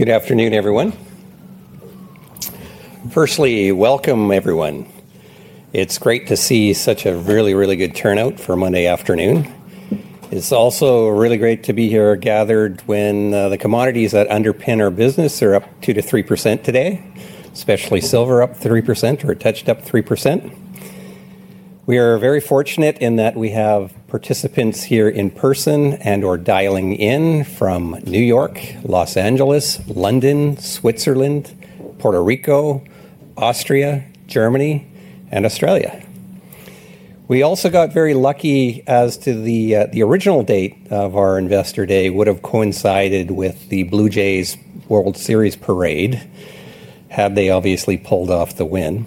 Good afternoon, everyone. Firstly, welcome, everyone. It's great to see such a really, really good turnout for Monday afternoon. It's also really great to be here gathered when the commodities that underpin our business are up 2%-3% today, especially silver up 3% or touched up 3%. We are very fortunate in that we have participants here in person and/or dialing in from New York, Los Angeles, London, Switzerland, Puerto Rico, Austria, Germany, and Australia. We also got very lucky as to the original date of our Investor Day would have coincided with the Blue Jays World Series parade, had they obviously pulled off the win.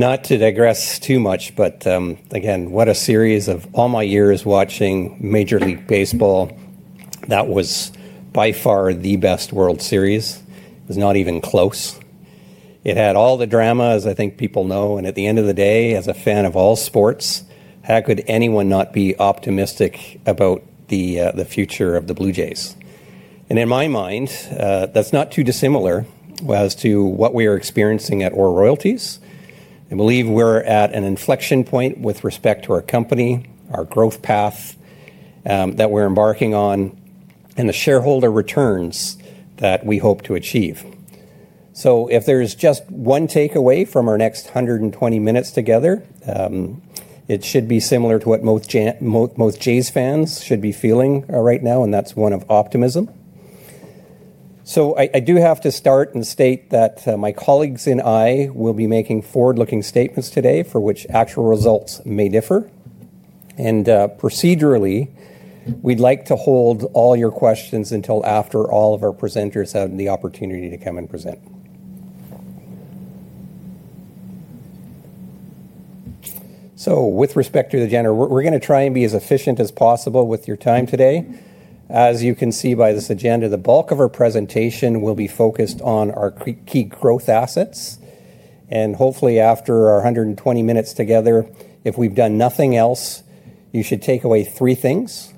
Not to digress too much, but again, what a series of all my years watching Major League Baseball. That was by far the best World Series. It was not even close. It had all the drama, as I think people know. At the end of the day, as a fan of all sports, how could anyone not be optimistic about the future of the Blue Jays? In my mind, that's not too dissimilar to what we are experiencing at OR Royalties. I believe we're at an inflection point with respect to our company, our growth path that we're embarking on, and the shareholder returns that we hope to achieve. If there's just one takeaway from our next 120 minutes together, it should be similar to what most Jays fans should be feeling right now, and that's one of optimism. I do have to start and state that my colleagues and I will be making forward-looking statements today for which actual results may differ. Procedurally, we'd like to hold all your questions until after all of our presenters have the opportunity to come and present. With respect to the agenda, we're going to try and be as efficient as possible with your time today. As you can see by this agenda, the bulk of our presentation will be focused on our key growth assets. Hopefully, after our 120 minutes together, if we've done nothing else, you should take away three things.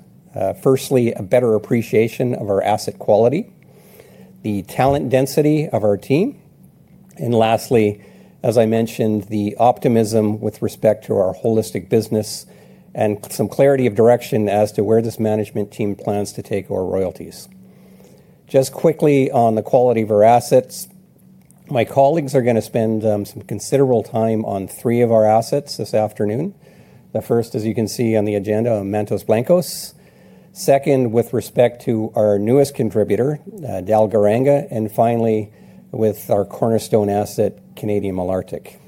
Firstly, a better appreciation of our asset quality, the talent density of our team, and lastly, as I mentioned, the optimism with respect to our holistic business and some clarity of direction as to where this management team plans to take OR Royalties. Just quickly on the quality of our assets, my colleagues are going to spend some considerable time on three of our assets this afternoon. The first, as you can see on the agenda, Mantos Blancos. Second, with respect to our newest contributor, Dalgaranga. Finally, with our cornerstone asset, Canadian Malartic.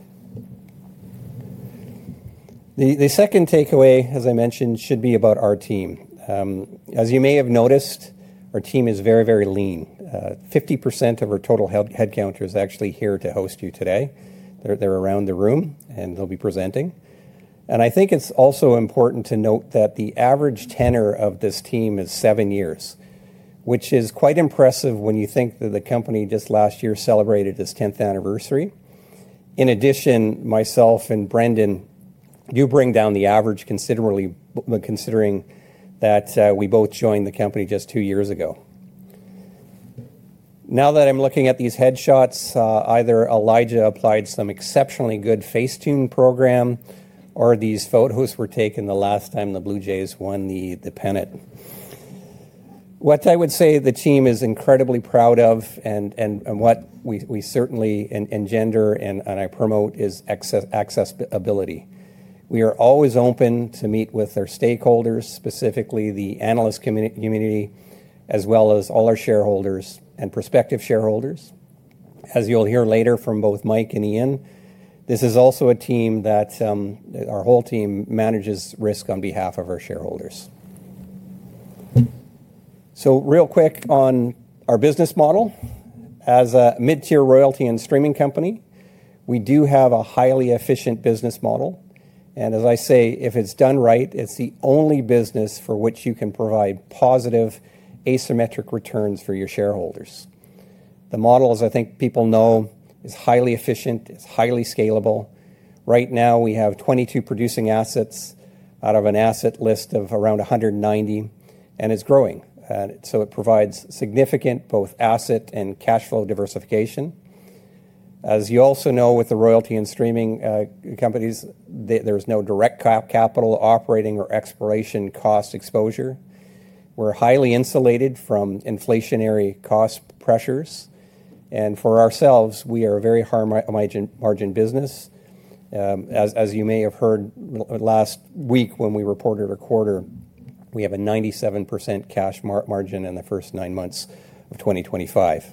The second takeaway, as I mentioned, should be about our team. As you may have noticed, our team is very, very lean. 50% of our total headcount is actually here to host you today. They're around the room, and they'll be presenting. I think it's also important to note that the average tenure of this team is seven years, which is quite impressive when you think that the company just last year celebrated its 10th anniversary. In addition, myself and Brendan do bring down the average considerably, considering that we both joined the company just two years ago. Now that I'm looking at these headshots, either Elijah applied some exceptionally good face-tune program or these photos were taken the last time the Blue Jays won the pennant. What I would say the team is incredibly proud of and what we certainly engender and I promote is accessibility. We are always open to meet with our stakeholders, specifically the analyst community, as well as all our shareholders and prospective shareholders. As you'll hear later from both Mike and Iain, this is also a team that our whole team manages risk on behalf of our shareholders. Real quick on our business model. As a mid-tier royalty and streaming company, we do have a highly efficient business model. As I say, if it's done right, it's the only business for which you can provide positive asymmetric returns for your shareholders. The model, as I think people know, is highly efficient. It's highly scalable. Right now, we have 22 producing assets out of an asset list of around 190, and it's growing. It provides significant both asset and cash flow diversification. As you also know, with the royalty and streaming companies, there is no direct capital, operating, or exploration cost exposure. We are highly insulated from inflationary cost pressures. For ourselves, we are a very high margin business. As you may have heard last week when we reported our quarter, we have a 97% cash margin in the first nine months of 2025.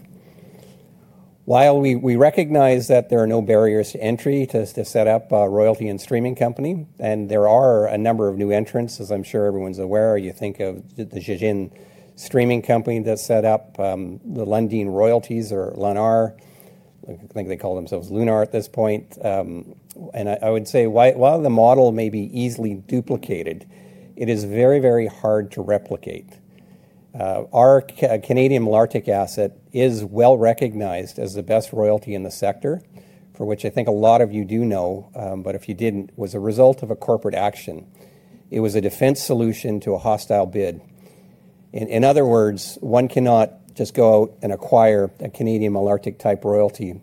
While we recognize that there are no barriers to entry to set up a royalty and streaming company, and there are a number of new entrants, as I am sure everyone is aware, you think of the Zijin streaming company that set up the Lundin Royalties or LunR. I think they call themselves LunR at this point. I would say while the model may be easily duplicated, it is very, very hard to replicate. Our Canadian Malartic asset is well recognized as the best royalty in the sector, for which I think a lot of you do know, but if you did not, was a result of a corporate action. It was a defense solution to a hostile bid. In other words, one cannot just go out and acquire a Canadian Malartic type royalty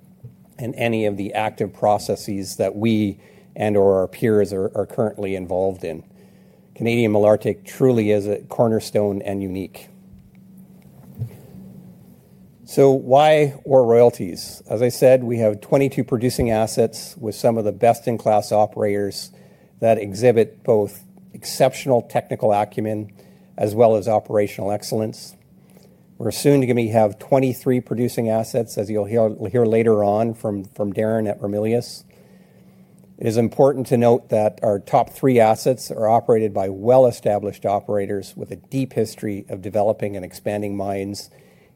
in any of the active processes that we and/or our peers are currently involved in. Canadian Malartic truly is a cornerstone and unique. Why OR Royalties? As I said, we have 22 producing assets with some of the best-in-class operators that exhibit both exceptional technical acumen as well as operational excellence. We are soon going to have 23 producing assets, as you will hear later on from Darren at Ramelius. It is important to note that our top three assets are operated by well-established operators with a deep history of developing and expanding mines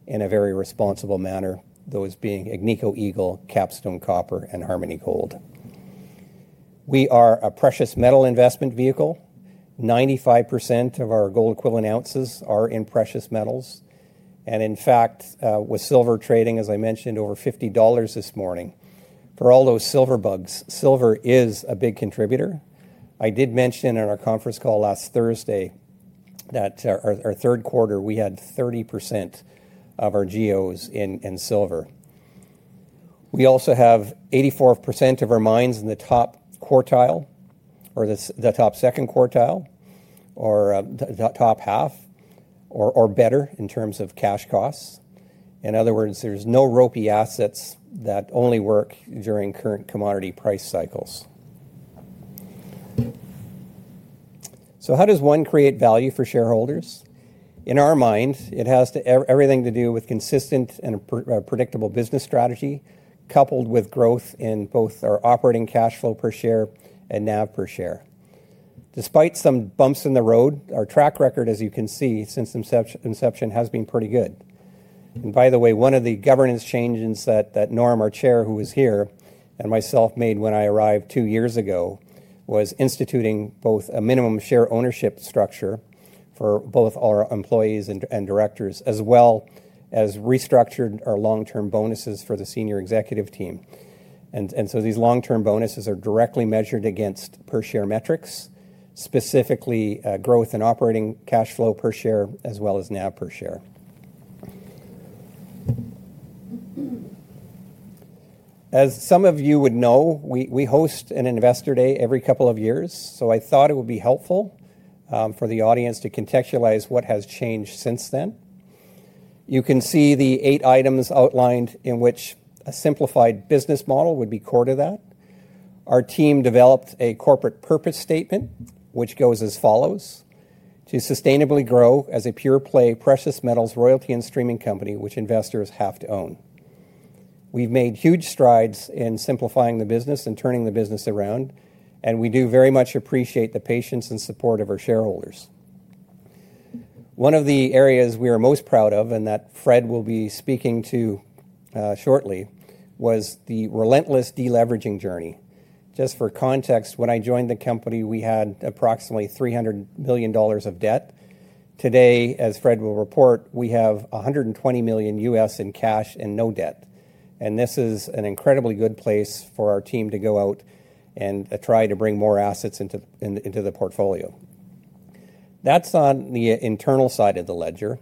in a very responsible manner, those being Agnico Eagle, Capstone Copper, and Harmony Gold. We are a precious metal investment vehicle. 95% of our gold equivalent ounces are in precious metals. In fact, with silver trading, as I mentioned, over $50 this morning. For all those silver bugs, silver is a big contributor. I did mention in our conference call last Thursday that our third quarter, we had 30% of our GEOs in silver. We also have 84% of our mines in the top quartile or the top second quartile or top half or better in terms of cash costs. In other words, there are no ropey assets that only work during current commodity price cycles. How does one create value for shareholders? In our mind, it has everything to do with consistent and predictable business strategy coupled with growth in both our operating cash flow per share and NAV per share. Despite some bumps in the road, our track record, as you can see, since inception has been pretty good. By the way, one of the governance changes that Norm, our Chair, who was here and myself made when I arrived two years ago, was instituting both a minimum share ownership structure for both our employees and directors, as well as restructured our long-term bonuses for the senior executive team. These long-term bonuses are directly measured against per-share metrics, specifically growth and operating cash flow per share, as well as NAV per share. As some of you would know, we host an Investor Day every couple of years. I thought it would be helpful for the audience to contextualize what has changed since then. You can see the eight items outlined in which a simplified business model would be core to that. Our team developed a corporate purpose statement, which goes as follows: to sustainably grow as a pure-play precious metals royalty and streaming company which investors have to own. We've made huge strides in simplifying the business and turning the business around. We do very much appreciate the patience and support of our shareholders. One of the areas we are most proud of, and that Fred will be speaking to shortly, was the relentless deleveraging journey. Just for context, when I joined the company, we had approximately $300 million of debt. Today, as Fred will report, we have $120 million in cash and no debt. This is an incredibly good place for our team to go out and try to bring more assets into the portfolio. That is on the internal side of the ledger.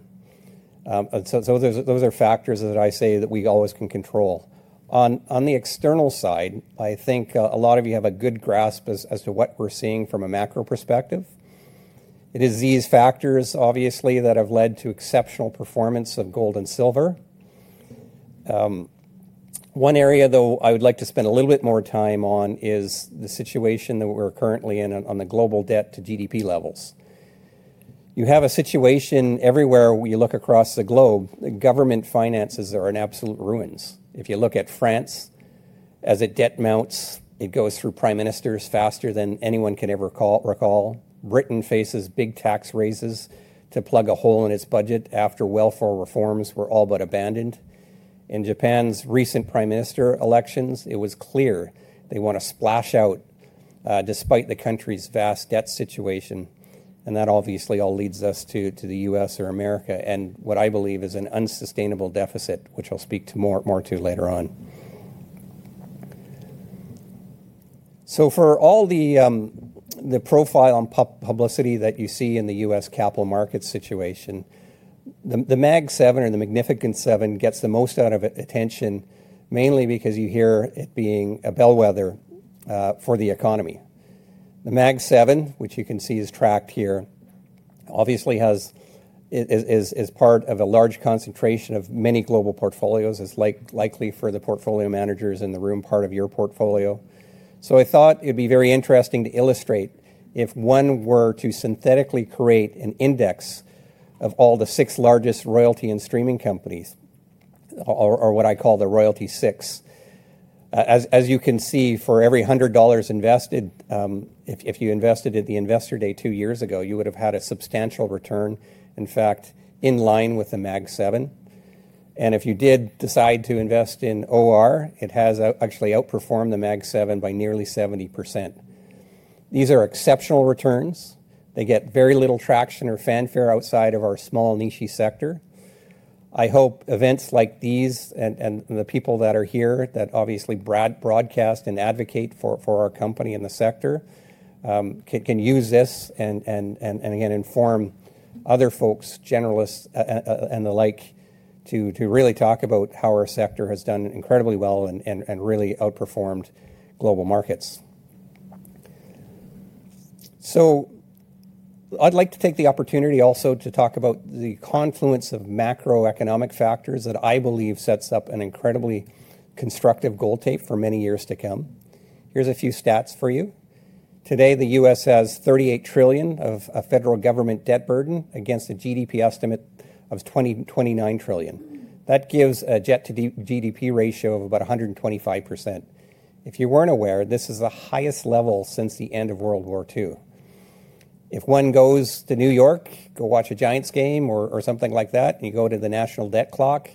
Those are factors that I say that we always can control. On the external side, I think a lot of you have a good grasp as to what we are seeing from a macro perspective. It is these factors, obviously, that have led to exceptional performance of gold and silver. One area, though, I would like to spend a little bit more time on is the situation that we are currently in on the global debt to GDP levels. You have a situation everywhere you look across the globe. Government finances are in absolute ruins. If you look at France, as its debt mounts, it goes through prime ministers faster than anyone can ever recall. Britain faces big tax raises to plug a hole in its budget after welfare reforms were all but abandoned. In Japan's recent prime minister elections, it was clear they want to splash out despite the country's vast debt situation. That obviously all leads us to the U.S. or America and what I believe is an unsustainable deficit, which I'll speak to more to later on. For all the profile on publicity that you see in the U.S. capital markets situation, the Mag 7 or the Magnificent 7 gets the most out of attention mainly because you hear it being a bellwether for the economy. The Mag 7, which you can see is tracked here, obviously is part of a large concentration of many global portfolios. It's likely for the portfolio managers in the room part of your portfolio. I thought it would be very interesting to illustrate if one were to synthetically create an index of all the six largest royalty and streaming companies, or what I call the Royalty Six. As you can see, for every $100 invested, if you invested at the Investor Day two years ago, you would have had a substantial return, in fact, in line with the Mag 7. If you did decide to invest in OR, it has actually outperformed the Mag 7 by nearly 70%. These are exceptional returns. They get very little traction or fanfare outside of our small, niche sector. I hope events like these and the people that are here that obviously broadcast and advocate for our company in the sector can use this and, again, inform other folks, generalists and the like, to really talk about how our sector has done incredibly well and really outperformed global markets. I would like to take the opportunity also to talk about the confluence of macroeconomic factors that I believe sets up an incredibly constructive gold tape for many years to come. Here are a few stats for you. Today, the U.S. has $38 trillion of federal government debt burden against a GDP estimate of $29 trillion. That gives a debt to GDP ratio of about 125%. If you were not aware, this is the highest level since the end of World War II. If one goes to New York, go watch a Giants game or something like that, and you go to the national debt clock,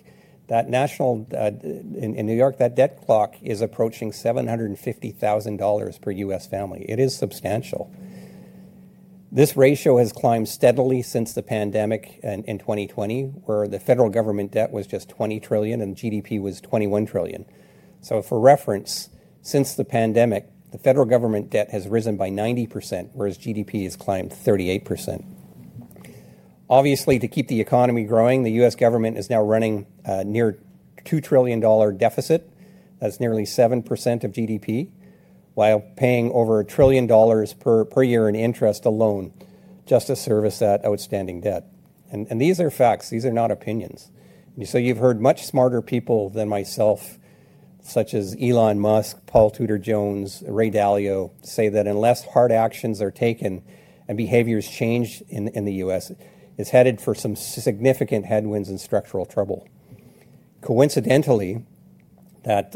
in New York, that debt clock is approaching $750,000 per U.S. family. It is substantial. This ratio has climbed steadily since the pandemic in 2020, where the federal government debt was just $20 trillion and GDP was $21 trillion. For reference, since the pandemic, the federal government debt has risen by 90%, whereas GDP has climbed 38%. Obviously, to keep the economy growing, the U.S. government is now running a near $2 trillion deficit. That's nearly 7% of GDP, while paying over $1 trillion per year in interest alone just to service that outstanding debt. These are facts. These are not opinions. You've heard much smarter people than myself, such as Elon Musk, Paul Tudor Jones, Ray Dalio, say that unless hard actions are taken and behaviors changed in the U.S., it's headed for some significant headwinds and structural trouble. Coincidentally,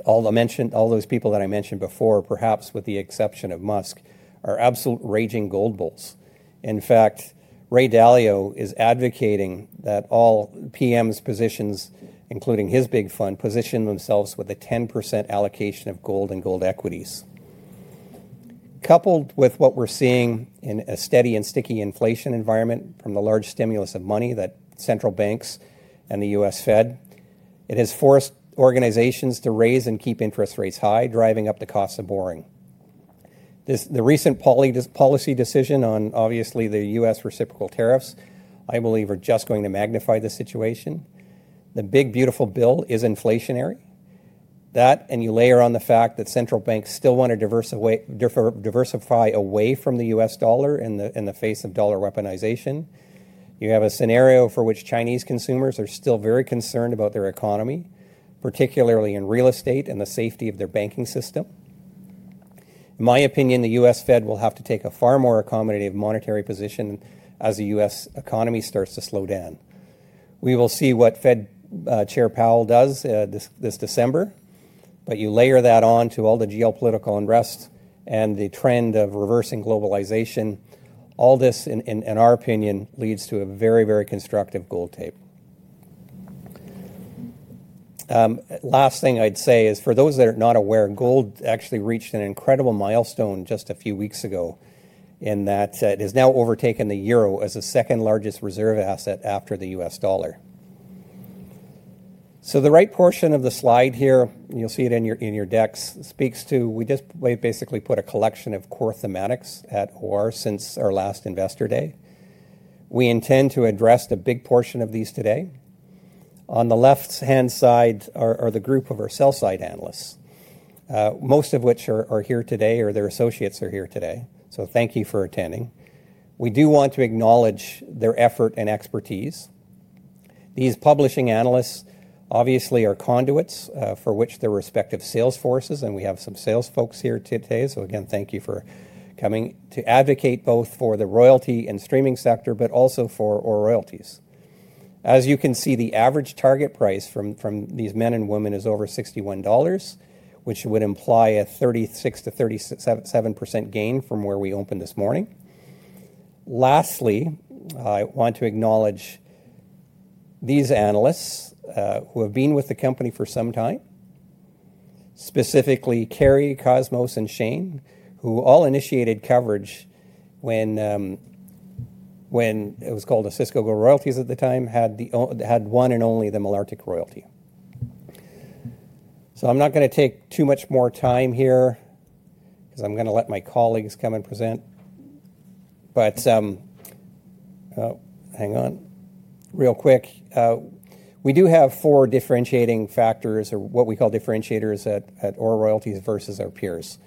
all those people that I mentioned before, perhaps with the exception of Musk, are absolute raging gold bulls. In fact, Ray Dalio is advocating that all PM's positions, including his big fund, position themselves with a 10% allocation of gold and gold equities. Coupled with what we're seeing in a steady and sticky inflation environment from the large stimulus of money that central banks and the U.S. Fed, it has forced organizations to raise and keep interest rates high, driving up the cost of borrowing. The recent policy decision on, obviously, the U.S. reciprocal tariffs, I believe, are just going to magnify the situation. The big, beautiful bill is inflationary. That, and you layer on the fact that central banks still want to diversify away from the U.S. dollar in the face of dollar weaponization. You have a scenario for which Chinese consumers are still very concerned about their economy, particularly in real estate and the safety of their banking system. In my opinion, the U.S. Fed will have to take a far more accommodative monetary position as the U.S. economy starts to slow down. We will see what Fed Chair Powell does this December. You layer that on to all the geopolitical unrest and the trend of reversing globalization. All this, in our opinion, leads to a very, very constructive gold tape. Last thing I'd say is, for those that are not aware, gold actually reached an incredible milestone just a few weeks ago in that it has now overtaken the euro as the second largest reserve asset after the U.S. dollar. The right portion of the slide here, you'll see it in your decks, speaks to we just basically put a collection of core thematics at OR since our last Investor Day. We intend to address a big portion of these today. On the left-hand side are the group of our sell-side analysts, most of which are here today, or their associates are here today. Thank you for attending. We do want to acknowledge their effort and expertise. These publishing analysts obviously are conduits for which their respective sales forces, and we have some sales folks here today. Again, thank you for coming to advocate both for the royalty and streaming sector, but also for OR Royalties. As you can see, the average target price from these men and women is over $61, which would imply a 36%-37% gain from where we opened this morning. Lastly, I want to acknowledge these analysts who have been with the company for some time, specifically Carrie, Cosmos, and Shane, who all initiated coverage when it was called Osisko Gold Royalties at the time, had one and only the Malartic royalty. I'm not going to take too much more time here because I'm going to let my colleagues come and present. Hang on. Real quick, we do have four differentiating factors or what we call differentiators at OR Royalties versus our peers.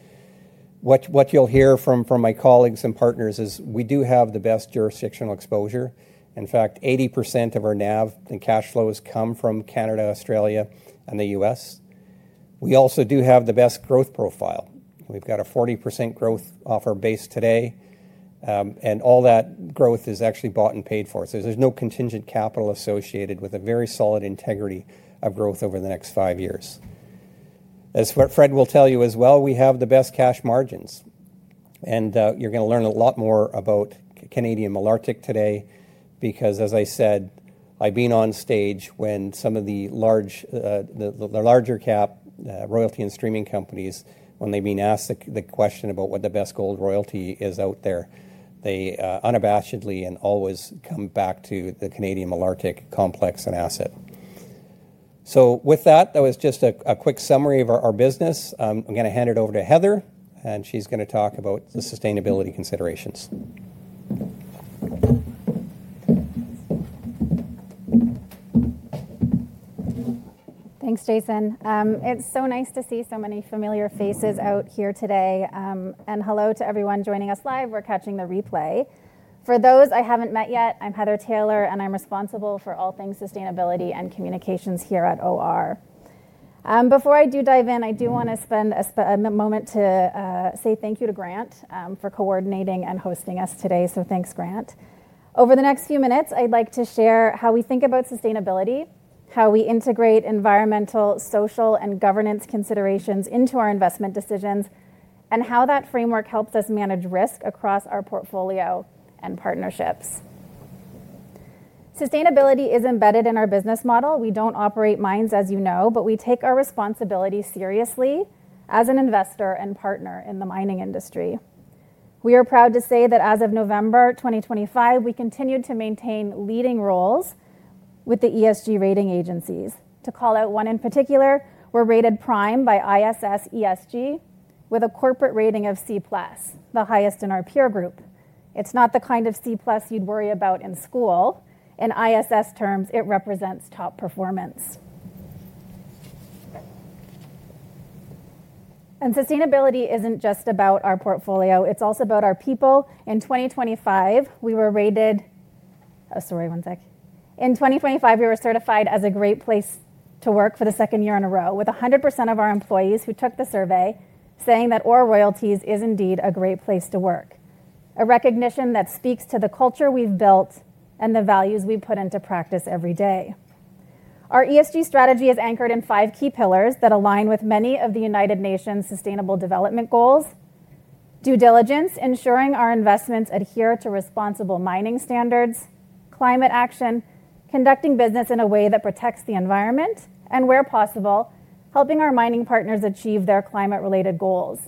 What you'll hear from my colleagues and partners is we do have the best jurisdictional exposure. In fact, 80% of our NAV and cash flows come from Canada, Australia, and the U.S. We also do have the best growth profile. We've got a 40% growth offer base today. All that growth is actually bought and paid for. There is no contingent capital associated with a very solid integrity of growth over the next five years. As Fred will tell you as well, we have the best cash margins. You're going to learn a lot more about Canadian Malartic today because, as I said, I've been on stage when some of the larger-cap royalty and streaming companies, when they've been asked the question about what the best gold royalty is out there, they unabashedly and always come back to the Canadian Malartic complex and asset. That was just a quick summary of our business. I'm going to hand it over to Heather, and she's going to talk about the sustainability considerations. Thanks, Jason. It's so nice to see so many familiar faces out here today. And hello to everyone joining us live. We're catching the replay. For those I haven't met yet, I'm Heather Taylor, and I'm responsible for all things sustainability and communications here at OR. Before I do dive in, I do want to spend a moment to say thank you to Grant for coordinating and hosting us today. So thanks, Grant. Over the next few minutes, I'd like to share how we think about sustainability, how we integrate environmental, social, and governance considerations into our investment decisions, and how that framework helps us manage risk across our portfolio and partnerships. Sustainability is embedded in our business model. We don't operate mines, as you know, but we take our responsibility seriously as an investor and partner in the mining industry. We are proud to say that as of November 2025, we continued to maintain leading roles with the ESG rating agencies. To call out one in particular, we're rated prime by ISS ESG with a corporate rating of C+, the highest in our peer group. It's not the kind of C+ you'd worry about in school. In ISS terms, it represents top performance. Sustainability isn't just about our portfolio. It's also about our people. In 2025, we were rated—oh, sorry, one sec. In 2025, we were certified as a great place to work for the second year in a row, with 100% of our employees who took the survey saying that OR Royalties is indeed a great place to work. A recognition that speaks to the culture we've built and the values we put into practice every day. Our ESG strategy is anchored in five key pillars that align with many of the United Nations' Sustainable Development Goals: due diligence, ensuring our investments adhere to responsible mining standards; climate action, conducting business in a way that protects the environment; and where possible, helping our mining partners achieve their climate-related goals;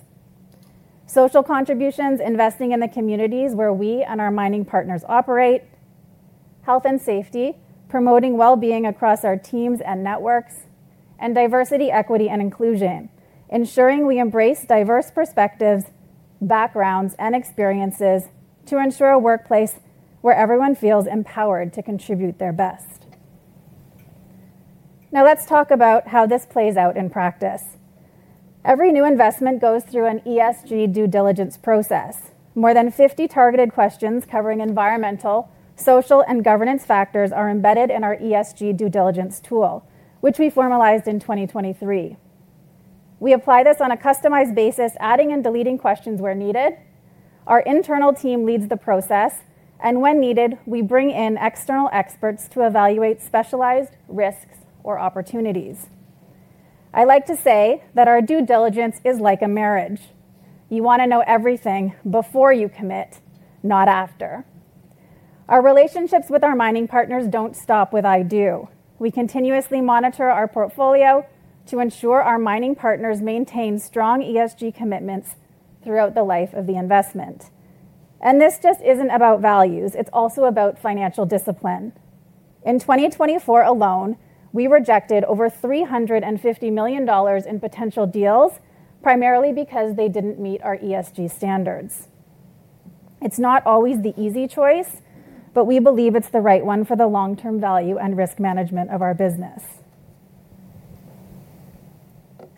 social contributions, investing in the communities where we and our mining partners operate; health and safety, promoting well-being across our teams and networks; and diversity, equity, and inclusion, ensuring we embrace diverse perspectives, backgrounds, and experiences to ensure a workplace where everyone feels empowered to contribute their best. Now let's talk about how this plays out in practice. Every new investment goes through an ESG due diligence process. More than 50 targeted questions covering environmental, social, and governance factors are embedded in our ESG due diligence tool, which we formalized in 2023. We apply this on a customized basis, adding and deleting questions where needed. Our internal team leads the process, and when needed, we bring in external experts to evaluate specialized risks or opportunities. I like to say that our due diligence is like a marriage. You want to know everything before you commit, not after. Our relationships with our mining partners do not stop with "I do." We continuously monitor our portfolio to ensure our mining partners maintain strong ESG commitments throughout the life of the investment. This just is not about values. It is also about financial discipline. In 2024 alone, we rejected over $350 million in potential deals, primarily because they did not meet our ESG standards. It is not always the easy choice, but we believe it is the right one for the long-term value and risk management of our business.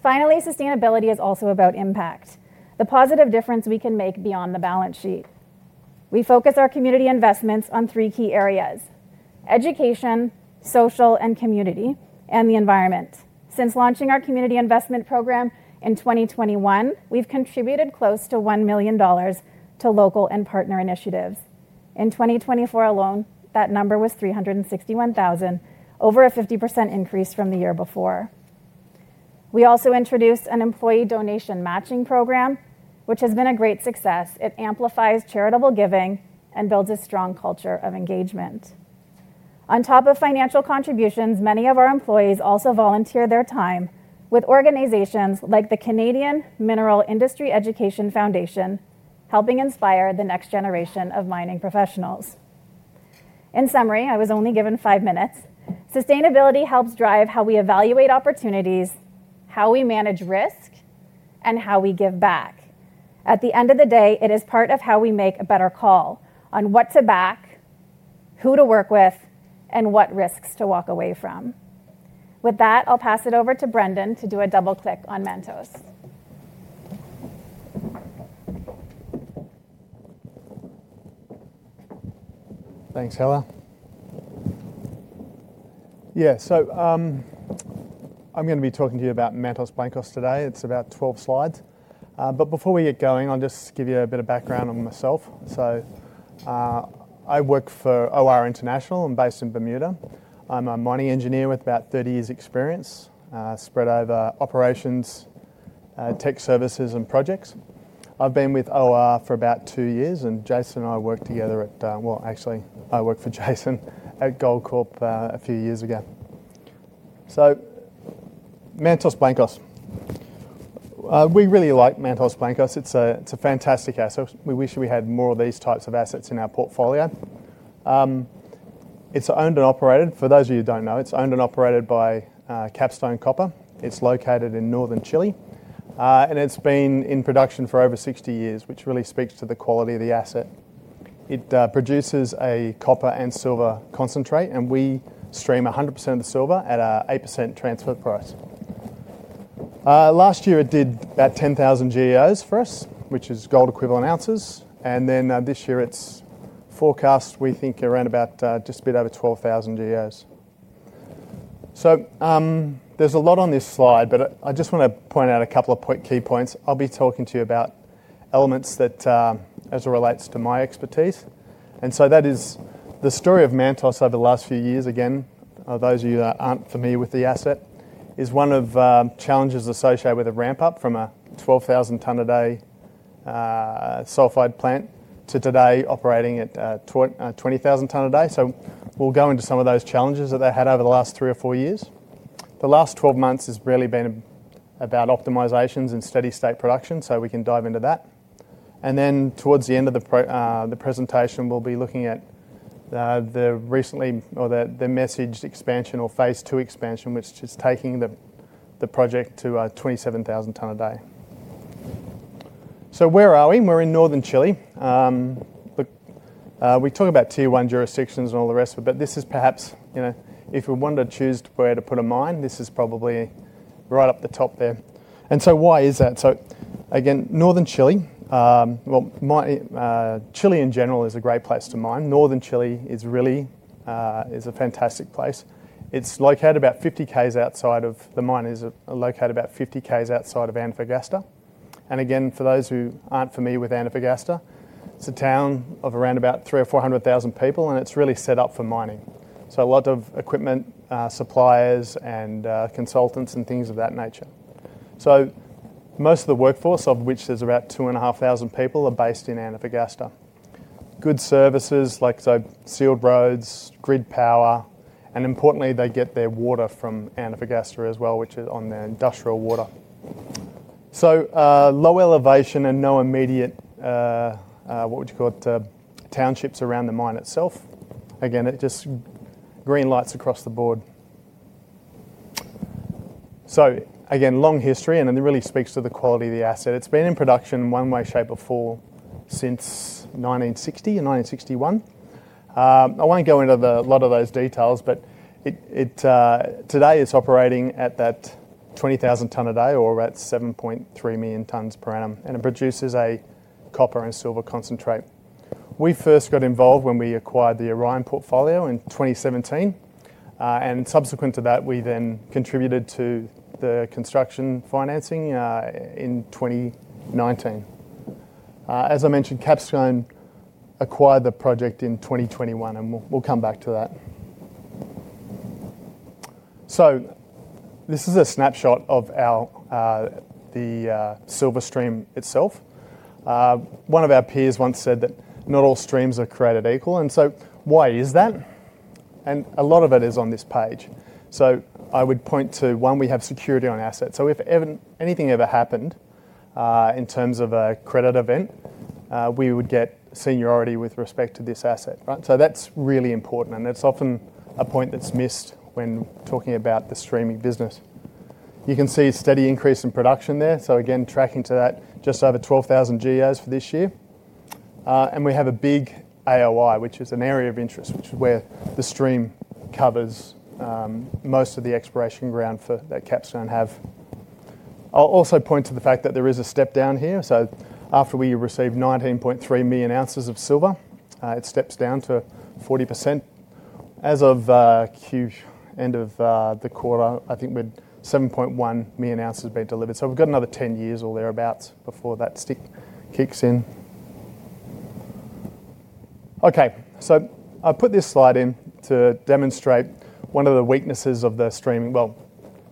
Finally, sustainability is also about impact, the positive difference we can make beyond the balance sheet. We focus our community investments on three key areas: education, social and community, and the environment. Since launching our community investment program in 2021, we've contributed close to $1 million to local and partner initiatives. In 2024 alone, that number was $361,000, over a 50% increase from the year before. We also introduced an employee donation matching program, which has been a great success. It amplifies charitable giving and builds a strong culture of engagement. On top of financial contributions, many of our employees also volunteer their time with organizations like the Canadian Mineral Industry Education Foundation, helping inspire the next generation of mining professionals. In summary, I was only given five minutes. Sustainability helps drive how we evaluate opportunities, how we manage risk, and how we give back. At the end of the day, it is part of how we make a better call on what to back, who to work with, and what risks to walk away from. With that, I'll pass it over to Brendan to do a double-click on Mantos. Thanks, Heather. Yeah, so I'm going to be talking to you about Mantos Blancos today. It's about 12 slides. Before we get going, I'll just give you a bit of background on myself. I work for OR International. I'm based in Bermuda. I'm a mining engineer with about 30 years' experience spread over operations, tech services, and projects. I've been with OR for about two years, and Jason and I worked together at—actually, I worked for Jason at Gold Corp a few years ago. Mantos Blancos. We really like Mantos Blancos. It's a fantastic asset. We wish we had more of these types of assets in our portfolio. It's owned and operated—for those of you who don't know—it's owned and operated by Capstone Copper. It's located in northern Chile, and it's been in production for over 60 years, which really speaks to the quality of the asset. It produces a copper and silver concentrate, and we stream 100% of the silver at an 8% transfer price. Last year, it did about 10,000 GEOs for us, which is gold equivalent ounces. This year, it's forecast, we think, around about just a bit over 12,000 GEOs. There is a lot on this slide, but I just want to point out a couple of key points. I'll be talking to you about elements that, as it relates to my expertise. That is the story of Mantos over the last few years. Again, for those of you that aren't familiar with the asset, it is one of the challenges associated with a ramp-up from a 12,000-ton-a-day sulfide plant to today operating at 20,000-ton-a-day. We'll go into some of those challenges that they had over the last three or four years. The last 12 months has really been about optimizations and steady-state production, so we can dive into that. Towards the end of the presentation, we'll be looking at the recently, or the messaged, expansion or phase II expansion, which is taking the project to a 27,000-ton-a-day. Where are we? We're in northern Chile. We talk about tier one jurisdictions and all the rest, but this is perhaps, if we wanted to choose where to put a mine, this is probably right up the top there. Why is that? Again, northern Chile, well, Chile in general is a great place to mine. Northern Chile is really a fantastic place. It's located about 50 km outside of, the mine is located about 50 km outside of Antofagasta. For those who aren't familiar with Antofagasta, it's a town of around 300,000-400,000 people, and it's really set up for mining. A lot of equipment, suppliers, and consultants, and things of that nature. Most of the workforce, of which there's about 2,500 people, are based in Antofagasta. Good services like sealed roads, grid power, and importantly, they get their water from Antofagasta as well, which is on their industrial water. Low elevation and no immediate, what would you call it, townships around the mine itself. It just greenlights across the board. Long history, and it really speaks to the quality of the asset. It's been in production in one way, shape, or form since 1960 and 1961. I won't go into a lot of those details, but today it's operating at that 20,000-ton-a-day or about 7.3 million tons per annum, and it produces a copper and silver concentrate. We first got involved when we acquired the Orion portfolio in 2017. Subsequent to that, we then contributed to the construction financing in 2019. As I mentioned, Capstone acquired the project in 2021, and we'll come back to that. This is a snapshot of the silver stream itself. One of our peers once said that not all streams are created equal. Why is that? A lot of it is on this page. I would point to one, we have security on assets. If anything ever happened in terms of a credit event, we would get seniority with respect to this asset. That's really important, and that's often a point that's missed when talking about the streaming business. You can see a steady increase in production there. Again, tracking to that, just over 12,000 GEOs for this year. We have a big AOI, which is an area of interest, which is where the stream covers most of the exploration ground that Capstone has. I'll also point to the fact that there is a step down here. After we received 19.3 million ounces of silver, it steps down to 40%. As of end of the quarter, I think we had 7.1 million ounces being delivered. We've got another 10 years or thereabouts before that step kicks in. I put this slide in to demonstrate one of the weaknesses of the streaming.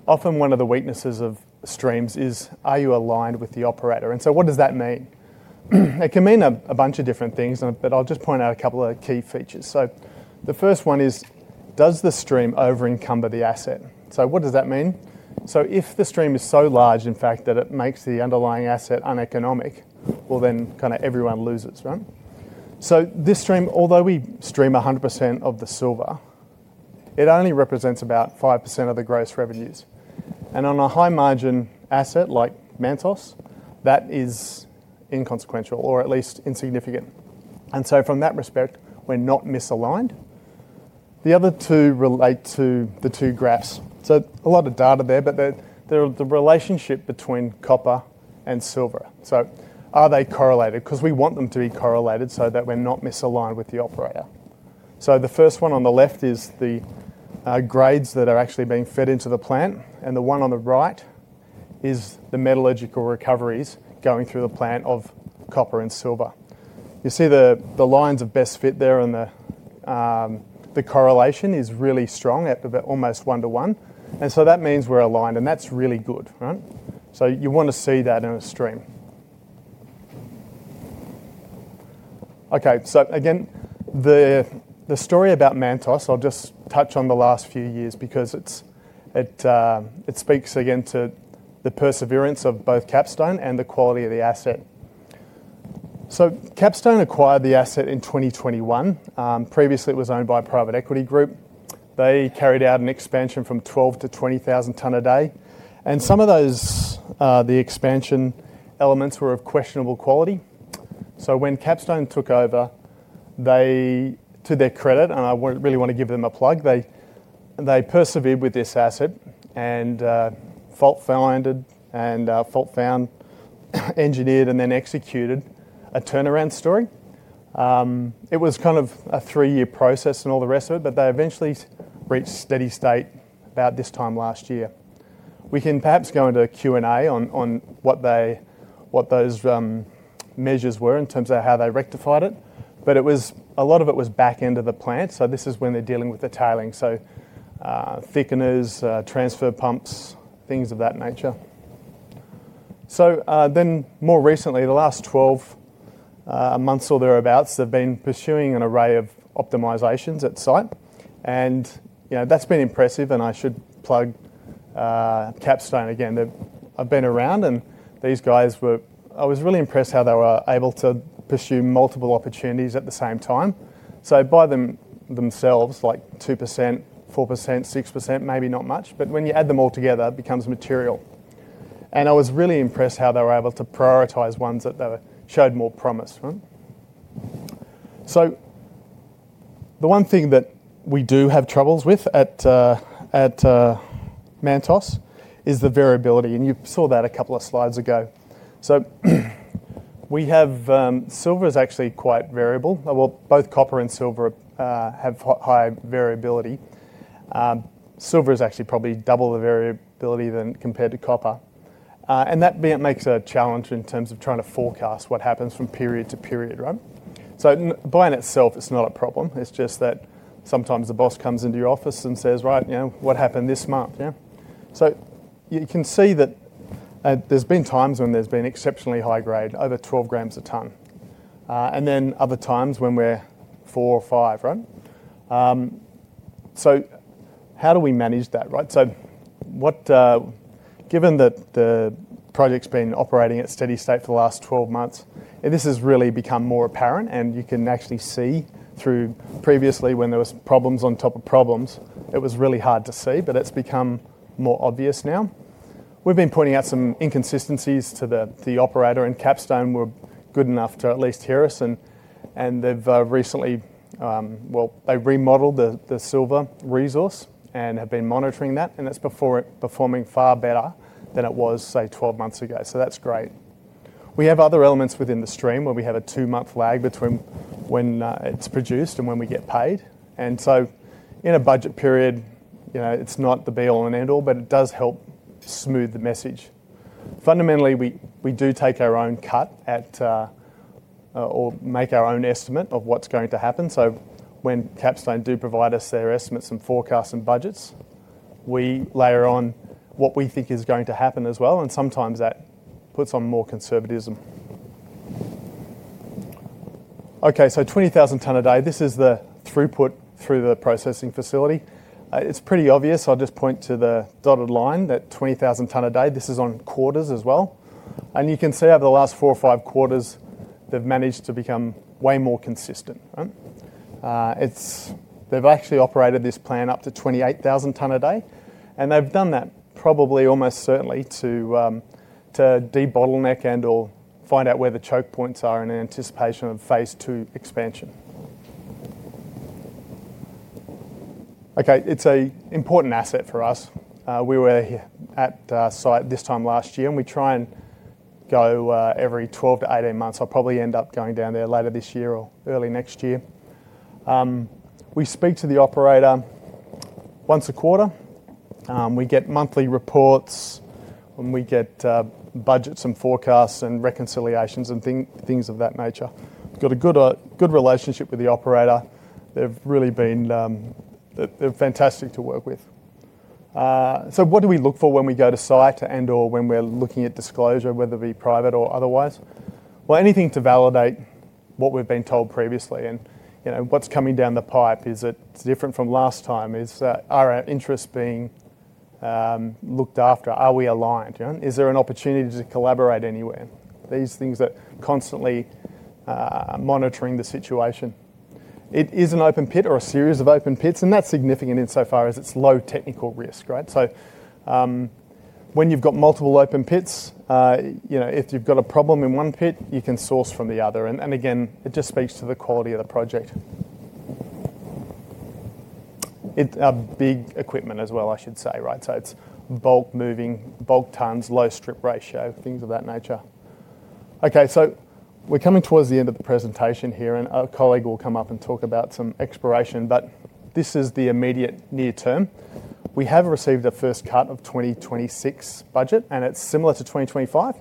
Often one of the weaknesses of streams is, are you aligned with the operator? What does that mean? It can mean a bunch of different things, but I'll just point out a couple of key features. The first one is, does the stream over-encumber the asset? What does that mean? If the stream is so large, in fact, that it makes the underlying asset uneconomic, then kind of everyone loses, right? This stream, although we stream 100% of the silver, only represents about 5% of the gross revenues. On a high-margin asset like Mantos, that is inconsequential or at least insignificant. From that respect, we're not misaligned. The other two relate to the two graphs. A lot of data there, but the relationship between copper and silver. Are they correlated? We want them to be correlated so that we're not misaligned with the operator. The first one on the left is the grades that are actually being fed into the plant. The one on the right is the metallurgical recoveries going through the plant of copper and silver. You see the lines of best fit there, and the correlation is really strong at almost one-to-one. That means we're aligned, and that's really good, right? You want to see that in a stream. Okay, again, the story about Mantos, I'll just touch on the last few years because it speaks again to the perseverance of both Capstone and the quality of the asset. Capstone acquired the asset in 2021. Previously, it was owned by a private equity group. They carried out an expansion from 12,000 to 20,000-ton-a-day. Some of the expansion elements were of questionable quality. When Capstone took over, to their credit, and I really want to give them a plug, they persevered with this asset and fault-founded and fault-found engineered and then executed a turnaround story. It was kind of a three-year process and all the rest of it, but they eventually reached steady-state about this time last year. We can perhaps go into a Q&A on what those measures were in terms of how they rectified it. A lot of it was back into the plant. This is when they're dealing with the tailing, so thickeners, transfer pumps, things of that nature. More recently, the last 12 months or thereabouts, they've been pursuing an array of optimizations at site. That's been impressive. I should plug Capstone again. I've been around, and these guys, I was really impressed how they were able to pursue multiple opportunities at the same time. By themselves, like 2%, 4%, 6%, maybe not much. When you add them all together, it becomes material. I was really impressed how they were able to prioritize ones that showed more promise, right? The one thing that we do have troubles with at Mantos Blancos is the variability. You saw that a couple of slides ago. Silver is actually quite variable. Both copper and silver have high variability. Silver is actually probably double the variability compared to copper. That makes a challenge in terms of trying to forecast what happens from period to period, right? By in itself, it's not a problem. It's just that sometimes the boss comes into your office and says, "Right, what happened this month?" You can see that there have been times when there's been exceptionally high grade, over 12 grams a ton. Then other times when we're four or five, right? How do we manage that, right? Given that the project's been operating at steady-state for the last 12 months, this has really become more apparent. You can actually see through previously when there were problems on top of problems, it was really hard to see, but it's become more obvious now. We've been pointing out some inconsistencies to the operator, and Capstone were good enough to at least hear us. They've recently remodeled the silver resource and have been monitoring that. It's performing far better than it was, say, 12 months ago. That's great. We have other elements within the stream where we have a two-month lag between when it is produced and when we get paid. In a budget period, it is not the be-all and end-all, but it does help smooth the message. Fundamentally, we do take our own cut or make our own estimate of what is going to happen. When Capstone do provide us their estimates and forecasts and budgets, we layer on what we think is going to happen as well. Sometimes that puts on more conservatism. Okay, 20,000-ton-a-day, this is the throughput through the processing facility. It is pretty obvious. I will just point to the dotted line that 20,000-ton-a-day, this is on quarters as well. You can see over the last four or five quarters, they have managed to become way more consistent, right? They have actually operated this plant up to 28,000-ton-a-day. They've done that probably almost certainly to de-bottleneck and/or find out where the choke points are in anticipation of phase two expansion. It is an important asset for us. We were at site this time last year, and we try and go every 12 to 18 months. I'll probably end up going down there later this year or early next year. We speak to the operator once a quarter. We get monthly reports, and we get budgets and forecasts and reconciliations and things of that nature. We've got a good relationship with the operator. They've really been fantastic to work with. What do we look for when we go to site and/or when we're looking at disclosure, whether it be private or otherwise? Anything to validate what we've been told previously. What's coming down the pipe is that it's different from last time. Is our interest being looked after? Are we aligned? Is there an opportunity to collaborate anywhere? These things that are constantly monitoring the situation. It is an open pit or a series of open pits, and that's significant insofar as it's low technical risk, right? When you've got multiple open pits, if you've got a problem in one pit, you can source from the other. It just speaks to the quality of the project. Big equipment as well, I should say, right? It is bulk moving, bulk tons, low strip ratio, things of that nature. Okay, we're coming towards the end of the presentation here, and a colleague will come up and talk about some exploration. This is the immediate near term. We have received a first cut of 2026 budget, and it's similar to 2025.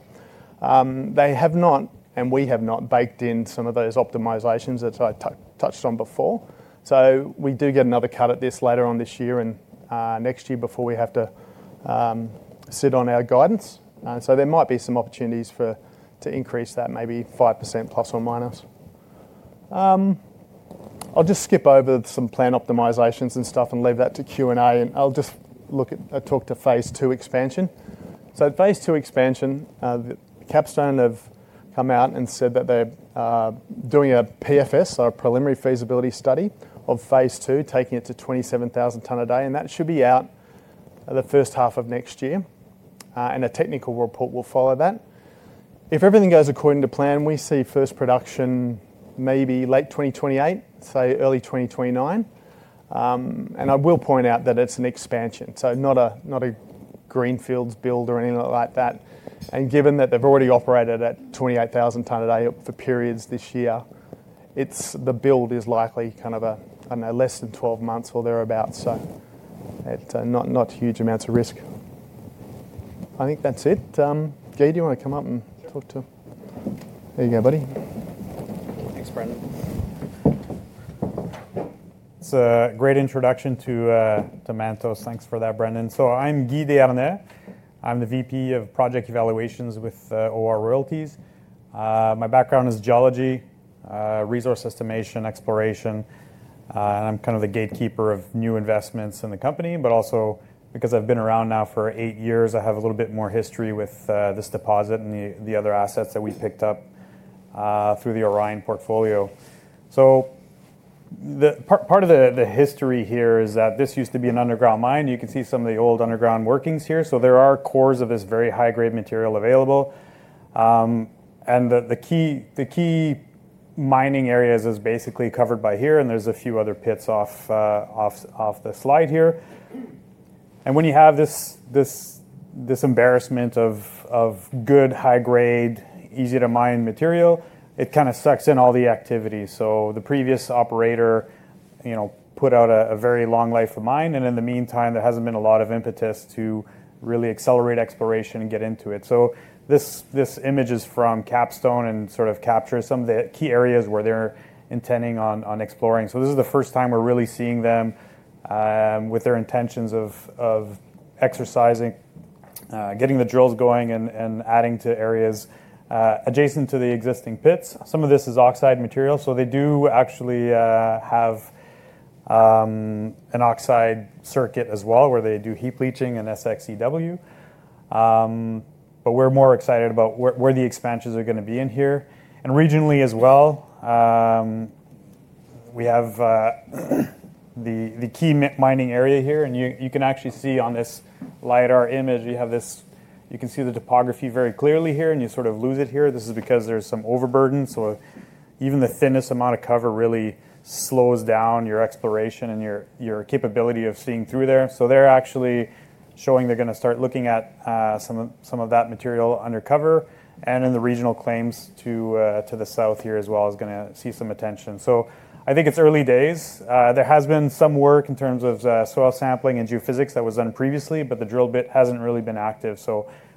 They have not, and we have not baked in some of those optimizations that I touched on before. We do get another cut at this later on this year and next year before we have to sit on our guidance. There might be some opportunities to increase that, maybe 5% plus or minus. I'll just skip over some plant optimizations and stuff and leave that to Q&A. I'll just look at, talk to phase II expansion. Phase II expansion, Capstone Copper have come out and said that they're doing a PFS, or a preliminary feasibility study, of phase II, taking it to 27,000-ton-a-day. That should be out the first half of next year. A technical report will follow that. If everything goes according to plan, we see first production maybe late 2028, say early 2029. I will point out that it's an expansion, not a greenfields build or anything like that. Given that they've already operated at 28,000-ton-a-day for periods this year, the build is likely kind of a, I don't know, less than 12 months or thereabouts. Not huge amounts of risk. I think that's it. Guy, do you want to come up and talk too? There you go, buddy. Thanks, Brendan. It's a great introduction to Mantos. Thanks for that, Brendan. I'm Guy Desharnais. I'm the VP of Project Evaluations with OR Royalties. My background is geology, resource estimation, exploration. I'm kind of the gatekeeper of new investments in the company. Also, because I've been around now for eight years, I have a little bit more history with this deposit and the other assets that we picked up through the Orion portfolio. Part of the history here is that this used to be an underground mine. You can see some of the old underground workings here. There are cores of this very high-grade material available. The key mining areas are basically covered by here. There are a few other pits off the slide here. When you have this embarrassment of good, high-grade, easy-to-mine material, it kind of sucks in all the activity. The previous operator put out a very long life of mine. In the meantime, there has not been a lot of impetus to really accelerate exploration and get into it. This image is from Capstone and sort of captures some of the key areas where they are intending on exploring. This is the first time we're really seeing them with their intentions of exercising, getting the drills going, and adding to areas adjacent to the existing pits. Some of this is oxide material. They do actually have an oxide circuit as well where they do heap leaching and SXEW. We are more excited about where the expansions are going to be in here. Regionally as well, we have the key mining area here. You can actually see on this LiDAR image, you can see the topography very clearly here, and you sort of lose it here. This is because there is some overburden. Even the thinnest amount of cover really slows down your exploration and your capability of seeing through there. They are actually showing they are going to start looking at some of that material undercover. Then the regional claims to the south here as well is going to see some attention. I think it's early days. There has been some work in terms of soil sampling and geophysics that was done previously, but the drill bit hasn't really been active.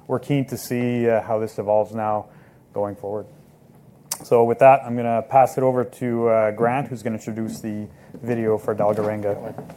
We're keen to see how this evolves now going forward. With that, I'm going to pass it over to Grant, who's going to introduce the video for Dalgaranga.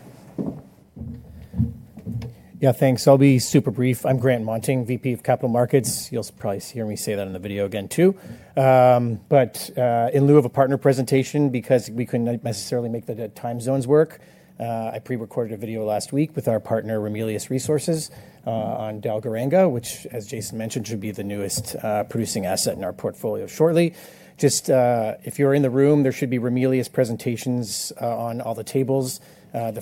Yeah, thanks. I'll be super brief. I'm Grant Moenting, VP of Capital Markets. You'll probably hear me say that in the video again too. In lieu of a partner presentation, because we couldn't necessarily make the time zones work, I pre-recorded a video last week with our partner, Ramelius Resources, on Dalgaranga, which, as Jason mentioned, should be the newest producing asset in our portfolio shortly. Just if you're in the room, there should be Ramelius presentations on all the tables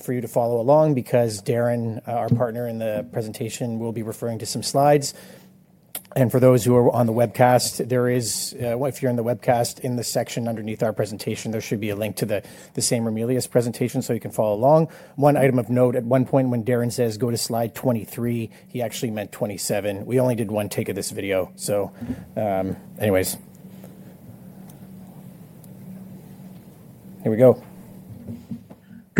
for you to follow along because Darren, our partner in the presentation, will be referring to some slides. For those who are on the webcast, if you're in the webcast, in the section underneath our presentation, there should be a link to the same Ramelius presentation so you can follow along. One item of note, at one point when Darren says go to slide 23, he actually meant 27. We only did one take of this video. Here we go.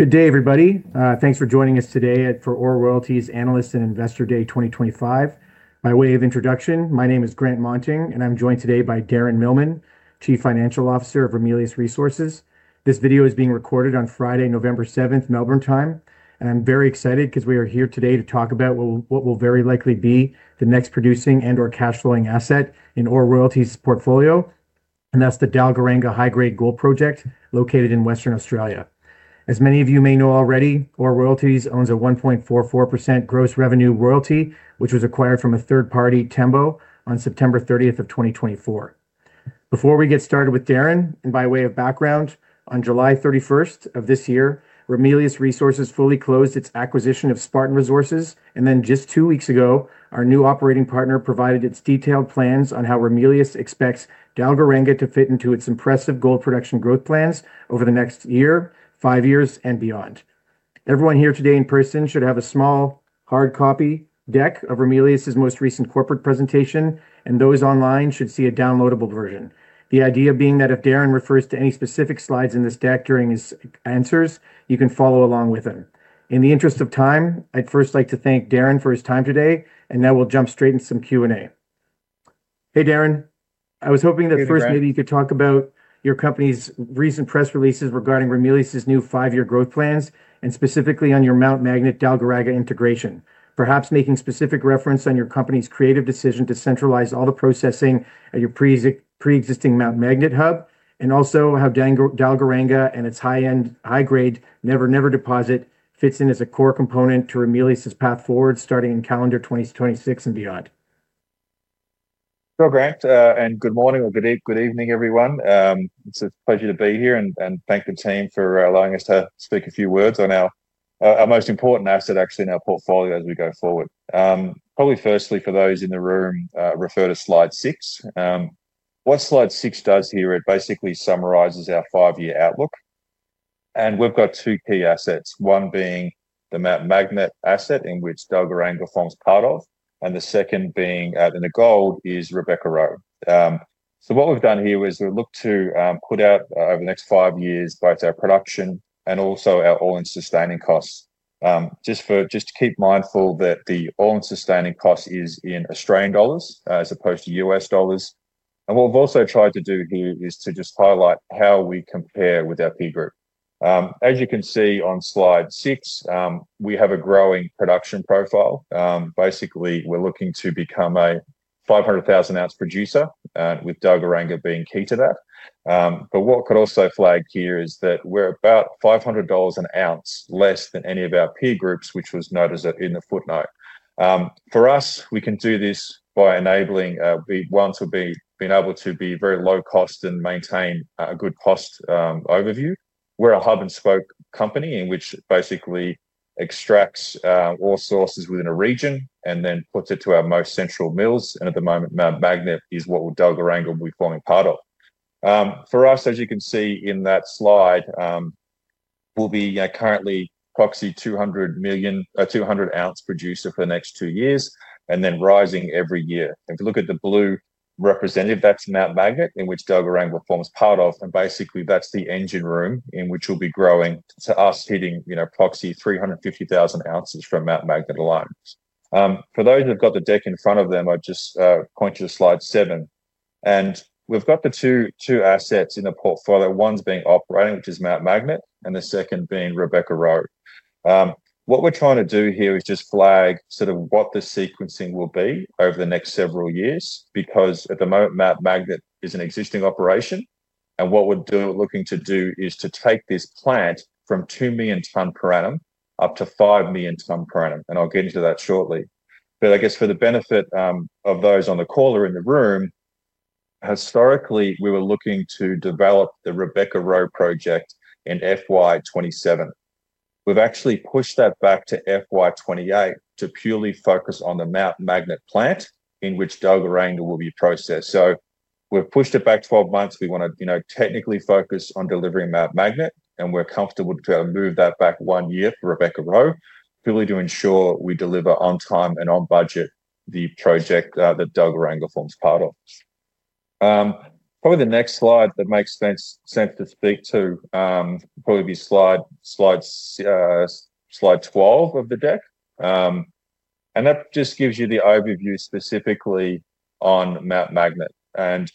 Good day, everybody. Thanks for joining us today for OR Royalties Analyst and Investor Day 2025. By way of introduction, my name is Grant Moenting, and I'm joined today by Darren Millman, Chief Financial Officer of Ramelius Resources. This video is being recorded on Friday, November 7th, Melbourne time. I'm very excited because we are here today to talk about what will very likely be the next producing and/or cash-flowing asset in OR Royalties' portfolio. That's the Dalgaranga High-Grade gold project located in Western Australia. As many of you may know already, OR Royalties owns a 1.44% gross revenue royalty, which was acquired from a third-party, Tembo, on September 30, 2024. Before we get started with Darren, and by way of background, on July 31 of this year, Ramelius Resources fully closed its acquisition of Spartan Resources. Just two weeks ago, our new operating partner provided its detailed plans on how Ramelius expects Dalgaranga to fit into its impressive gold production growth plans over the next year, five years, and beyond. Everyone here today in person should have a small hard copy deck of Ramelius's most recent corporate presentation, and those online should see a downloadable version. The idea being that if Darren refers to any specific slides in this deck during his answers, you can follow along with him. In the interest of time, I'd first like to thank Darren for his time today, and now we'll jump straight into some Q&A. Hey, Darren. I was hoping that first maybe you could talk about your company's recent press releases regarding Ramelius's new five-year growth plans and specifically on your Mount Magnet Dalgaranga integration, perhaps making specific reference on your company's creative decision to centralize all the processing at your pre-existing Mount Magnet hub and also how Dalgaranga and its high-end, high-grade Never Never Deposit fits in as a core component to Ramelius's path forward starting in calendar 2026 and beyond. Hello, Grant, and good morning or good evening, everyone. It's a pleasure to be here, and thank the team for allowing us to speak a few words on our most important asset, actually, in our portfolio as we go forward. Probably firstly, for those in the room, refer to slide six. What slide six does here, it basically summarizes our five-year outlook. And we've got two key assets, one being the Mount Magnet asset, in which Dalgaranga forms part of, and the second being in the gold is Rebecca-Roe. So what we've done here is we've looked to put out over the next five years both our production and also our all-in sustaining costs. Just to keep mindful that the all-in sustaining cost is in AUD as opposed to U.S. dollars. What we've also tried to do here is to just highlight how we compare with our peer group. As you can see on slide six, we have a growing production profile. Basically, we're looking to become a 500,000-ounce producer, with Dalgaranga being key to that. What I could also flag here is that we're about $500 an ounce less than any of our peer groups, which was noted in the footnote. For us, we can do this by enabling, once we've been able to be very low cost and maintain a good cost overview. We're a hub-and-spoke company, which basically extracts all sources within a region and then puts it to our most central mills. At the moment, Mount Magnet is what Dalgaranga will be forming part of. For us, as you can see in that slide, we'll be currently proxy $200 million or 200,000-ounce producer for the next two years and then rising every year. If you look at the blue representative, that's Mount Magnet in which Dalgaranga forms part of. Basically, that's the engine room in which we'll be growing to us hitting proxy 350,000 ounces from Mount Magnet alone. For those who've got the deck in front of them, I'll just point to slide seven. We've got the two assets in the portfolio, one being operating, which is Mount Magnet, and the second being Rebecca-Roe. What we're trying to do here is just flag sort of what the sequencing will be over the next several years because at the moment, Mount Magnet is an existing operation. What we're looking to do is to take this plant from 2 million ton per annum up to 5 million ton per annum. I'll get into that shortly. I guess for the benefit of those on the call or in the room, historically, we were looking to develop the Rebecca-Roe project in FY 2027. We've actually pushed that back to FY 2028 to purely focus on the Mount Magnet plant in which Dalgaranga will be processed. We've pushed it back 12 months. We want to technically focus on delivering Mount Magnet, and we're comfortable to move that back one year for Rebecca-Roe, purely to ensure we deliver on time and on budget the project that Dalgaranga forms part of. Probably the next slide that makes sense to speak to would probably be slide 12 of the deck. That just gives you the overview specifically on Mount Magnet. As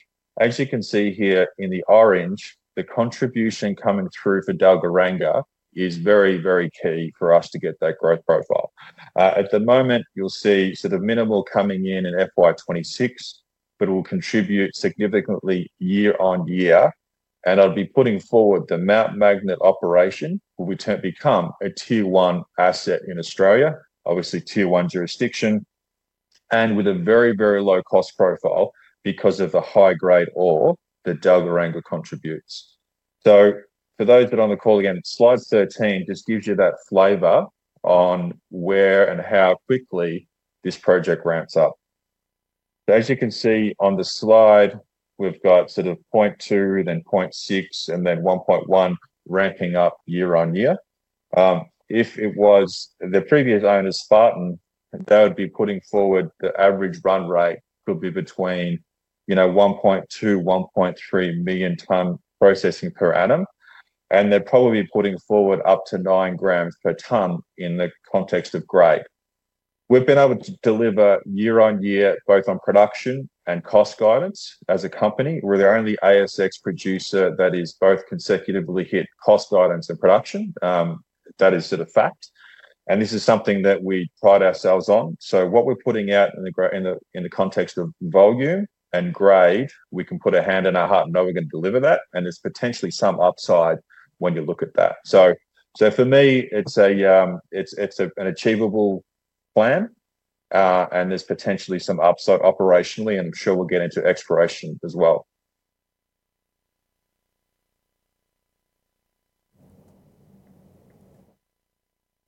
you can see here in the orange, the contribution coming through for Dalgaranga is very, very key for us to get that growth profile. At the moment, you'll see sort of minimal coming in in FY 2026, but it will contribute significantly year on year. I'll be putting forward the Mount Magnet operation will become a tier-one asset in Australia, obviously tier-one jurisdiction, and with a very, very low cost profile because of the high-grade ore that Dalgaranga contributes. For those that are on the call again, slide 13 just gives you that flavor on where and how quickly this project ramps up. As you can see on the slide, we've got sort of 0.2, then 0.6, and then 1.1 ramping up year on year. If it was the previous owner, Spartan, they would be putting forward the average run rate could be between 1.2-1.3 million ton processing per annum. They're probably putting forward up to 9 grams per ton in the context of grade. We've been able to deliver year on year, both on production and cost guidance as a company. We're the only ASX producer that has both consecutively hit cost guidance and production. That is sort of fact. This is something that we pride ourselves on. What we're putting out in the context of volume and grade, we can put a hand on our heart and know we're going to deliver that. There's potentially some upside when you look at that. For me, it's an achievable plan. There's potentially some upside operationally, and I'm sure we'll get into exploration as well.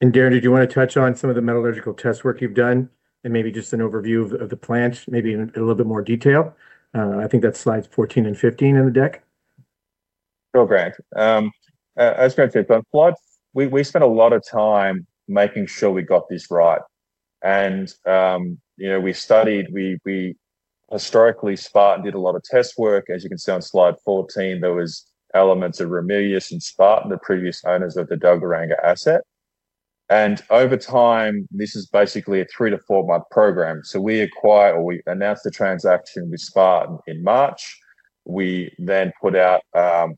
Darren, did you want to touch on some of the metallurgical test work you've done and maybe just an overview of the plant, maybe in a little bit more detail? I think that's slides 14 and 15 in the deck. Sure, Grant. As Grant said, on slide, we spent a lot of time making sure we got this right. We studied. Historically, Spartan did a lot of test work. As you can see on slide 14, there were elements of Ramelius and Spartan, the previous owners of the Dalgaranga asset. Over time, this is basically a three to four-month program. We acquire or we announced the transaction with Spartan in March. We then put out,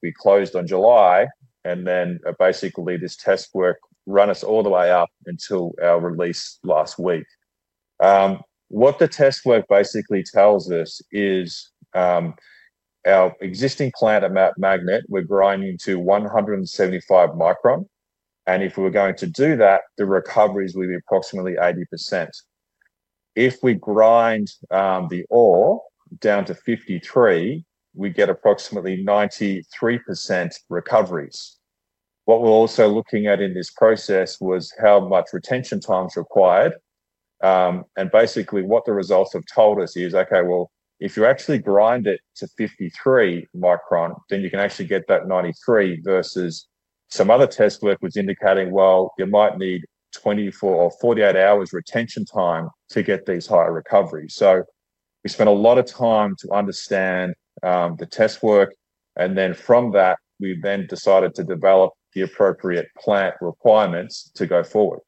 we closed on July. Basically, this test work ran us all the way up until our release last week. What the test work basically tells us is our existing plant at Mount Magnet, we're grinding to 175 micron. If we were going to do that, the recoveries would be approximately 80%. If we grind the ore down to 53, we get approximately 93% recoveries. What we're also looking at in this process was how much retention time is required. Basically, what the results have told us is, okay, if you actually grind it to 53 micron, then you can actually get that 93% versus some other test work was indicating you might need 24 or 48 hours retention time to get these higher recoveries. We spent a lot of time to understand the test work. From that, we then decided to develop the appropriate plant requirements to go forward.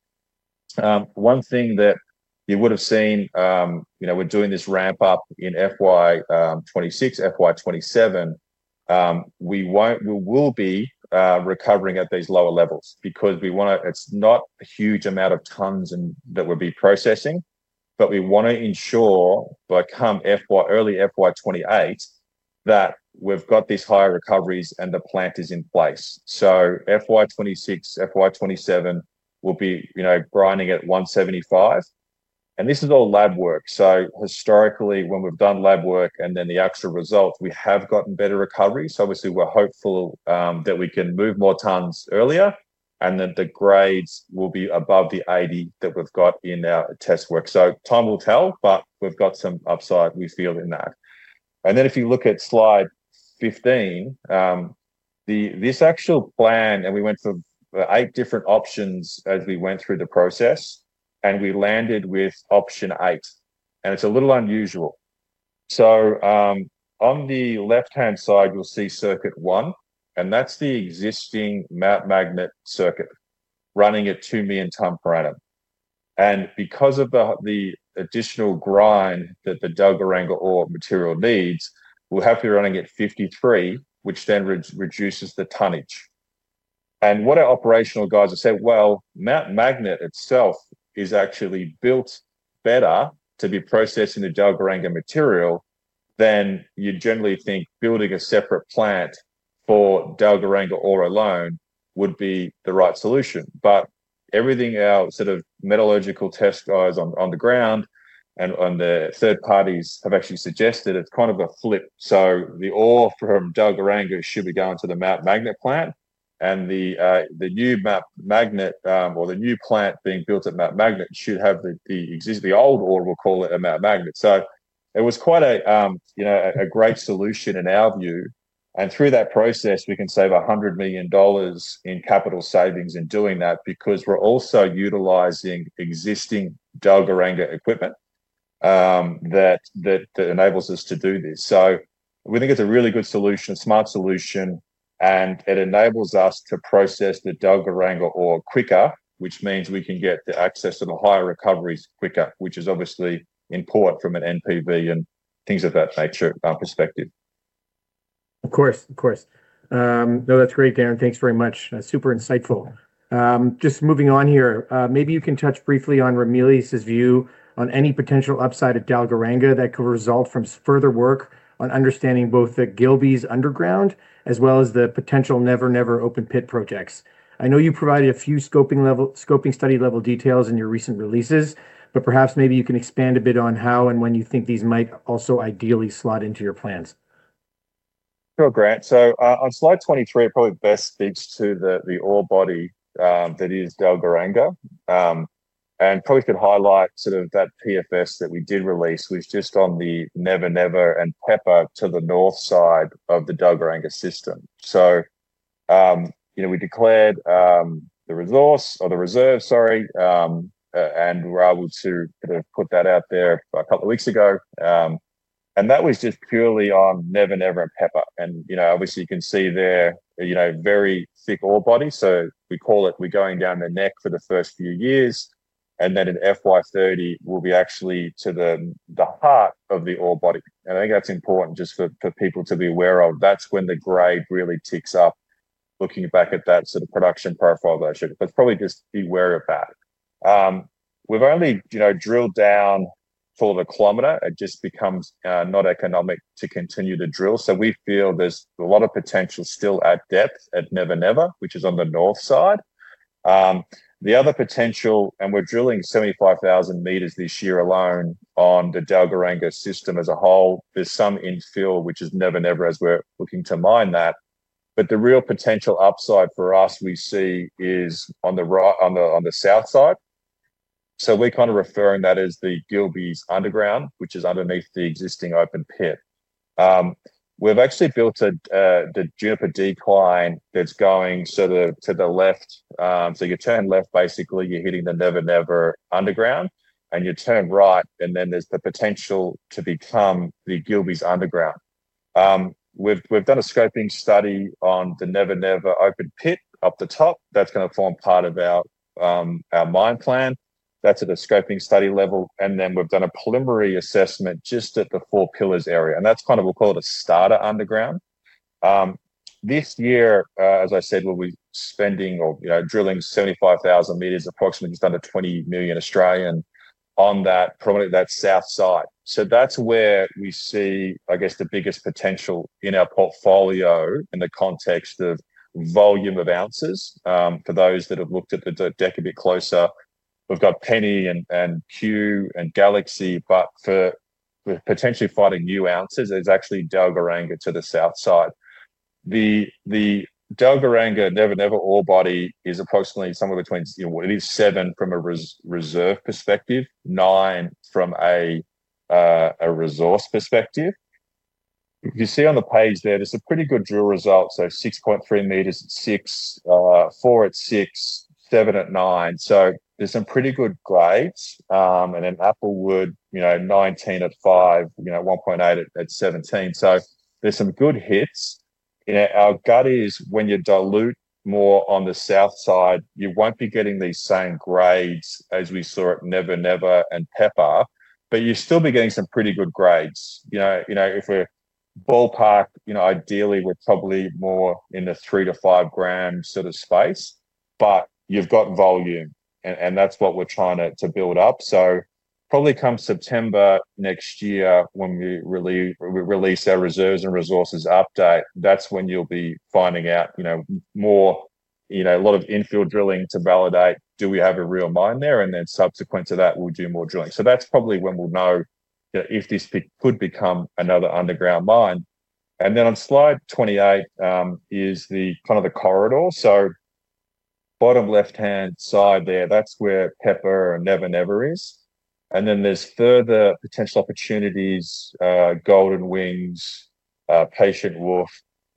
One thing that you would have seen, we're doing this ramp-up in FY 2026, FY 2027. We will be recovering at these lower levels because we want to, it's not a huge amount of tons that we'll be processing, but we want to ensure by come early FY 2028 that we've got these higher recoveries and the plant is in place. FY 2026, FY 2027 will be grinding at 175. And this is all lab work. Historically, when we've done lab work and then the actual results, we have gotten better recoveries. Obviously, we're hopeful that we can move more tons earlier and that the grades will be above the 80 that we've got in our test work. Time will tell, but we've got some upside we feel in that. If you look at slide 15, this actual plan, we went through eight different options as we went through the process, and we landed with option eight. It is a little unusual. On the left-hand side, you will see circuit one, and that is the existing Mount Magnet circuit running at 2 million ton per annum. Because of the additional grind that the Dalgaranga ore material needs, we will have to be running at 53, which then reduces the tonnage. What our operational guys have said is Mount Magnet itself is actually built better to be processing the Dalgaranga material than you would generally think building a separate plant for Dalgaranga ore alone would be the right solution. Everything our sort of metallurgical test guys on the ground and the third parties have actually suggested, it is kind of a flip. The ore from Dalgaranga should be going to the Mount Magnet plant. The new Mount Magnet, or the new plant being built at Mount Magnet, should have the existing old ore, we'll call it at Mount Magnet. It was quite a great solution in our view. Through that process, we can save $100 million in capital savings in doing that because we're also utilizing existing Dalgaranga equipment that enables us to do this. We think it's a really good solution, a smart solution, and it enables us to process the Dalgaranga ore quicker, which means we can get the access to the higher recoveries quicker, which is obviously important from an NPV and things of that nature perspective. Of course, of course. No, that's great, Darren. Thanks very much. Super insightful. Just moving on here, maybe you can touch briefly on Ramelius's view on any potential upside at Dalgaranga that could result from further work on understanding both the Gilbey's underground as well as the potential Never Never Open Pit projects. I know you provided a few scoping study level details in your recent releases, but perhaps maybe you can expand a bit on how and when you think these might also ideally slot into your plans. Sure, Grant. On slide 23, it probably best speaks to the ore body that is Dalgaranga. I could highlight sort of that PFS that we did release, which is just on the Never Never and Pepper to the north side of the Dalgaranga system. We declared the resource or the reserve, sorry, and were able to put that out there a couple of weeks ago. That was just purely on Never Never and Pepper. Obviously, you can see there, very thick ore body. We call it we're going down the neck for the first few years. In fiscal year 2030, we'll be actually to the heart of the ore body. I think that's important just for people to be aware of. That's when the grade really ticks up, looking back at that sort of production profile that I showed. Probably just be aware of that. We've only drilled down for the kilometer. It just becomes not economic to continue to drill. We feel there's a lot of potential still at depth at Never Never, which is on the north side. The other potential, and we're drilling 75,000 meters this year alone on the Dalgaranga system as a whole. There's some infill, which is Never Never, as we're looking to mine that. The real potential upside for us we see is on the south side. We're kind of referring to that as the Gilbey's underground, which is underneath the existing open pit. We've actually built the Juniper decline that's going sort of to the left. You turn left, basically, you're hitting the Never Never underground. You turn right, and then there's the potential to become the Gilbey's underground. We've done a scoping study on the Never Never open pit up the top. That's going to form part of our mine plan. That's at a scoping study level. We've done a preliminary assessment just at the four pillars area. That's kind of, we'll call it a starter underground. This year, as I said, we'll be spending or drilling 75,000 meters, approximately just under 20 million on that south side. That's where we see, I guess, the biggest potential in our portfolio in the context of volume of ounces. For those that have looked at the deck a bit closer, we've got Penny and Q and Galaxy. For potentially finding new ounces, it's actually Dalgaranga to the south side. The Dalgaranga Never Never ore body is approximately somewhere between seven from a reserve perspective, nine from a resource perspective. If you see on the page there, there's a pretty good drill result. 6.3 meters at six, four at six, seven at nine. There are some pretty good grades. Applewood, 19 at five, 1.8 at 17. There are some good hits. Our gut is when you dilute more on the south side, you won't be getting these same grades as we saw at Never Never and Pepper, but you still be getting some pretty good grades. If we're ballpark, ideally, we're probably more in the 3-5 gram sort of space. But you've got volume, and that's what we're trying to build up. Probably come September next year when we release our reserves and resources update, that's when you'll be finding out more, a lot of infield drilling to validate, do we have a real mine there? Subsequent to that, we'll do more drilling. That's probably when we'll know if this could become another underground mine. On slide 28 is kind of the corridor. Bottom left-hand side there, that's where Pepper and Never Never is. There are further potential opportunities, Golden Wings, Patient Wolf,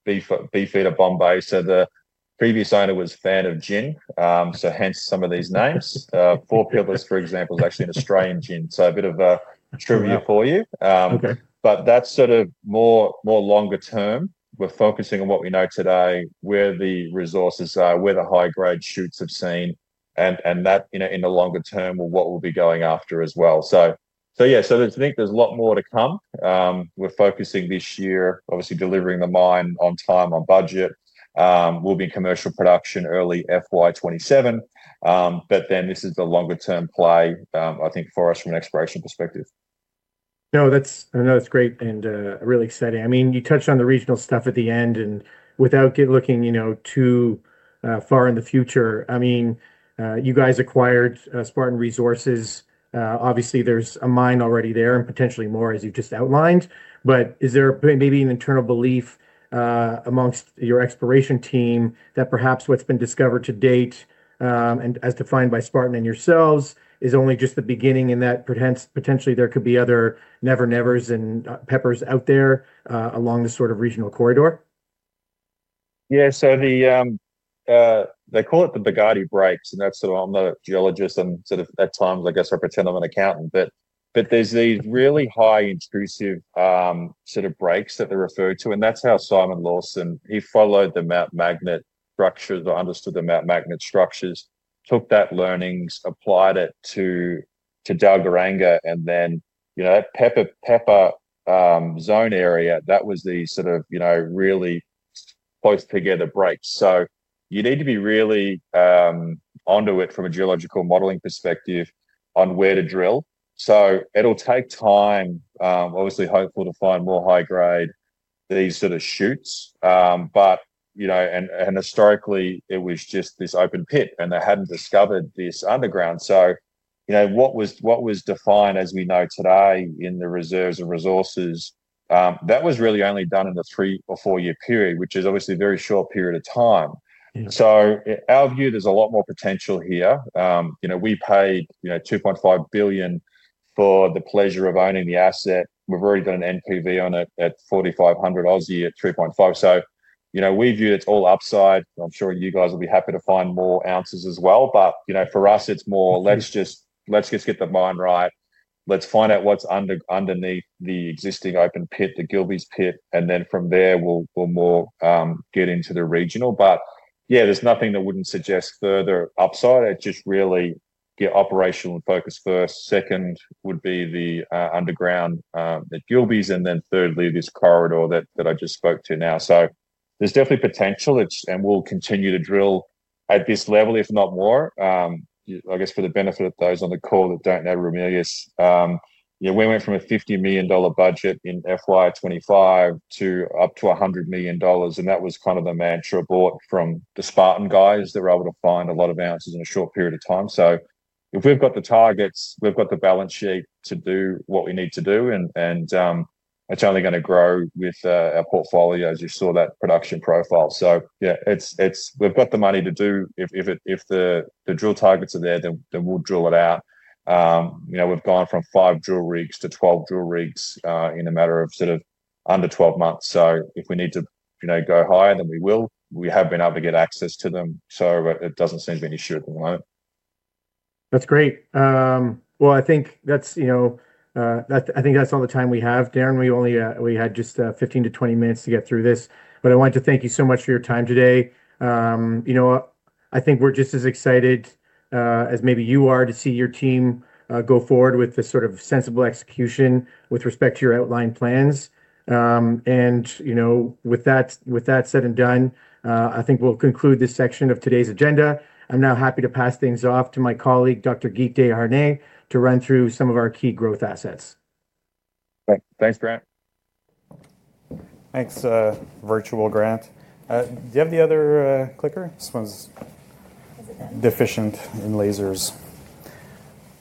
Beefeater, Bombay. The previous owner was a fan of gin, hence some of these names. Four Pillars, for example, is actually an Australian gin, so a bit of trivia for you. That is more longer term. We are focusing on what we know today, where the resources are, where the high-grade shoots have been seen, and in the longer term, what we will be going after as well. I think there is a lot more to come. We are focusing this year on obviously delivering the mine on time, on budget. We will be in commercial production early FY 2027. This is the longer-term play, I think, for us from an exploration perspective. No, that is great and really exciting. I mean, you touched on the regional stuff at the end. Without looking too far in the future, I mean, you guys acquired Spartan Resources. Obviously, there is a mine already there and potentially more, as you have just outlined. Is there maybe an internal belief amongst your exploration team that perhaps what has been discovered to date and as defined by Spartan and yourselves is only just the beginning and that potentially there could be other Never Nevers and Peppers out there along the sort of regional corridor? Yeah. They call it the Bugatti breaks. That is sort of, I am not a geologist. At times, I guess I pretend I am an accountant. There are these really high intrusive sort of breaks that they are referred to. That is how Simon Lawson, he followed the Mount Magnet structures, understood the Mount Magnet structures, took that learnings, applied it to Dalgaranga, and then that Pepper zone area, that was the sort of really close together breaks. You need to be really onto it from a geological modeling perspective on where to drill. It will take time. Obviously, hopeful to find more high-grade, these sort of shoots. Historically, it was just this open pit, and they had not discovered this underground. What was defined as we know today in the reserves and resources, that was really only done in the three- or four-year period, which is obviously a very short period of time. Our view, there is a lot more potential here. We paid 2.5 billion for the pleasure of owning the asset. We have already done an NPV on it at 4,500 at 3.5. We view it's all upside. I'm sure you guys will be happy to find more ounces as well. For us, it's more, let's just get the mine right. Let's find out what's underneath the existing open pit, the Gilbey's pit. From there, we'll more get into the regional. Yeah, there's nothing that wouldn't suggest further upside. It just really get operational and focus first. Second would be the underground at Gilbey's. Thirdly, this corridor that I just spoke to now. There's definitely potential, and we'll continue to drill at this level, if not more. I guess for the benefit of those on the call that don't know Ramelius, we went from an 50 million dollar budget in FY 2025 to up to 100 million dollars. That was kind of the mantra brought from the Spartan guys that were able to find a lot of ounces in a short period of time. If we've got the targets, we've got the balance sheet to do what we need to do. It's only going to grow with our portfolio, as you saw that production profile. We've got the money to do it. If the drill targets are there, then we'll drill it out. We've gone from five drill rigs to 12 drill rigs in a matter of under 12 months. If we need to go higher, then we will. We have been able to get access to them. It does not seem to be an issue at the moment. I think that's all the time we have, Darren. We had just 15-20 minutes to get through this. I wanted to thank you so much for your time today. I think we're just as excited as maybe you are to see your team go forward with this sort of sensible execution with respect to your outlined plans. With that said and done, I think we'll conclude this section of today's agenda. I'm now happy to pass things off to my colleague, Guy Desharnais, to run through some of our key growth assets. Thanks, Grant. Thanks, Virtual Grant. Do you have the other clicker? This one's deficient in lasers.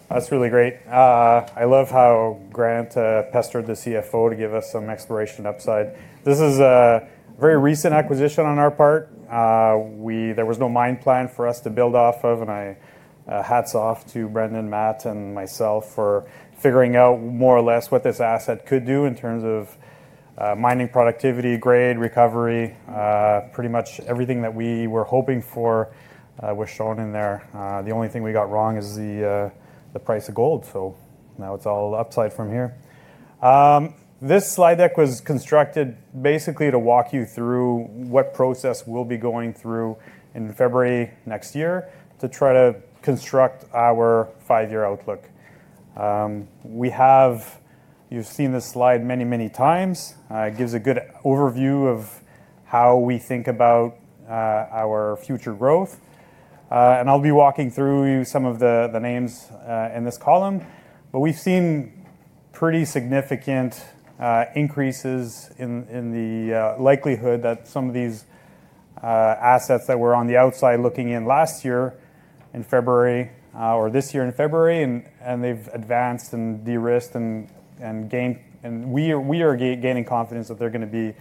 That's really great. I love how Grant pestered the CFO to give us some exploration upside. This is a very recent acquisition on our part. There was no mine plan for us to build off of. Hats off to Brendan, Matt, and myself for figuring out more or less what this asset could do in terms of mining productivity, grade, recovery. Pretty much everything that we were hoping for was shown in there. The only thing we got wrong is the price of gold. Now it's all upside from here. This slide deck was constructed basically to walk you through what process we'll be going through in February next year to try to construct our five-year outlook. You've seen this slide many, many times. It gives a good overview of how we think about our future growth. I'll be walking through some of the names in this column. We've seen pretty significant increases in the likelihood that some of these assets that were on the outside looking in last year in February or this year in February, and they've advanced and de-risked and gained. We are gaining confidence that they're going to be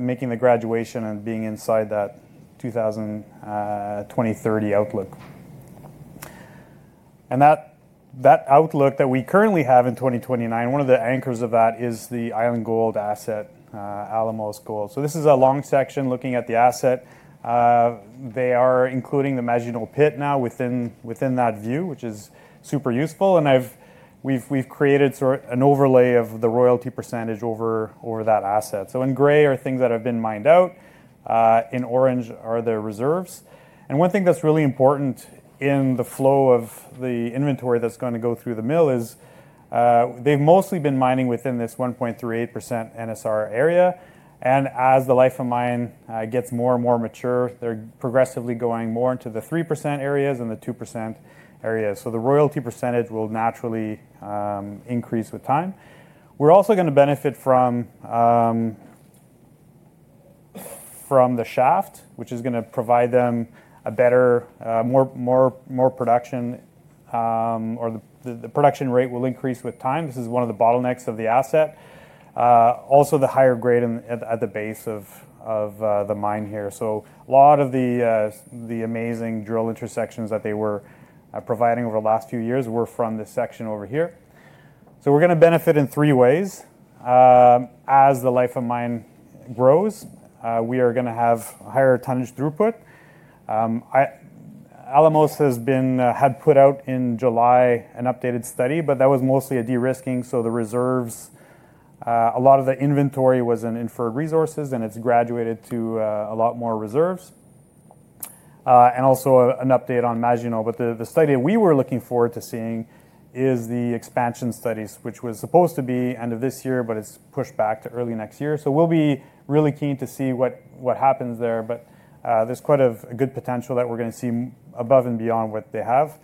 making the graduation and being inside that 2030 outlook. That outlook that we currently have in 2029, one of the anchors of that is the Island Gold asset, Alamos Gold. This is a long section looking at the asset. They are including the Magino Pit now within that view, which is super useful. We've created an overlay of the royalty percentage over that asset. In gray are things that have been mined out. In orange are the reserves. One thing that's really important in the flow of the inventory that's going to go through the mill is they've mostly been mining within this 1.38% NSR area. As the life of mine gets more and more mature, they're progressively going more into the 3% areas and the 2% areas. The royalty percentage will naturally increase with time. We're also going to benefit from the shaft, which is going to provide them a better, more production, or the production rate will increase with time. This is one of the bottlenecks of the asset. Also, the higher grade at the base of the mine here. A lot of the amazing drill intersections that they were providing over the last few years were from this section over here. We're going to benefit in three ways. As the life of mine grows, we are going to have higher tonnage throughput. Alamos had put out in July an updated study, but that was mostly a de-risking. So a lot of the inventory was in inferred resources, and it's graduated to a lot more reserves. And also an update on Magino. The study that we were looking forward to seeing is the expansion studies, which was supposed to be end of this year, but it's pushed back to early next year. We'll be really keen to see what happens there. There's quite a good potential that we're going to see above and beyond what they have,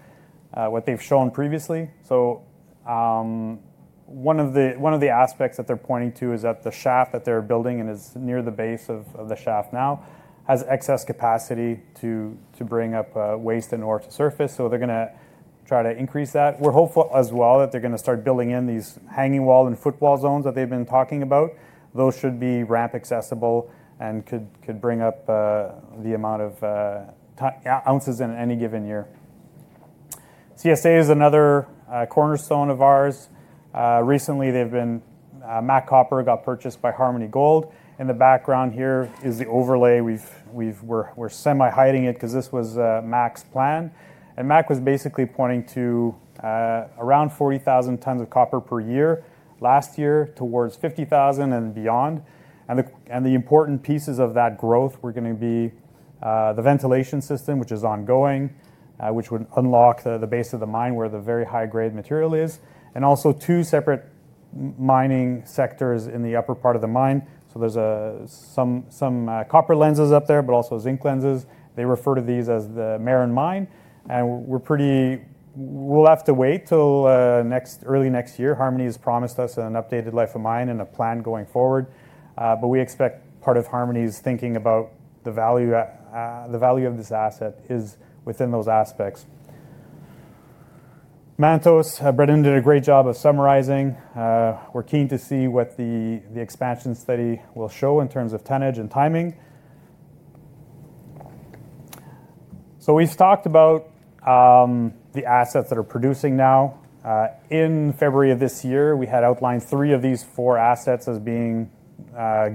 what they've shown previously. One of the aspects that they're pointing to is that the shaft that they're building and is near the base of the shaft now has excess capacity to bring up waste and ore to surface. They're going to try to increase that. We're hopeful as well that they're going to start building in these hanging wall and footwall zones that they've been talking about. Those should be ramp accessible and could bring up the amount of ounces in any given year. CSA is another cornerstone of ours. Recently, MAC Copper got purchased by Harmony Gold. In the background here is the overlay. We're semi-hiding it because this was MAC's plan. MAC was basically pointing to around 40,000 tons of copper per year last year towards 50,000 and beyond. The important pieces of that growth were going to be the ventilation system, which is ongoing, which would unlock the base of the mine where the very high-grade material is, and also two separate mining sectors in the upper part of the mine. There are some copper lenses up there, but also zinc lenses. They refer to these as the Merrin Mine. We will have to wait till early next year. Harmony has promised us an updated life of mine and a plan going forward. We expect part of Harmony's thinking about the value of this asset is within those aspects. Mantos, Brendan did a great job of summarizing. We are keen to see what the expansion study will show in terms of tonnage and timing. We have talked about the assets that are producing now. In February of this year, we had outlined three of these four assets as being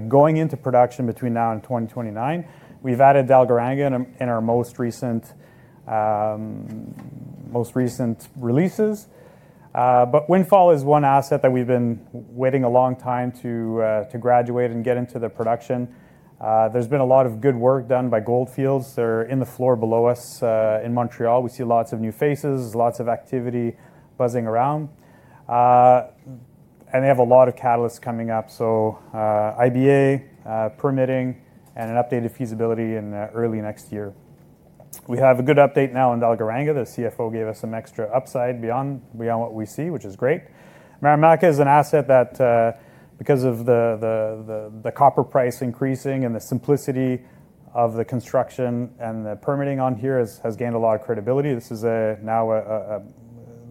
going into production between now and 2029. We've added Dalgaranga in our most recent releases. Windfall is one asset that we've been waiting a long time to graduate and get into production. There's been a lot of good work done by Gold Fields. They're in the floor below us in Montreal. We see lots of new faces, lots of activity buzzing around. They have a lot of catalysts coming up. IBA permitting and an updated feasibility in early next year. We have a good update now on Dalgaranga. The CFO gave us some extra upside beyond what we see, which is great. Marimaca is an asset that, because of the copper price increasing and the simplicity of the construction and the permitting on here, has gained a lot of credibility. Now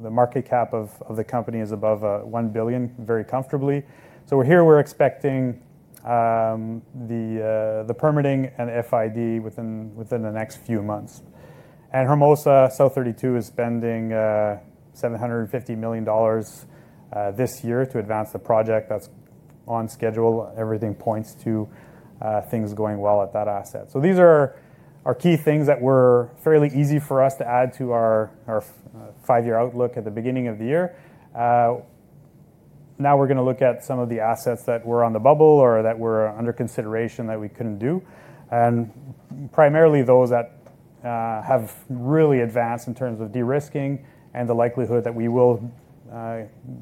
the market cap of the company is above $1 billion very comfortably. Here we're expecting the permitting and FID within the next few months. Hermosa South32, is spending $750 million this year to advance the project. That's on schedule. Everything points to things going well at that asset. These are key things that were fairly easy for us to add to our five-year outlook at the beginning of the year. Now we're going to look at some of the assets that were on the bubble or that were under consideration that we couldn't do. Primarily those that have really advanced in terms of de-risking and the likelihood that we will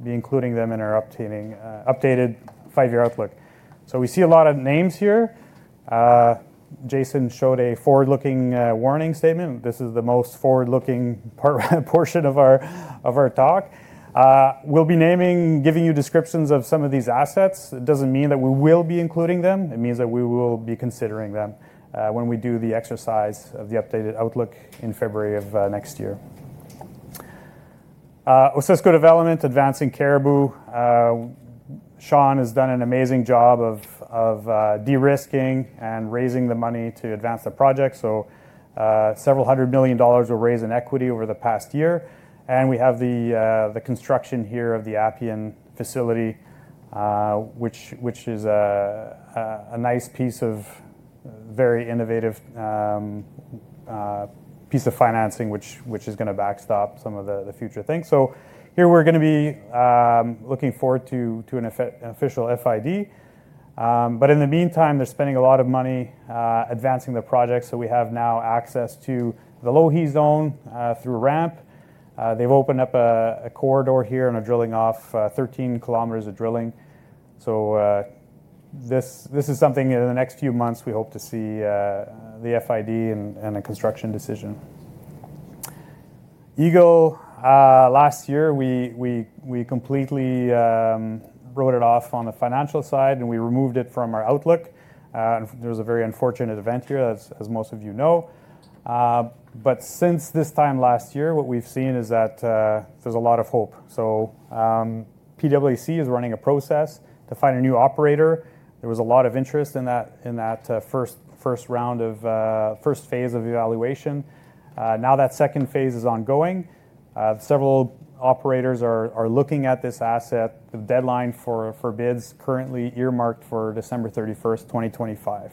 be including them in our updated five-year outlook. We see a lot of names here. Jason showed a forward-looking warning statement. This is the most forward-looking portion of our talk. We'll be naming, giving you descriptions of some of these assets. It does not mean that we will be including them. It means that we will be considering them when we do the exercise of the updated outlook in February of next year. Osisko Development, advancing Cariboo. Sean has done an amazing job of de-risking and raising the money to advance the project. Several hundred million dollars were raised in equity over the past year. We have the construction here of the Appian facility, which is a very innovative piece of financing that is going to backstop some of the future things. Here we are going to be looking forward to an official FID. In the meantime, they are spending a lot of money advancing the project. We have now access to the Lowhee Zone through ramp. They've opened up a corridor here and are drilling off 13 km of drilling. This is something in the next few months we hope to see the FID and a construction decision. Eagle, last year, we completely wrote it off on the financial side, and we removed it from our outlook. There was a very unfortunate event here, as most of you know. Since this time last year, what we've seen is that there's a lot of hope. PwC is running a process to find a new operator. There was a lot of interest in that first round of first phase of evaluation. Now that second phase is ongoing. Several operators are looking at this asset. The deadline for bids currently earmarked for December 31, 2025.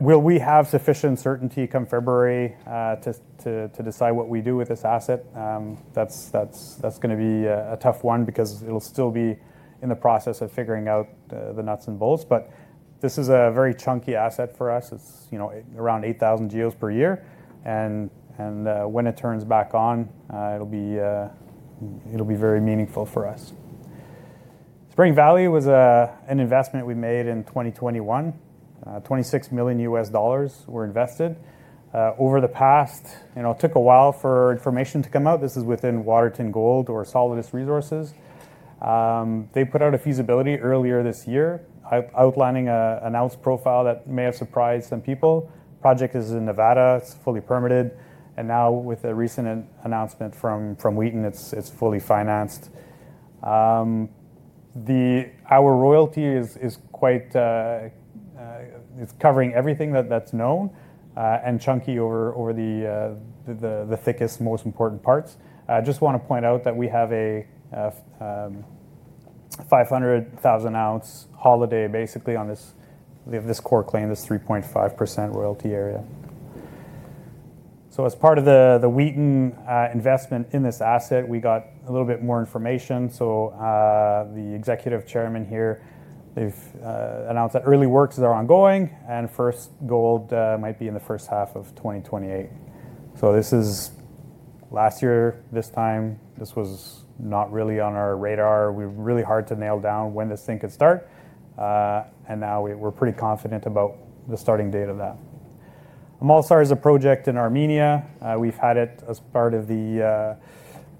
Will we have sufficient certainty come February to decide what we do with this asset? That's going to be a tough one because it'll still be in the process of figuring out the nuts and bolts. This is a very chunky asset for us. It's around 8,000 GEOs per year. When it turns back on, it'll be very meaningful for us. Spring Valley was an investment we made in 2021. $26 million were invested. Over the past, it took a while for information to come out. This is within Waterton Gold or Solidus Resources. They put out a feasibility earlier this year, outlining an announced profile that may have surprised some people. The project is in Nevada. It's fully permitted. Now with a recent announcement from Wheaton, it's fully financed. Our royalty is covering everything that's known and chunky over the thickest, most important parts. I just want to point out that we have a 500,000-ounce holiday basically on this core claim, this 3.5% royalty area. As part of the Wheaton investment in this asset, we got a little bit more information. The Executive Chairman here, they have announced that early works are ongoing, and first gold might be in the first half of 2028. Last year, this time, this was not really on our radar. We were really hard to nail down when this thing could start. Now we are pretty confident about the starting date of that. Amulsar is a project in Armenia. We have had it as part of the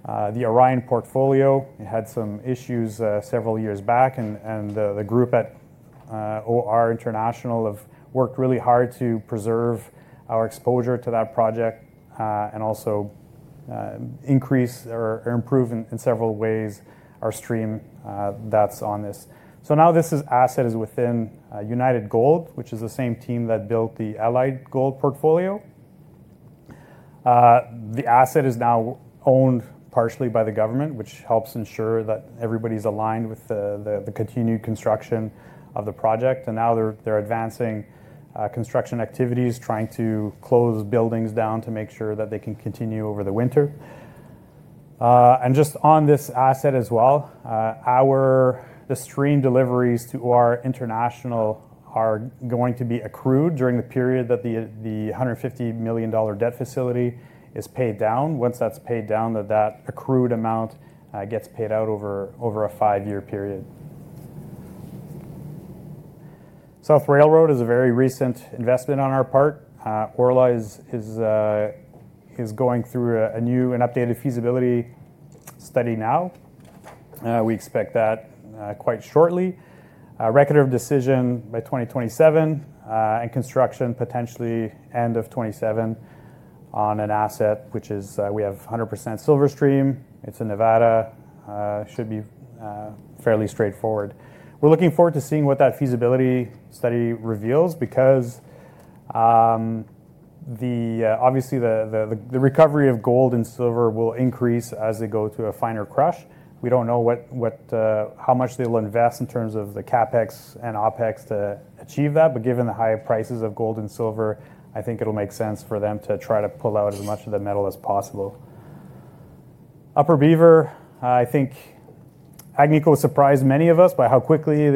Orion portfolio. It had some issues several years back. The group at OR International have worked really hard to preserve our exposure to that project and also increase or improve in several ways our stream that is on this. Now this asset is within United Gold, which is the same team that built the Allied Gold portfolio. The asset is now owned partially by the government, which helps ensure that everybody's aligned with the continued construction of the project. They are advancing construction activities, trying to close buildings down to make sure that they can continue over the winter. Just on this asset as well, the stream deliveries to OR International are going to be accrued during the period that the $150 million debt facility is paid down. Once that's paid down, that accrued amount gets paid out over a five-year period. South Railroad is a very recent investment on our part. Orla is going through an updated feasibility study now. We expect that quite shortly. Record of decision by 2027 and construction potentially end of 2027 on an asset, which is we have 100% Silverstream. It's in Nevada. Should be fairly straightforward. We're looking forward to seeing what that feasibility study reveals because obviously the recovery of gold and silver will increase as they go to a finer crush. We don't know how much they'll invest in terms of the CapEx and OpEx to achieve that. Given the high prices of gold and silver, I think it'll make sense for them to try to pull out as much of the metal as possible. Upper Beaver, I think Agnico surprised many of us by how quickly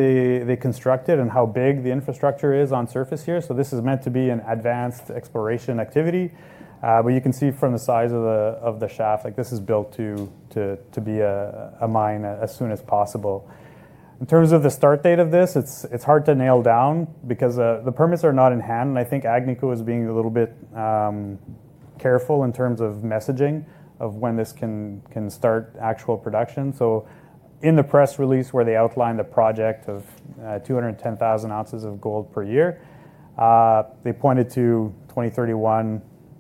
they constructed and how big the infrastructure is on surface here. This is meant to be an advanced exploration activity. You can see from the size of the shaft, this is built to be a mine as soon as possible. In terms of the start date of this, it's hard to nail down because the permits are not in hand. I think Agnico is being a little bit careful in terms of messaging of when this can start actual production. In the press release where they outlined the project of 210,000 ounces of gold per year, they pointed to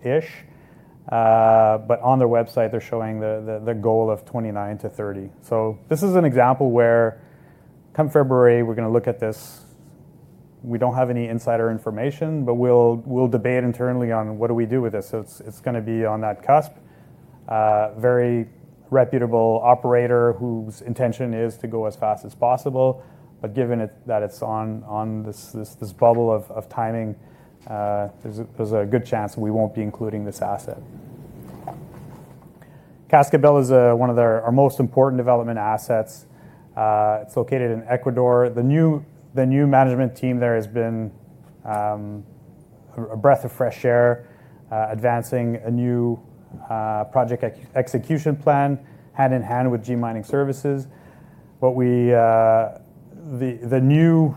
2031-ish. On their website, they're showing the goal of 2029 to 2030. This is an example where come February, we're going to look at this. We don't have any insider information, but we'll debate internally on what do we do with this. It's going to be on that cusp. Very reputable operator whose intention is to go as fast as possible. Given that it's on this bubble of timing, there's a good chance we won't be including this asset. Cascabel is one of our most important development assets. It's located in Ecuador. The new management team there has been a breath of fresh air advancing a new project execution plan hand in hand with G Mining Ventures. The new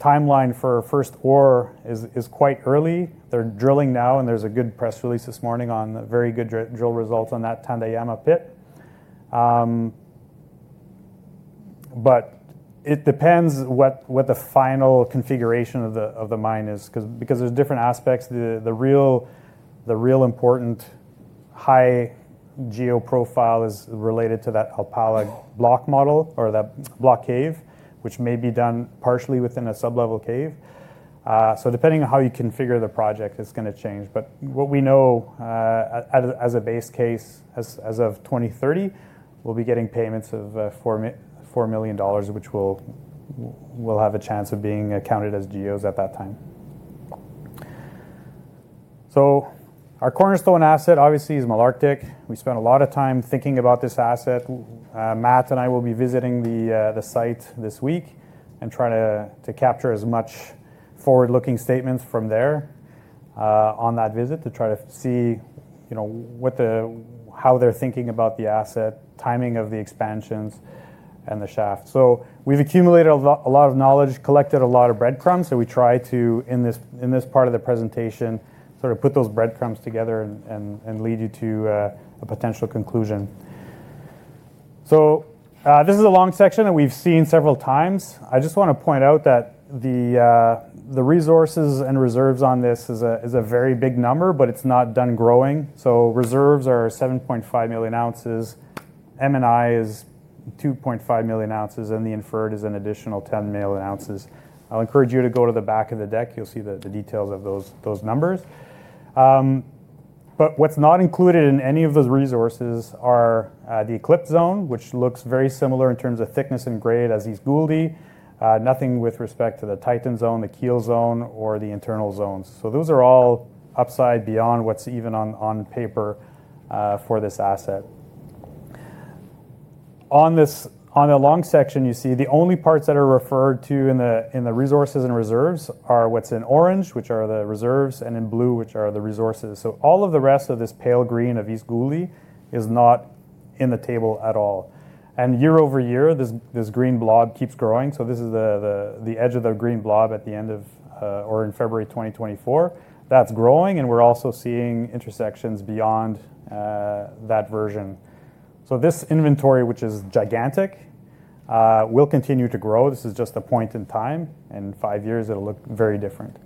timeline for first ore is quite early. They're drilling now, and there's a good press release this morning on very good drill results on that Tandayama pit. It depends what the final configuration of the mine is because there's different aspects. The real important high geoprofile is related to that Alpala block model or that block cave, which may be done partially within a sublevel cave. Depending on how you configure the project, it's going to change. What we know as a base case as of 2030, we'll be getting payments of $4 million, which we'll have a chance of being accounted as GEOs at that time. Our cornerstone asset obviously is Malartic. We spent a lot of time thinking about this asset. Matt and I will be visiting the site this week and try to capture as much forward-looking statements from there on that visit to try to see how they're thinking about the asset, timing of the expansions, and the shaft. We've accumulated a lot of knowledge, collected a lot of breadcrumbs. We try to, in this part of the presentation, sort of put those breadcrumbs together and lead you to a potential conclusion. This is a long section that we've seen several times. I just want to point out that the resources and reserves on this is a very big number, but it's not done growing. Reserves are 7.5 million ounces. MNI is 2.5 million ounces, and the inferred is an additional 10 million ounces. I'll encourage you to go to the back of the deck. You'll see the details of those numbers. What's not included in any of those resources are the Eclipse zone, which looks very similar in terms of thickness and grade as East Gouldie. Nothing with respect to the Titan zone, the Keel zone, or the internal zones. Those are all upside beyond what's even on paper for this asset. On the long section, you see the only parts that are referred to in the resources and reserves are what's in orange, which are the reserves, and in blue, which are the resources. All of the rest of this pale green of East Gouldie is not in the table at all. Year-over-year, this green blob keeps growing. This is the edge of the green blob at the end of or in February 2024. That's growing, and we're also seeing intersections beyond that version. So this inventory, which is gigantic, will continue to grow. This is just a point in time. In five years, it will look very different.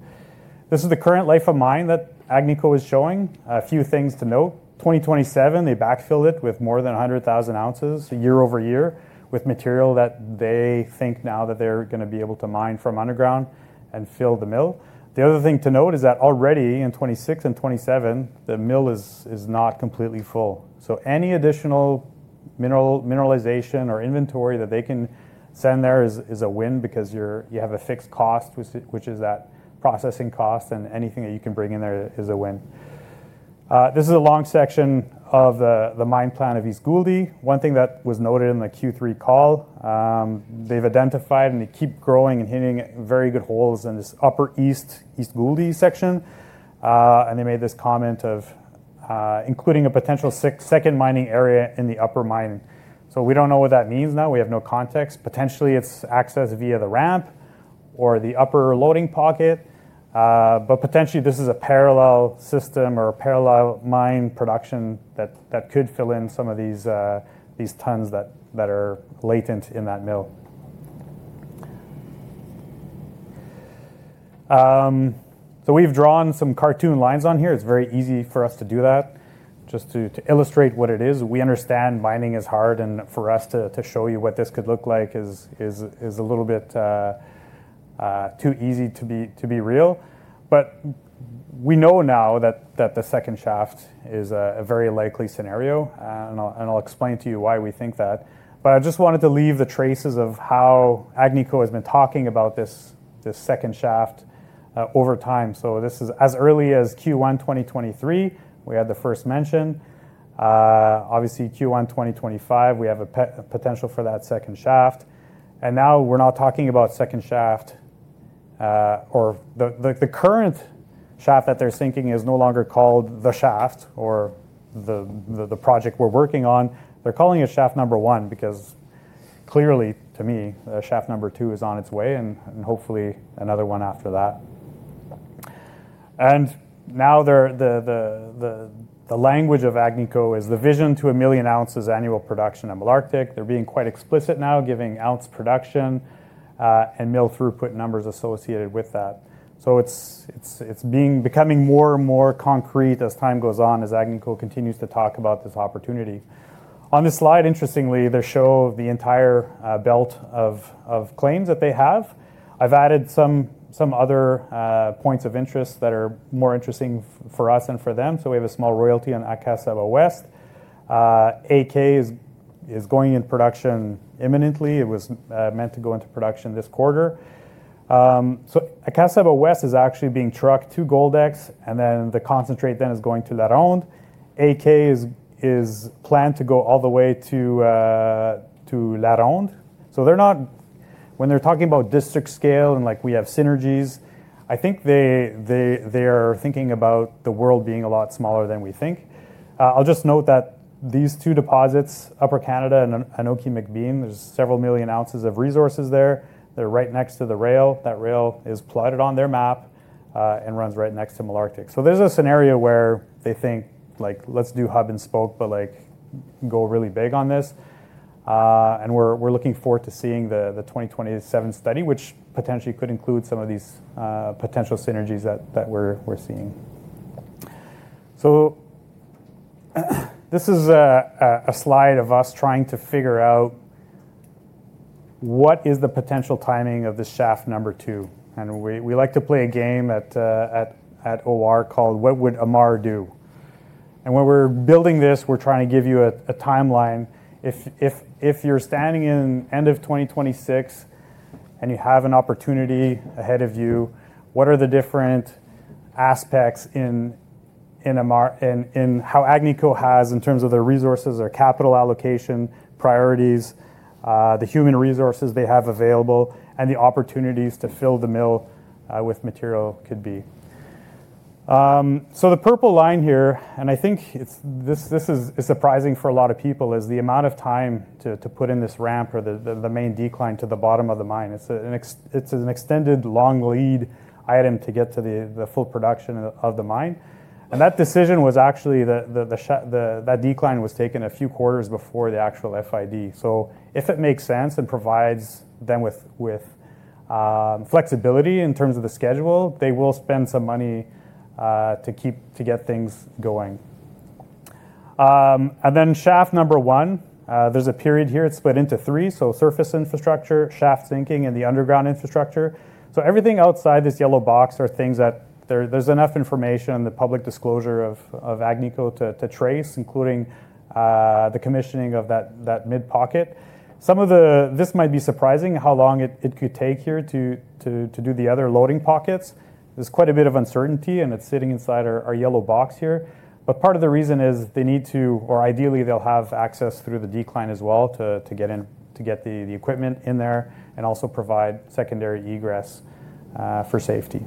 This is the current life of mine that Agnico is showing. A few things to note. In 2027, they backfill it with more than 100,000 ounces year-over-year with material that they think now that they're going to be able to mine from underground and fill the mill. The other thing to note is that already in 2026 and 2027, the mill is not completely full. So any additional mineralization or inventory that they can send there is a win because you have a fixed cost, which is that processing cost, and anything that you can bring in there is a win. This is a long section of the mine plan of East Gouldie. One thing that was noted in the Q3 call, they've identified and they keep growing and hitting very good holes in this upper east East Gouldie section. They made this comment of including a potential second mining area in the upper mine. We don't know what that means now. We have no context. Potentially, it's access via the ramp or the upper loading pocket. Potentially, this is a parallel system or a parallel mine production that could fill in some of these tons that are latent in that mill. We've drawn some cartoon lines on here. It's very easy for us to do that just to illustrate what it is. We understand mining is hard, and for us to show you what this could look like is a little bit too easy to be real. We know now that the second shaft is a very likely scenario, and I'll explain to you why we think that. I just wanted to leave the traces of how Agnico has been talking about this second shaft over time. This is as early as Q1 2023, we had the first mention. Obviously, Q1 2025, we have a potential for that second shaft. Now we're not talking about second shaft or the current shaft that they're thinking is no longer called the shaft or the project we're working on. They're calling it shaft number one because clearly to me, shaft number two is on its way and hopefully another one after that. Now the language of Agnico is the vision to a million ounces annual production at Malartic. They're being quite explicit now, giving ounce production and mill throughput numbers associated with that. It's becoming more and more concrete as time goes on as Agnico continues to talk about this opportunity. On this slide, interestingly, they show the entire belt of claims that they have. I've added some other points of interest that are more interesting for us and for them. We have a small royalty on Akasaba West. AK is going into production imminently. It was meant to go into production this quarter. Akasaba West is actually being trucked to Goldex, and then the concentrate then is going to LaRonde. AK is planned to go all the way to LaRonde. When they're talking about district scale and we have synergies, I think they are thinking about the world being a lot smaller than we think. I'll just note that these two deposits, Upper Canada and Anoki-McBean, there's several million ounces of resources there. They're right next to the rail. That rail is plotted on their map and runs right next to Malartic. There is a scenario where they think, "Let's do hub and spoke, but go really big on this." We are looking forward to seeing the 2027 study, which potentially could include some of these potential synergies that we're seeing. This is a slide of us trying to figure out what is the potential timing of this shaft number two. We like to play a game at OR called What Would Ammar Do? When we're building this, we're trying to give you a timeline. If you're standing in end of 2026 and you have an opportunity ahead of you, what are the different aspects in how Agnico has in terms of their resources, their capital allocation priorities, the human resources they have available, and the opportunities to fill the mill with material could be? The purple line here, and I think this is surprising for a lot of people, is the amount of time to put in this ramp or the main decline to the bottom of the mine. It is an extended long lead item to get to the full production of the mine. That decision was actually that decline was taken a few quarters before the actual FID. If it makes sense and provides them with flexibility in terms of the schedule, they will spend some money to get things going. Then shaft number one, there's a period here. It's split into three. Surface infrastructure, shaft sinking, and the underground infrastructure. Everything outside this yellow box are things that there's enough information in the public disclosure of Agnico to trace, including the commissioning of that mid pocket. This might be surprising how long it could take here to do the other loading pockets. There's quite a bit of uncertainty, and it's sitting inside our yellow box here. Part of the reason is they need to, or ideally they'll have access through the decline as well to get the equipment in there and also provide secondary egress for safety.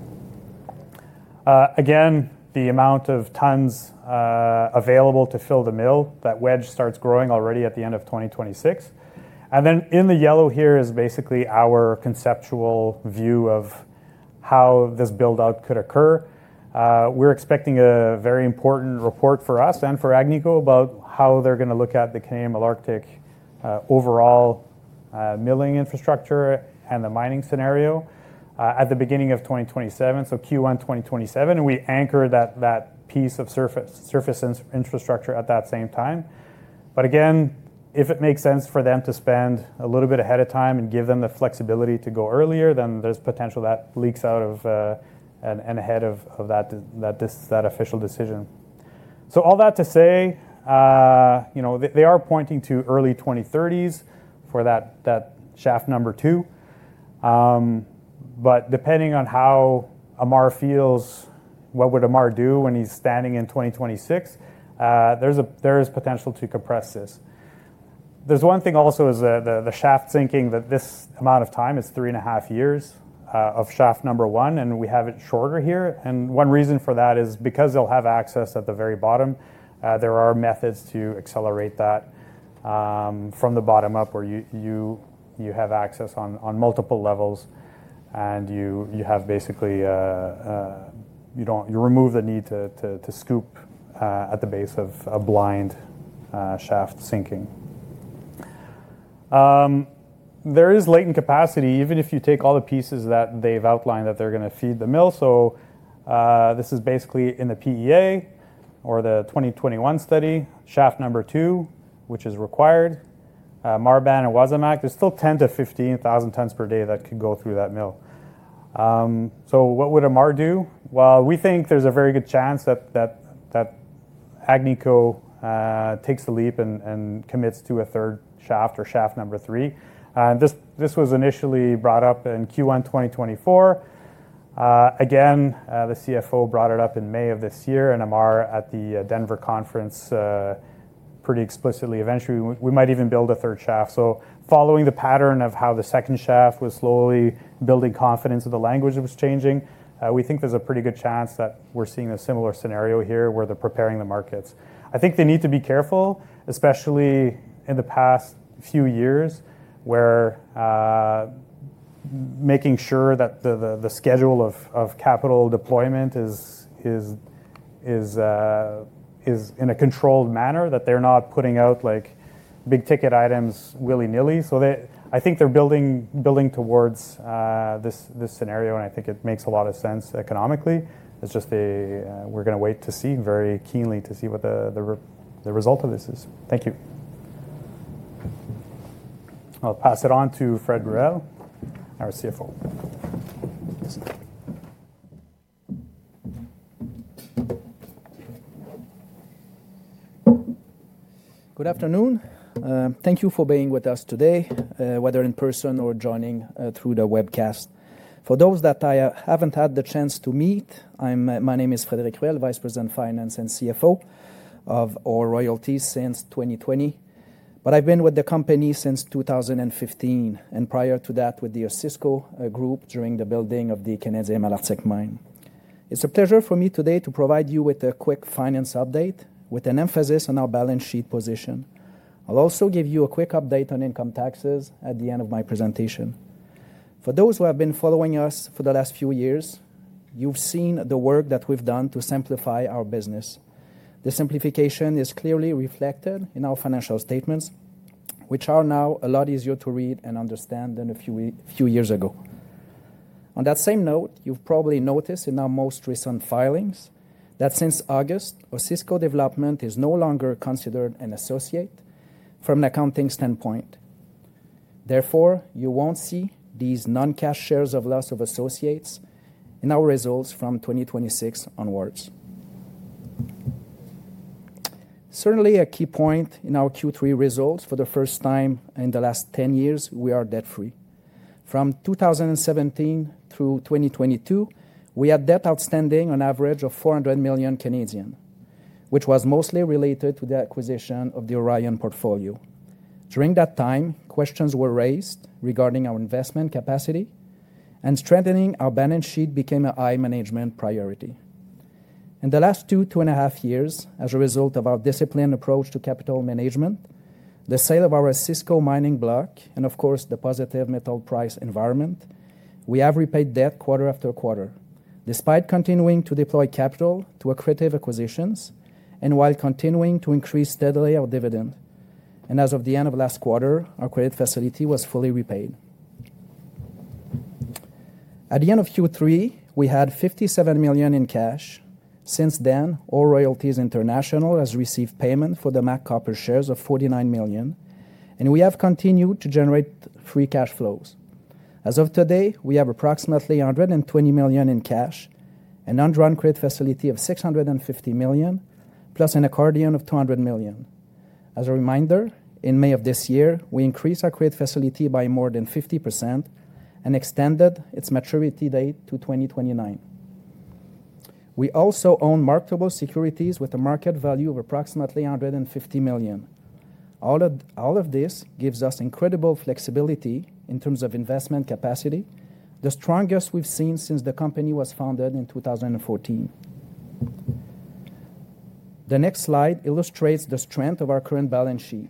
Again, the amount of tons available to fill the mill, that wedge starts growing already at the end of 2026. In the yellow here is basically our conceptual view of how this buildout could occur. We're expecting a very important report for us and for Agnico about how they're going to look at the Canadian Malartic overall milling infrastructure and the mining scenario at the beginning of 2027, so Q1 2027. We anchor that piece of surface infrastructure at that same time. If it makes sense for them to spend a little bit ahead of time and give them the flexibility to go earlier, then there's potential that leaks out ahead of that official decision. All that to say, they are pointing to early 2030s for that shaft number two. Depending on how Ammar feels, what would Ammar do when he's standing in 2026, there is potential to compress this. There's one thing also is the shaft sinking that this amount of time is three and a half years of shaft number one, and we have it shorter here. One reason for that is because they'll have access at the very bottom. There are methods to accelerate that from the bottom up where you have access on multiple levels, and you basically remove the need to scoop at the base of a blind shaft sinking. There is latent capacity, even if you take all the pieces that they've outlined that they're going to feed the mill. This is basically in the PEA or the 2021 study, shaft number two, which is required. Marban and Wasamac, there's still 10,000-15,000 tons per day that could go through that mill. What would Ammar do? We think there's a very good chance that Agnico takes the leap and commits to a third shaft or shaft number three. This was initially brought up in Q1 2024. Again, the CFO brought it up in May of this year and Ammar at the Denver conference pretty explicitly. Eventually, we might even build a third shaft. Following the pattern of how the second shaft was slowly building confidence of the language that was changing, we think there's a pretty good chance that we're seeing a similar scenario here where they're preparing the markets. I think they need to be careful, especially in the past few years, making sure that the schedule of capital deployment is in a controlled manner, that they're not putting out big ticket items willy-nilly. I think they're building towards this scenario, and I think it makes a lot of sense economically. We're going to wait to see very keenly to see what the result of this is. Thank you. I'll pass it on to Frédéric Ruel, our CFO. Good afternoon. Thank you for being with us today, whether in person or joining through the webcast. For those that I haven't had the chance to meet, my name is Frédéric Ruel, Vice President Finance and CFO of OR Royalties since 2020. I have been with the company since 2015 and prior to that with the Osisko Group during the building of the Canadian Malartic mine. It is a pleasure for me today to provide you with a quick finance update with an emphasis on our balance sheet position. I will also give you a quick update on income taxes at the end of my presentation. For those who have been following us for the last few years, you have seen the work that we have done to simplify our business. The simplification is clearly reflected in our financial statements, which are now a lot easier to read and understand than a few years ago. On that same note, you've probably noticed in our most recent filings that since August, Osisko Development is no longer considered an associate from an accounting standpoint. Therefore, you won't see these non-cash shares of loss of associates in our results from 2026 onwards. Certainly, a key point in our Q3 results, for the first time in the last 10 years, we are debt-free. From 2017 through 2022, we had debt outstanding on average of 400 million, which was mostly related to the acquisition of the Orion portfolio. During that time, questions were raised regarding our investment capacity, and strengthening our balance sheet became a high management priority. In the last two, two and a half years, as a result of our disciplined approach to capital management, the sale of our Osisko mining block, and of course, the positive metal price environment, we have repaid debt quarter after quarter, despite continuing to deploy capital to accretive acquisitions and while continuing to increase steadily our dividend. As of the end of last quarter, our credit facility was fully repaid. At the end of Q3, we had $57 million in cash. Since then, OR Royalties International has received payment for the MAC Copper shares of $49 million, and we have continued to generate free cash flows. As of today, we have approximately $120 million in cash and an undrawn credit facility of $650 million, plus an accordion of $200 million. As a reminder, in May of this year, we increased our credit facility by more than 50% and extended its maturity date to 2029. We also own marketable securities with a market value of approximately $150 million. All of this gives us incredible flexibility in terms of investment capacity, the strongest we've seen since the company was founded in 2014. The next slide illustrates the strength of our current balance sheet.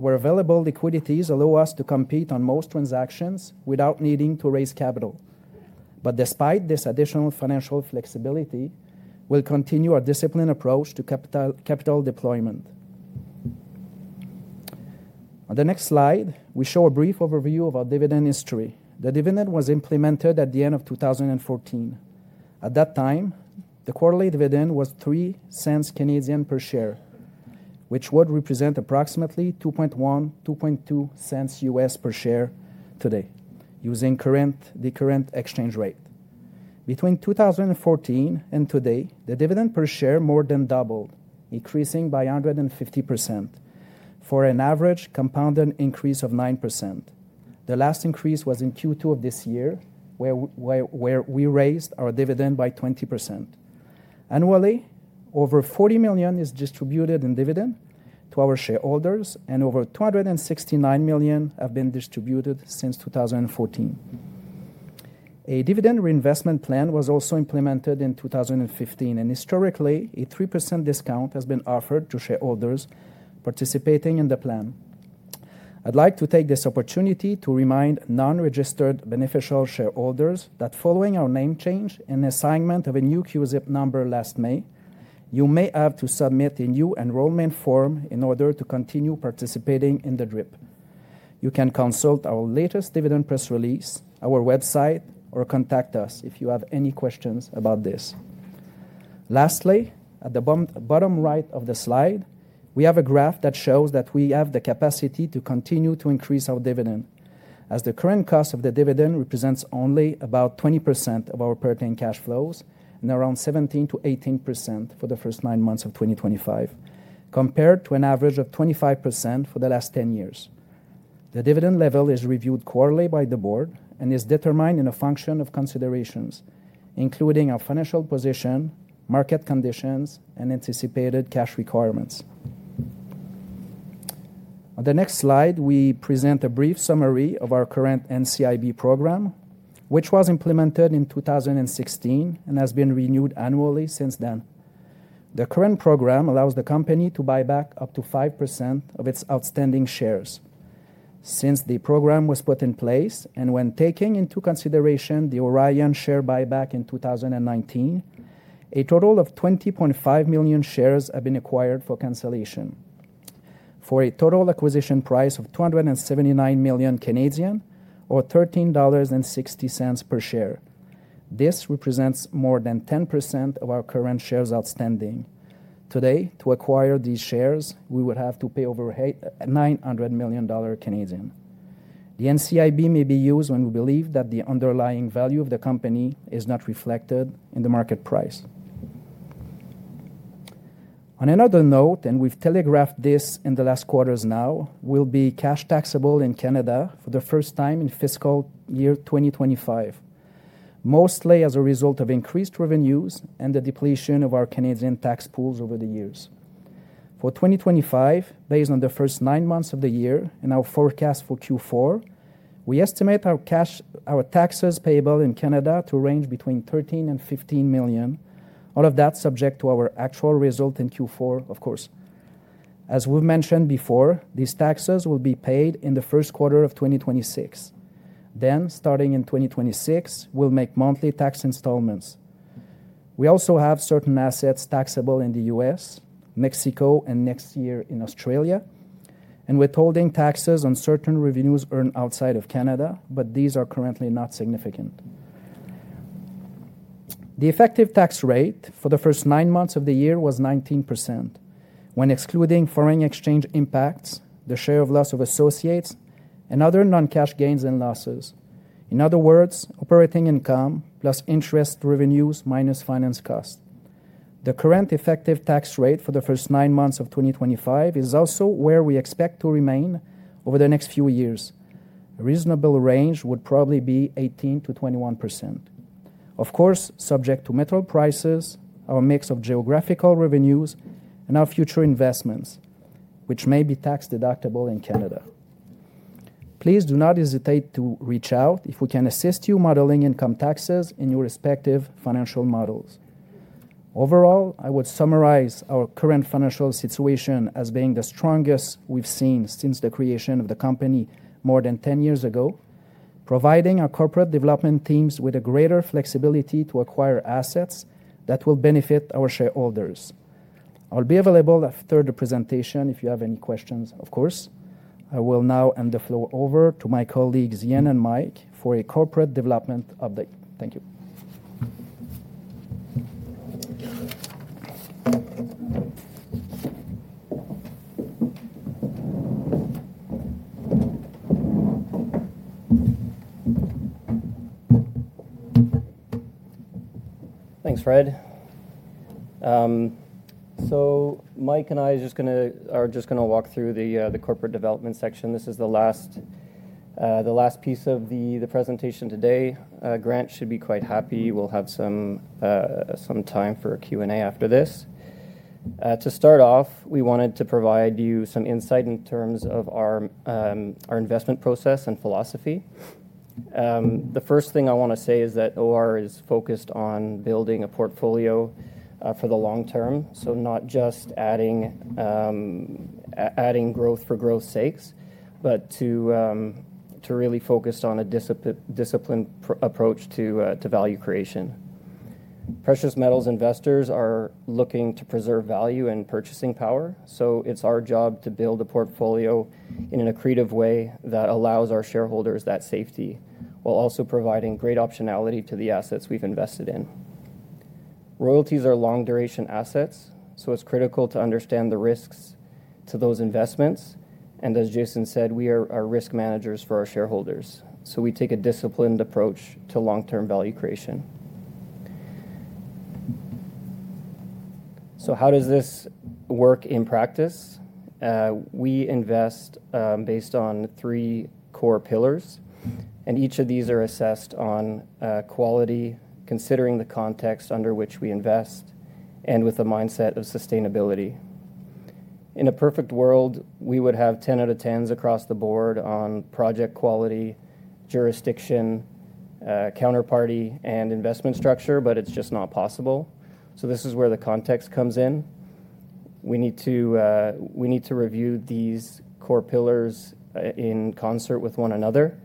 Our available liquidities allow us to compete on most transactions without needing to raise capital. Despite this additional financial flexibility, we'll continue our disciplined approach to capital deployment. On the next slide, we show a brief overview of our dividend history. The dividend was implemented at the end of 2014. At that time, the quarterly dividend was 0.03 per share, which would represent approximately $0.021-$0.022 per share today, using the current exchange rate. Between 2014 and today, the dividend per share more than doubled, increasing by 150% for an average compounded increase of 9%. The last increase was in Q2 of this year, where we raised our dividend by 20%. Annually, over 40 million is distributed in dividend to our shareholders, and over 269 million have been distributed since 2014. A dividend reinvestment plan was also implemented in 2015, and historically, a 3% discount has been offered to shareholders participating in the plan. I'd like to take this opportunity to remind non-registered beneficial shareholders that following our name change and assignment of a new QZ number last May, you may have to submit a new enrollment form in order to continue participating in the drip. You can consult our latest dividend press release, our website, or contact us if you have any questions about this. Lastly, at the bottom right of the slide, we have a graph that shows that we have the capacity to continue to increase our dividend, as the current cost of the dividend represents only about 20% of our pertaining cash flows and around 17%-18% for the first nine months of 2025, compared to an average of 25% for the last 10 years. The dividend level is reviewed quarterly by the board and is determined in a function of considerations, including our financial position, market conditions, and anticipated cash requirements. On the next slide, we present a brief summary of our current NCIB program, which was implemented in 2016 and has been renewed annually since then. The current program allows the company to buy back up to 5% of its outstanding shares. Since the program was put in place and when taking into consideration the Orion share buyback in 2019, a total of 20.5 million shares have been acquired for cancellation for a total acquisition price of 279 million or $13.60 per share. This represents more than 10% of our current shares outstanding. Today, to acquire these shares, we would have to pay over 900 million Canadian dollars. The NCIB may be used when we believe that the underlying value of the company is not reflected in the market price. On another note, and we've telegraphed this in the last quarters now, we'll be cash taxable in Canada for the first time in fiscal year 2025, mostly as a result of increased revenues and the depletion of our Canadian tax pools over the years. For 2025, based on the first nine months of the year and our forecast for Q4, we estimate our taxes payable in Canada to range between 13 million and 15 million, all of that subject to our actual result in Q4, of course. As we've mentioned before, these taxes will be paid in the first quarter of 2026. Starting in 2026, we'll make monthly tax installments. We also have certain assets taxable in the U.S., Mexico, and next year in Australia, and we're told in taxes on certain revenues earned outside of Canada, but these are currently not significant. The effective tax rate for the first nine months of the year was 19%, when excluding foreign exchange impacts, the share of loss of associates, and other non-cash gains and losses. In other words, operating income plus interest revenues minus finance cost. The current effective tax rate for the first nine months of 2025 is also where we expect to remain over the next few years. A reasonable range would probably be 18-21%. Of course, subject to metal prices, our mix of geographical revenues, and our future investments, which may be tax deductible in Canada. Please do not hesitate to reach out if we can assist you modeling income taxes in your respective financial models. Overall, I would summarize our current financial situation as being the strongest we've seen since the creation of the company more than 10 years ago, providing our corporate development teams with a greater flexibility to acquire assets that will benefit our shareholders. I'll be available after the presentation if you have any questions. Of course, I will now hand the floor over to my colleagues, Iain and Mike, for a corporate development update. Thank you. Thanks, Fred. Mike and I are just going to walk through the corporate development section. This is the last piece of the presentation today. Grant should be quite happy. We'll have some time for a Q&A after this. To start off, we wanted to provide you some insight in terms of our investment process and philosophy. The first thing I want to say is that OR is focused on building a portfolio for the long term, not just adding growth for growth's sake, but to really focus on a disciplined approach to value creation. Precious metals investors are looking to preserve value and purchasing power, so it's our job to build a portfolio in an accretive way that allows our shareholders that safety while also providing great optionality to the assets we've invested in. Royalty is our long-duration assets, so it is critical to understand the risks to those investments. As Jason said, we are risk managers for our shareholders, so we take a disciplined approach to long-term value creation. How does this work in practice? We invest based on three core pillars, and each of these are assessed on quality, considering the context under which we invest, and with a mindset of sustainability. In a perfect world, we would have 10 out of 10s across the board on project quality, jurisdiction, counterparty, and investment structure, but it is just not possible. This is where the context comes in. We need to review these core pillars in concert with one another.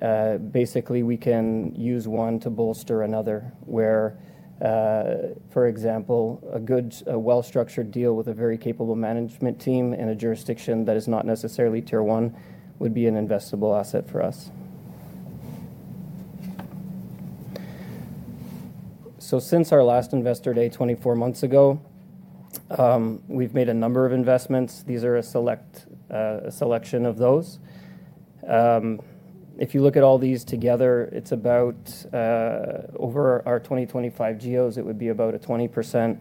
Basically, we can use one to bolster another, where, for example, a good, well-structured deal with a very capable management team in a jurisdiction that is not necessarily tier one would be an investable asset for us. Since our last investor day 24 months ago, we've made a number of investments. These are a selection of those. If you look at all these together, over our 2025 GEOs, it would be about a 20%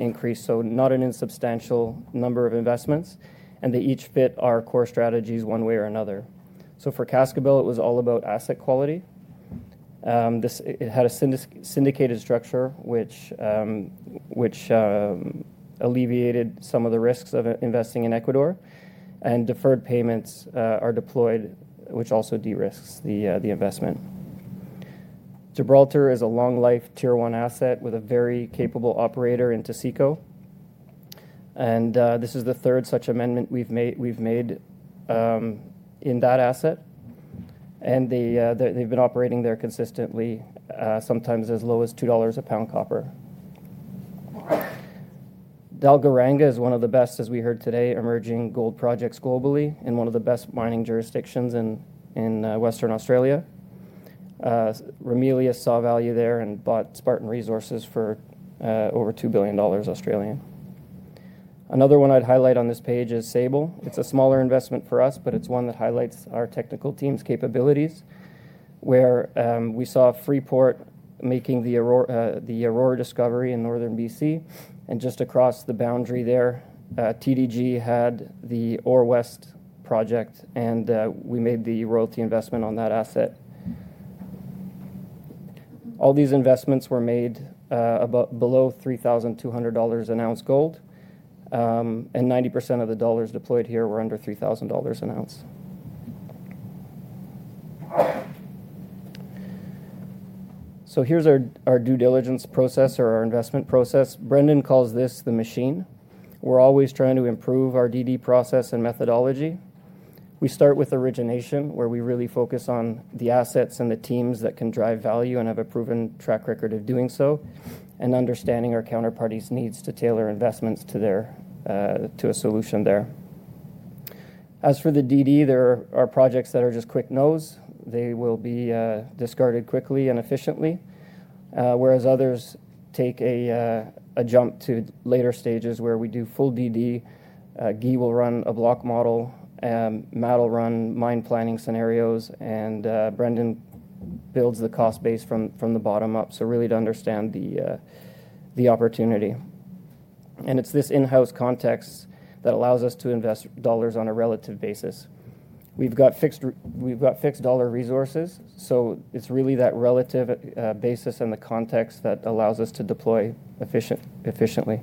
increase, so not an insubstantial number of investments, and they each fit our core strategies one way or another. For Cascabel, it was all about asset quality. It had a syndicated structure, which alleviated some of the risks of investing in Ecuador, and deferred payments are deployed, which also de-risk the investment. Gibraltar is a long-life tier one asset with a very capable operator in Taseko. This is the third such amendment we've made in that asset. They've been operating there consistently, sometimes as low as $2 a pound copper. Dalgaranga is one of the best, as we heard today, emerging gold projects globally and one of the best mining jurisdictions in Western Australia. Ramelius saw value there and bought Spartan Resources for over 2 billion Australian dollars. Another one I'd highlight on this page is Sable. It's a smaller investment for us, but it's one that highlights our technical team's capabilities, where we saw Freeport making the Aurora discovery in northern BC, and just across the boundary there, TDG had the Orwest project, and we made the royalty investment on that asset. All these investments were made below $3,200 an ounce gold, and 90% of the dollars deployed here were under $3,000 an ounce. Here's our due diligence process or our investment process. Brendan calls this the machine. We're always trying to improve our DD process and methodology. We start with origination, where we really focus on the assets and the teams that can drive value and have a proven track record of doing so, and understanding our counterparty's needs to tailor investments to a solution there. As for the DD, there are projects that are just quick no's. They will be discarded quickly and efficiently, whereas others take a jump to later stages where we do full DD. Guy will run a block model, Matt will run mine planning scenarios, and Brendan builds the cost base from the bottom up, so really to understand the opportunity. It is this in-house context that allows us to invest dollars on a relative basis. We've got fixed dollar resources, so it's really that relative basis and the context that allows us to deploy efficiently.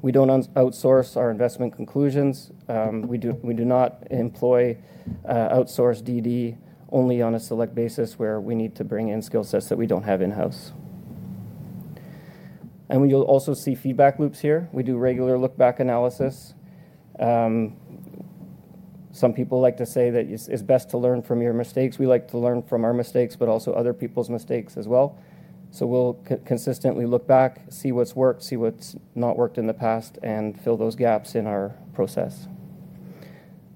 We don't outsource our investment conclusions. We do not employ outsourced DD only on a select basis where we need to bring in skill sets that we don't have in-house. We also see feedback loops here. We do regular look-back analysis. Some people like to say that it's best to learn from your mistakes. We like to learn from our mistakes, but also other people's mistakes as well. We consistently look back, see what's worked, see what's not worked in the past, and fill those gaps in our process.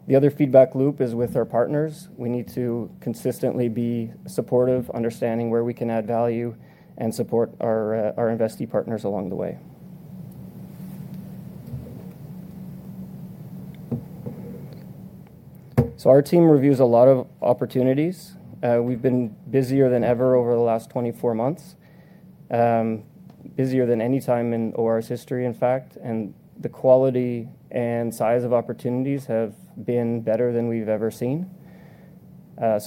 The other feedback loop is with our partners. We need to consistently be supportive, understanding where we can add value and support our investee partners along the way. Our team reviews a lot of opportunities. We've been busier than ever over the last 24 months, busier than any time in OR's history, in fact, and the quality and size of opportunities have been better than we've ever seen.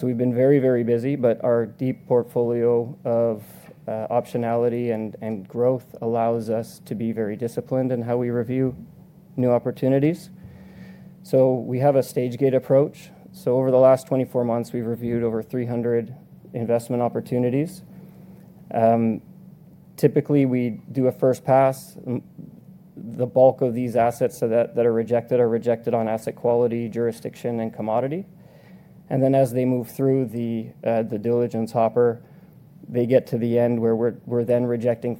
We've been very, very busy, but our deep portfolio of optionality and growth allows us to be very disciplined in how we review new opportunities. We have a stage-gate approach. Over the last 24 months, we've reviewed over 300 investment opportunities. Typically, we do a first pass. The bulk of these assets that are rejected are rejected on asset quality, jurisdiction, and commodity. As they move through the due diligence hopper, they get to the end where we're then rejecting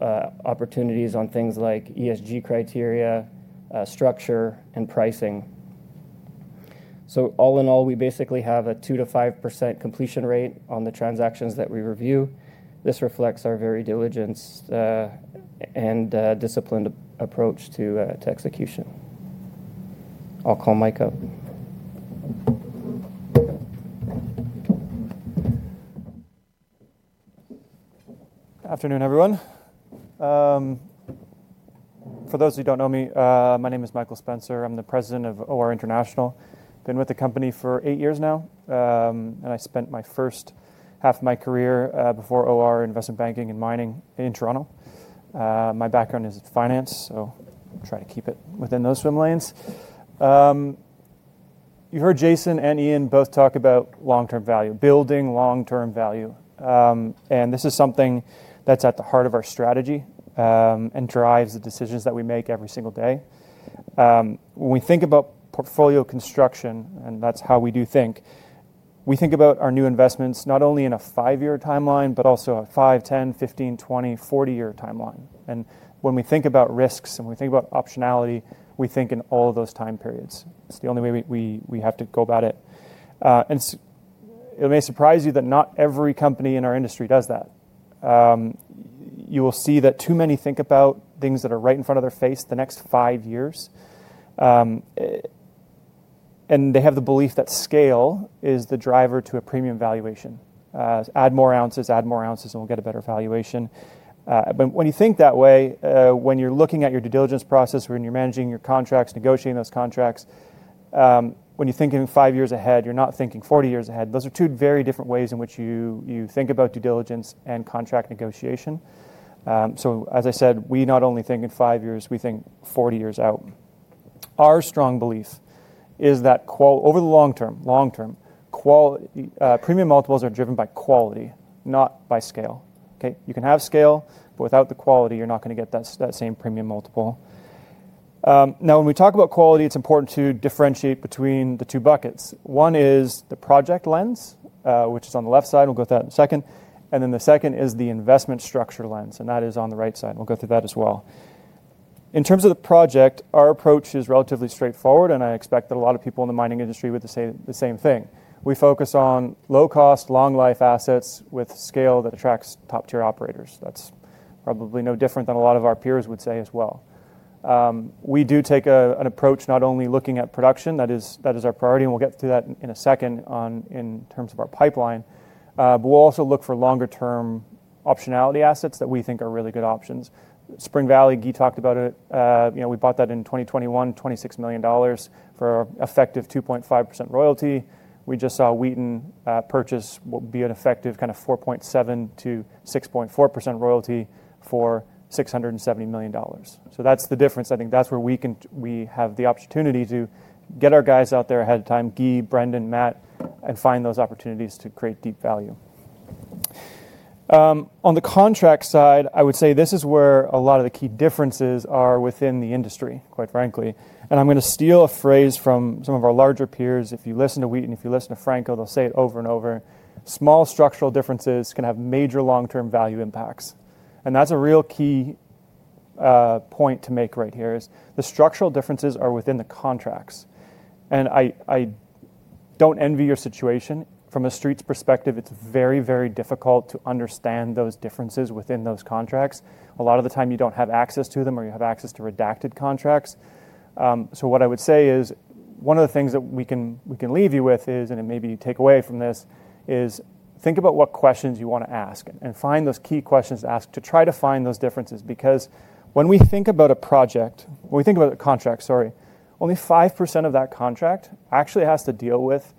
opportunities on things like ESG criteria, structure, and pricing. All in all, we basically have a 2-5% completion rate on the transactions that we review. This reflects our very diligent and disciplined approach to execution. I'll call Mike up. Good afternoon, everyone. For those who don't know me, my name is Michael Spencer. I'm the President of OR International. I've been with the company for eight years now, and I spent the first half of my career before OR in investment banking and mining in Toronto. My background is finance, so I'll try to keep it within those swim lanes. You heard Jason and Iain both talk about long-term value, building long-term value. This is something that's at the heart of our strategy and drives the decisions that we make every single day. When we think about portfolio construction, and that's how we do think, we think about our new investments not only in a five-year timeline, but also a 5, 10, 15, 20, 40-year timeline. When we think about risks and when we think about optionality, we think in all of those time periods. It's the only way we have to go about it. It may surprise you that not every company in our industry does that. You will see that too many think about things that are right in front of their face the next five years, and they have the belief that scale is the driver to a premium valuation. Add more ounces, add more ounces, and we'll get a better valuation. When you think that way, when you're looking at your due diligence process, when you're managing your contracts, negotiating those contracts, when you're thinking five years ahead, you're not thinking 40 years ahead. Those are two very different ways in which you think about due diligence and contract negotiation. As I said, we not only think in five years, we think 40 years out. Our strong belief is that over the long term, premium multiples are driven by quality, not by scale. Okay? You can have scale, but without the quality, you're not going to get that same premium multiple. Now, when we talk about quality, it's important to differentiate between the two buckets. One is the project lens, which is on the left side. We'll go through that in a second. The second is the investment structure lens, and that is on the right side. We'll go through that as well. In terms of the project, our approach is relatively straightforward, and I expect that a lot of people in the mining industry would say the same thing. We focus on low-cost, long-life assets with scale that attracts top-tier operators. That's probably no different than a lot of our peers would say as well. We do take an approach not only looking at production; that is our priority, and we'll get to that in a second in terms of our pipeline, but we'll also look for longer-term optionality assets that we think are really good options. Spring Valley, Guy talked about it. We bought that in 2021, $26 million for effective 2.5% royalty. We just saw Wheaton purchase what would be an effective kind of 4.7%-6.4% royalty for $670 million. That's the difference. I think that's where we have the opportunity to get our guys out there ahead of time, Guy, Brendan, Matt, and find those opportunities to create deep value. On the contract side, I would say this is where a lot of the key differences are within the industry, quite frankly. I'm going to steal a phrase from some of our larger peers. If you listen to Wheaton and if you listen to Franco, they'll say it over and over. Small structural differences can have major long-term value impacts. That's a real key point to make right here: the structural differences are within the contracts. I don't envy your situation. From a street's perspective, it's very, very difficult to understand those differences within those contracts. A lot of the time, you don't have access to them or you have access to redacted contracts. What I would say is one of the things that we can leave you with is, and it may be take away from this, think about what questions you want to ask and find those key questions to ask to try to find those differences. Because when we think about a project, when we think about a contract, sorry, only 5% of that contract actually has to deal with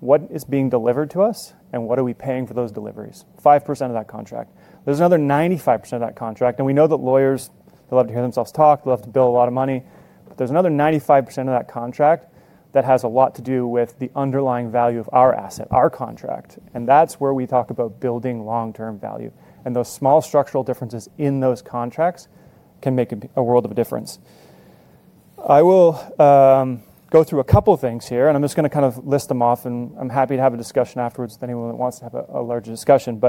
what is being delivered to us and what are we paying for those deliveries. 5% of that contract. There is another 95% of that contract. We know that lawyers, they love to hear themselves talk. They love to build a lot of money. There is another 95% of that contract that has a lot to do with the underlying value of our asset, our contract. That is where we talk about building long-term value. Those small structural differences in those contracts can make a world of a difference. I will go through a couple of things here, and I am just going to kind of list them off, and I am happy to have a discussion afterwards with anyone that wants to have a larger discussion.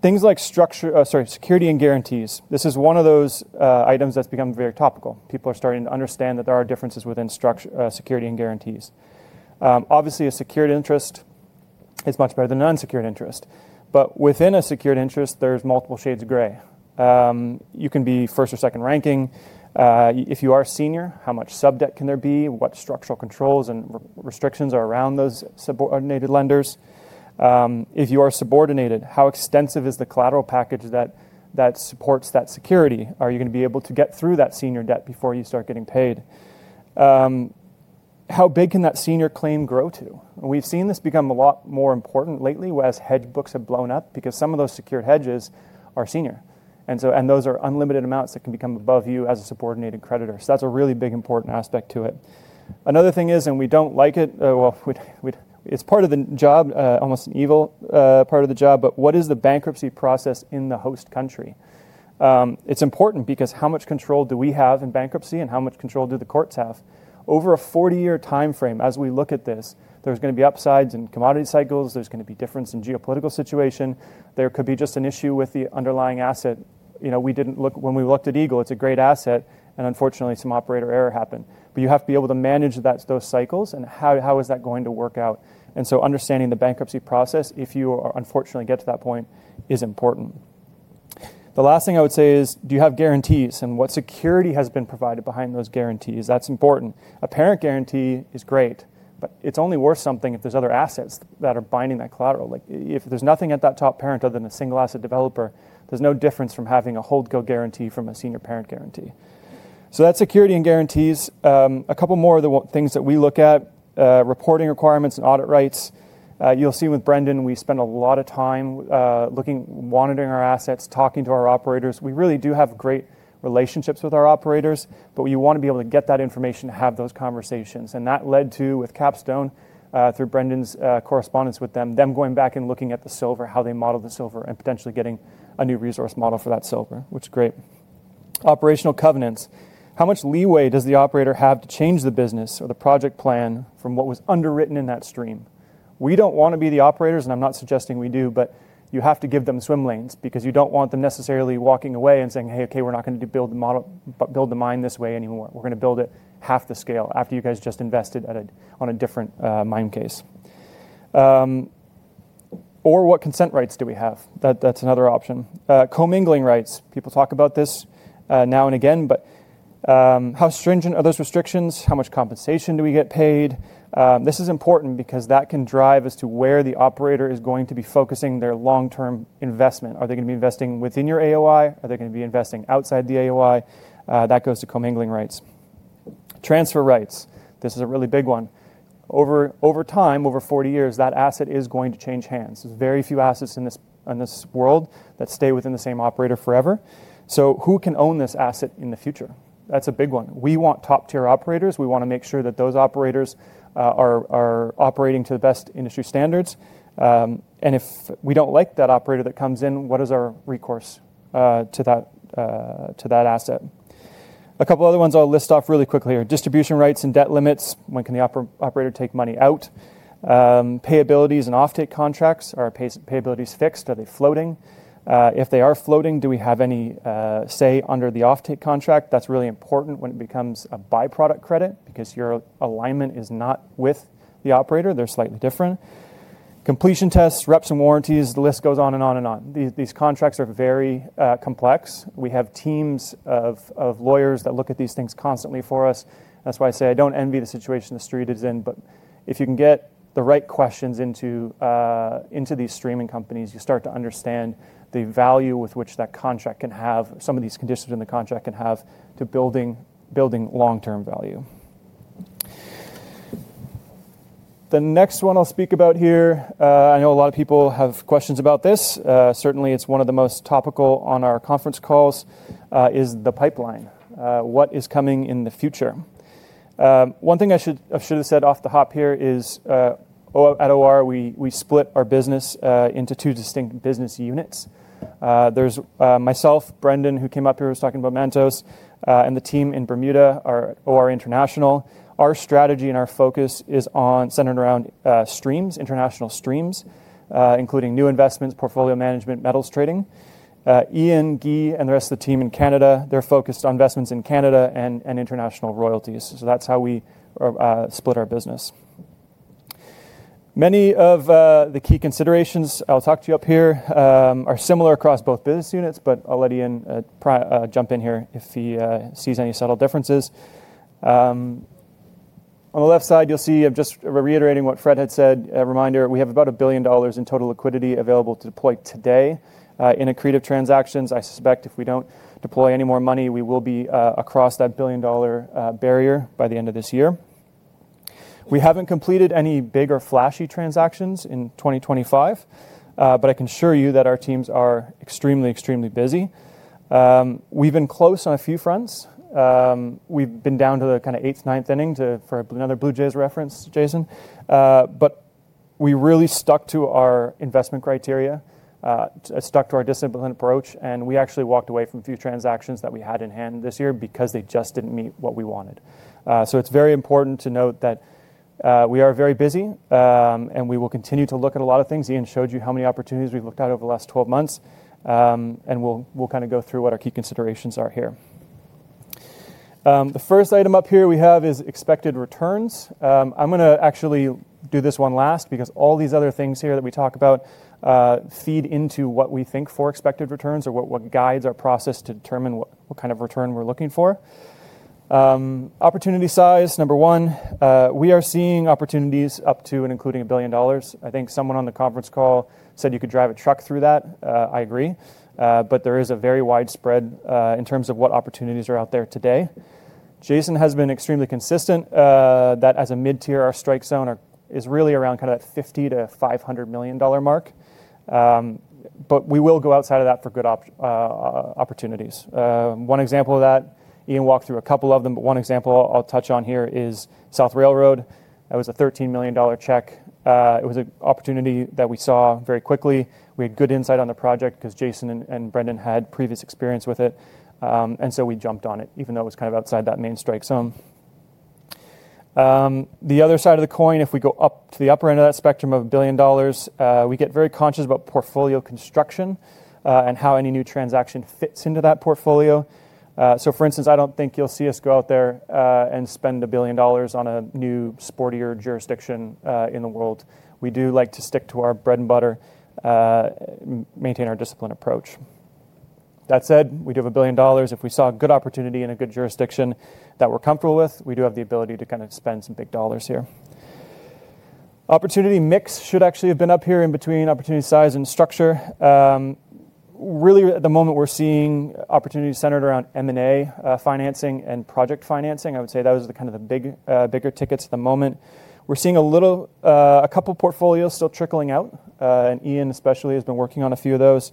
Things like security and guarantees, this is one of those items that's become very topical. People are starting to understand that there are differences within security and guarantees. Obviously, a secured interest is much better than an unsecured interest. Within a secured interest, there are multiple shades of gray. You can be first or second ranking. If you are senior, how much sub-debt can there be? What structural controls and restrictions are around those subordinated lenders? If you are subordinated, how extensive is the collateral package that supports that security? Are you going to be able to get through that senior debt before you start getting paid? How big can that senior claim grow to? We have seen this become a lot more important lately as hedge books have blown up because some of those secured hedges are senior. Those are unlimited amounts that can become above you as a subordinated creditor. That is a really big important aspect to it. Another thing is, and we do not like it, it is part of the job, almost an evil part of the job, but what is the bankruptcy process in the host country? It is important because how much control do we have in bankruptcy and how much control do the courts have? Over a 40-year timeframe, as we look at this, there is going to be upsides in commodity cycles. There is going to be difference in geopolitical situation. There could be just an issue with the underlying asset. We did not look when we looked at Eagle, it is a great asset, and unfortunately, some operator error happened. You have to be able to manage those cycles and how is that going to work out? Understanding the bankruptcy process, if you unfortunately get to that point, is important. The last thing I would say is, do you have guarantees and what security has been provided behind those guarantees? That is important. A parent guarantee is great, but it is only worth something if there are other assets that are binding that collateral. If there is nothing at that top parent other than a single asset developer, there is no difference from having a hold-go guarantee from a senior parent guarantee. That is security and guarantees. A couple more of the things that we look at: reporting requirements and audit rights. You will see with Brendan, we spend a lot of time looking, monitoring our assets, talking to our operators. We really do have great relationships with our operators, but we want to be able to get that information, have those conversations. That led to, with Capstone, through Brendan's correspondence with them, them going back and looking at the silver, how they model the silver, and potentially getting a new resource model for that silver, which is great. Operational covenants. How much leeway does the operator have to change the business or the project plan from what was underwritten in that stream? We do not want to be the operators, and I am not suggesting we do, but you have to give them swim lanes because you do not want them necessarily walking away and saying, "Hey, okay, we are not going to build the mine this way anymore. We are going to build it half the scale after you guys just invested on a different mine case." Or what consent rights do we have? That is another option. Commingling rights. People talk about this now and again, but how stringent are those restrictions? How much compensation do we get paid? This is important because that can drive as to where the operator is going to be focusing their long-term investment. Are they going to be investing within your AOI? Are they going to be investing outside the AOI? That goes to comingling rights. Transfer rights. This is a really big one. Over time, over 40 years, that asset is going to change hands. There are very few assets in this world that stay within the same operator forever. Who can own this asset in the future? That is a big one. We want top-tier operators. We want to make sure that those operators are operating to the best industry standards. If we do not like that operator that comes in, what is our recourse to that asset? A couple other ones I will list off really quickly are distribution rights and debt limits. When can the operator take money out? Payabilities and offtake contracts. Are payabilities fixed? Are they floating? If they are floating, do we have any say under the offtake contract? That is really important when it becomes a byproduct credit because your alignment is not with the operator. They are slightly different. Completion tests, reps, and warranties. The list goes on and on and on. These contracts are very complex. We have teams of lawyers that look at these things constantly for us. That is why I say I do not envy the situation the street is in, but if you can get the right questions into these streaming companies, you start to understand the value with which that contract can have, some of these conditions in the contract can have to building long-term value. The next one I will speak about here, I know a lot of people have questions about this. Certainly, it's one of the most topical on our conference calls, is the pipeline. What is coming in the future? One thing I should have said off the hop here is at OR, we split our business into two distinct business units. There's myself, Brendan, who came up here was talking about Mantos, and the team in Bermuda, our OR International. Our strategy and our focus is centered around streams, international streams, including new investments, portfolio management, metals trading. Iain, Guy, and the rest of the team in Canada, they're focused on investments in Canada and international royalties. So that's how we split our business. Many of the key considerations I'll talk to you up here are similar across both business units, but I'll let Iain jump in here if he sees any subtle differences. On the left side, you'll see I'm just reiterating what Fred had said. A reminder, we have about $1 billion in total liquidity available to deploy today in accretive transactions. I suspect if we do not deploy any more money, we will be across that $1 billion barrier by the end of this year. We have not completed any big or flashy transactions in 2025, but I can assure you that our teams are extremely, extremely busy. We have been close on a few fronts. We have been down to the kind of eighth, ninth inning for another Blue Jays reference, Jason. We really stuck to our investment criteria, stuck to our disciplined approach, and we actually walked away from a few transactions that we had in hand this year because they just did not meet what we wanted. It is very important to note that we are very busy, and we will continue to look at a lot of things. Iain showed you how many opportunities we've looked at over the last 12 months, and we'll kind of go through what our key considerations are here. The first item up here we have is expected returns. I'm going to actually do this one last because all these other things here that we talk about feed into what we think for expected returns or what guides our process to determine what kind of return we're looking for. Opportunity size, number one. We are seeing opportunities up to and including $1 billion. I think someone on the conference call said you could drive a truck through that. I agree. There is a very widespread in terms of what opportunities are out there today. Jason has been extremely consistent that as a mid-tier, our strike zone is really around kind of that $50 million-$500 million mark. We will go outside of that for good opportunities. One example of that, Iain walked through a couple of them, but one example I'll touch on here is South Railroad. That was a $13 million check. It was an opportunity that we saw very quickly. We had good insight on the project because Jason and Brendan had previous experience with it. We jumped on it even though it was kind of outside that main strike zone. The other side of the coin, if we go up to the upper end of that spectrum of a billion dollars, we get very conscious about portfolio construction and how any new transaction fits into that portfolio. For instance, I do not think you'll see us go out there and spend a billion dollars on a new sportier jurisdiction in the world. We do like to stick to our bread and butter, maintain our discipline approach. That said, we do have $1 billion. If we saw a good opportunity in a good jurisdiction that we're comfortable with, we do have the ability to kind of spend some big dollars here. Opportunity mix should actually have been up here in between opportunity size and structure. Really, at the moment, we're seeing opportunity centered around M&A financing and project financing. I would say that was kind of the bigger tickets at the moment. We're seeing a couple of portfolios still trickling out, and Iain especially has been working on a few of those.